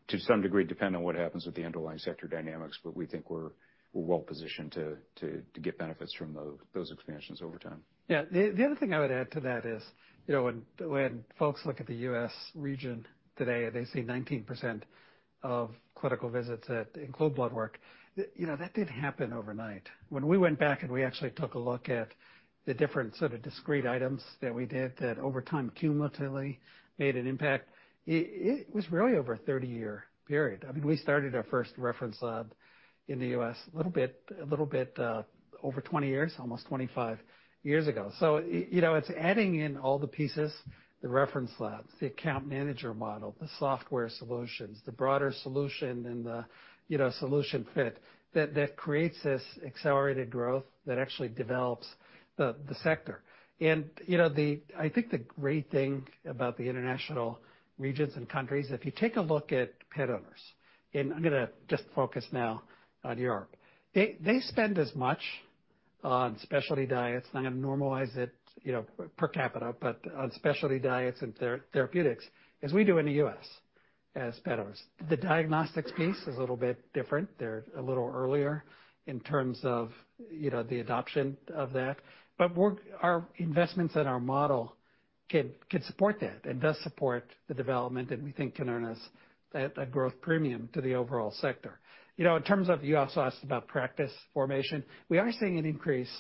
I: to some degree, depend on what happens with the underlying sector dynamics, but we think we're well positioned to get benefits from those expansions over time.
A: Yeah. The other thing I would add to that is, you know, when folks look at the U.S. region today, they see 19% of clinical visits that include blood work. You know, that didn't happen overnight. When we went back and we actually took a look at the different sort of discrete items that we did that over time cumulatively made an impact, it was really over a 30-year period. I mean, we started our first reference lab in the U.S. a little bit over 20 years, almost 25 years ago. So you know, it's adding in all the pieces, the reference labs, the account manager model, the software solutions, the broader solution, and the, you know, solution fit that creates this accelerated growth that actually develops the sector. You know, the I think the great thing about the international regions and countries, if you take a look at pet owners, and I'm gonna just focus now on Europe, they spend as much on specialty diets, I'm gonna normalize it, you know, per capita, but on specialty diets and therapeutics as we do in the U.S. as pet owners. The diagnostics piece is a little bit different. They're a little earlier in terms of, you know, the adoption of that. Our investments and our model can support that and does support the development that we think can earn us a growth premium to the overall sector. You know, in terms of, you also asked about practice formation. We are seeing an increase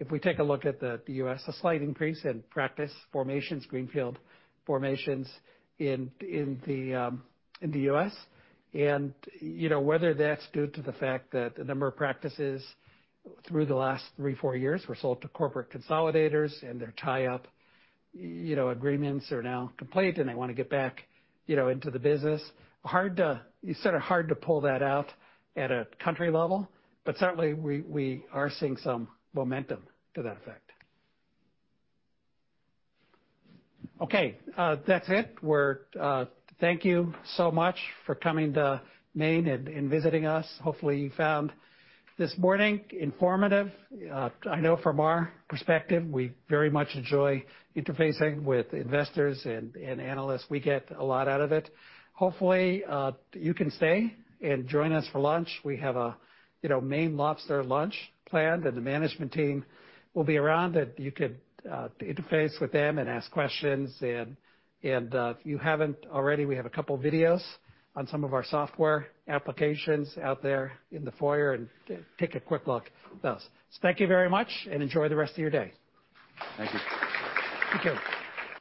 A: if we take a look at the U.S., a slight increase in practice formations, greenfield formations in the U.S. You know, whether that's due to the fact that a number of practices through the last three, four years were sold to corporate consolidators and their tie-up, you know, agreements are now complete, and they wanna get back, you know, into the business. Hard to pull that out at a country level, but certainly we are seeing some momentum to that effect. Okay, that's it. We're... Thank you so much for coming to Maine and visiting us. Hopefully, you found this morning informative. I know from our perspective, we very much enjoy interfacing with investors and analysts. We get a lot out of it. Hopefully, you can stay and join us for lunch. We have a, you know, Maine lobster lunch planned, and the management team will be around, and you could interface with them and ask questions. If you haven't already, we have a couple videos on some of our software applications out there in the foyer, and take a quick look at those. Thank you very much and enjoy the rest of your day.
I: Thank you.
A: Thank you.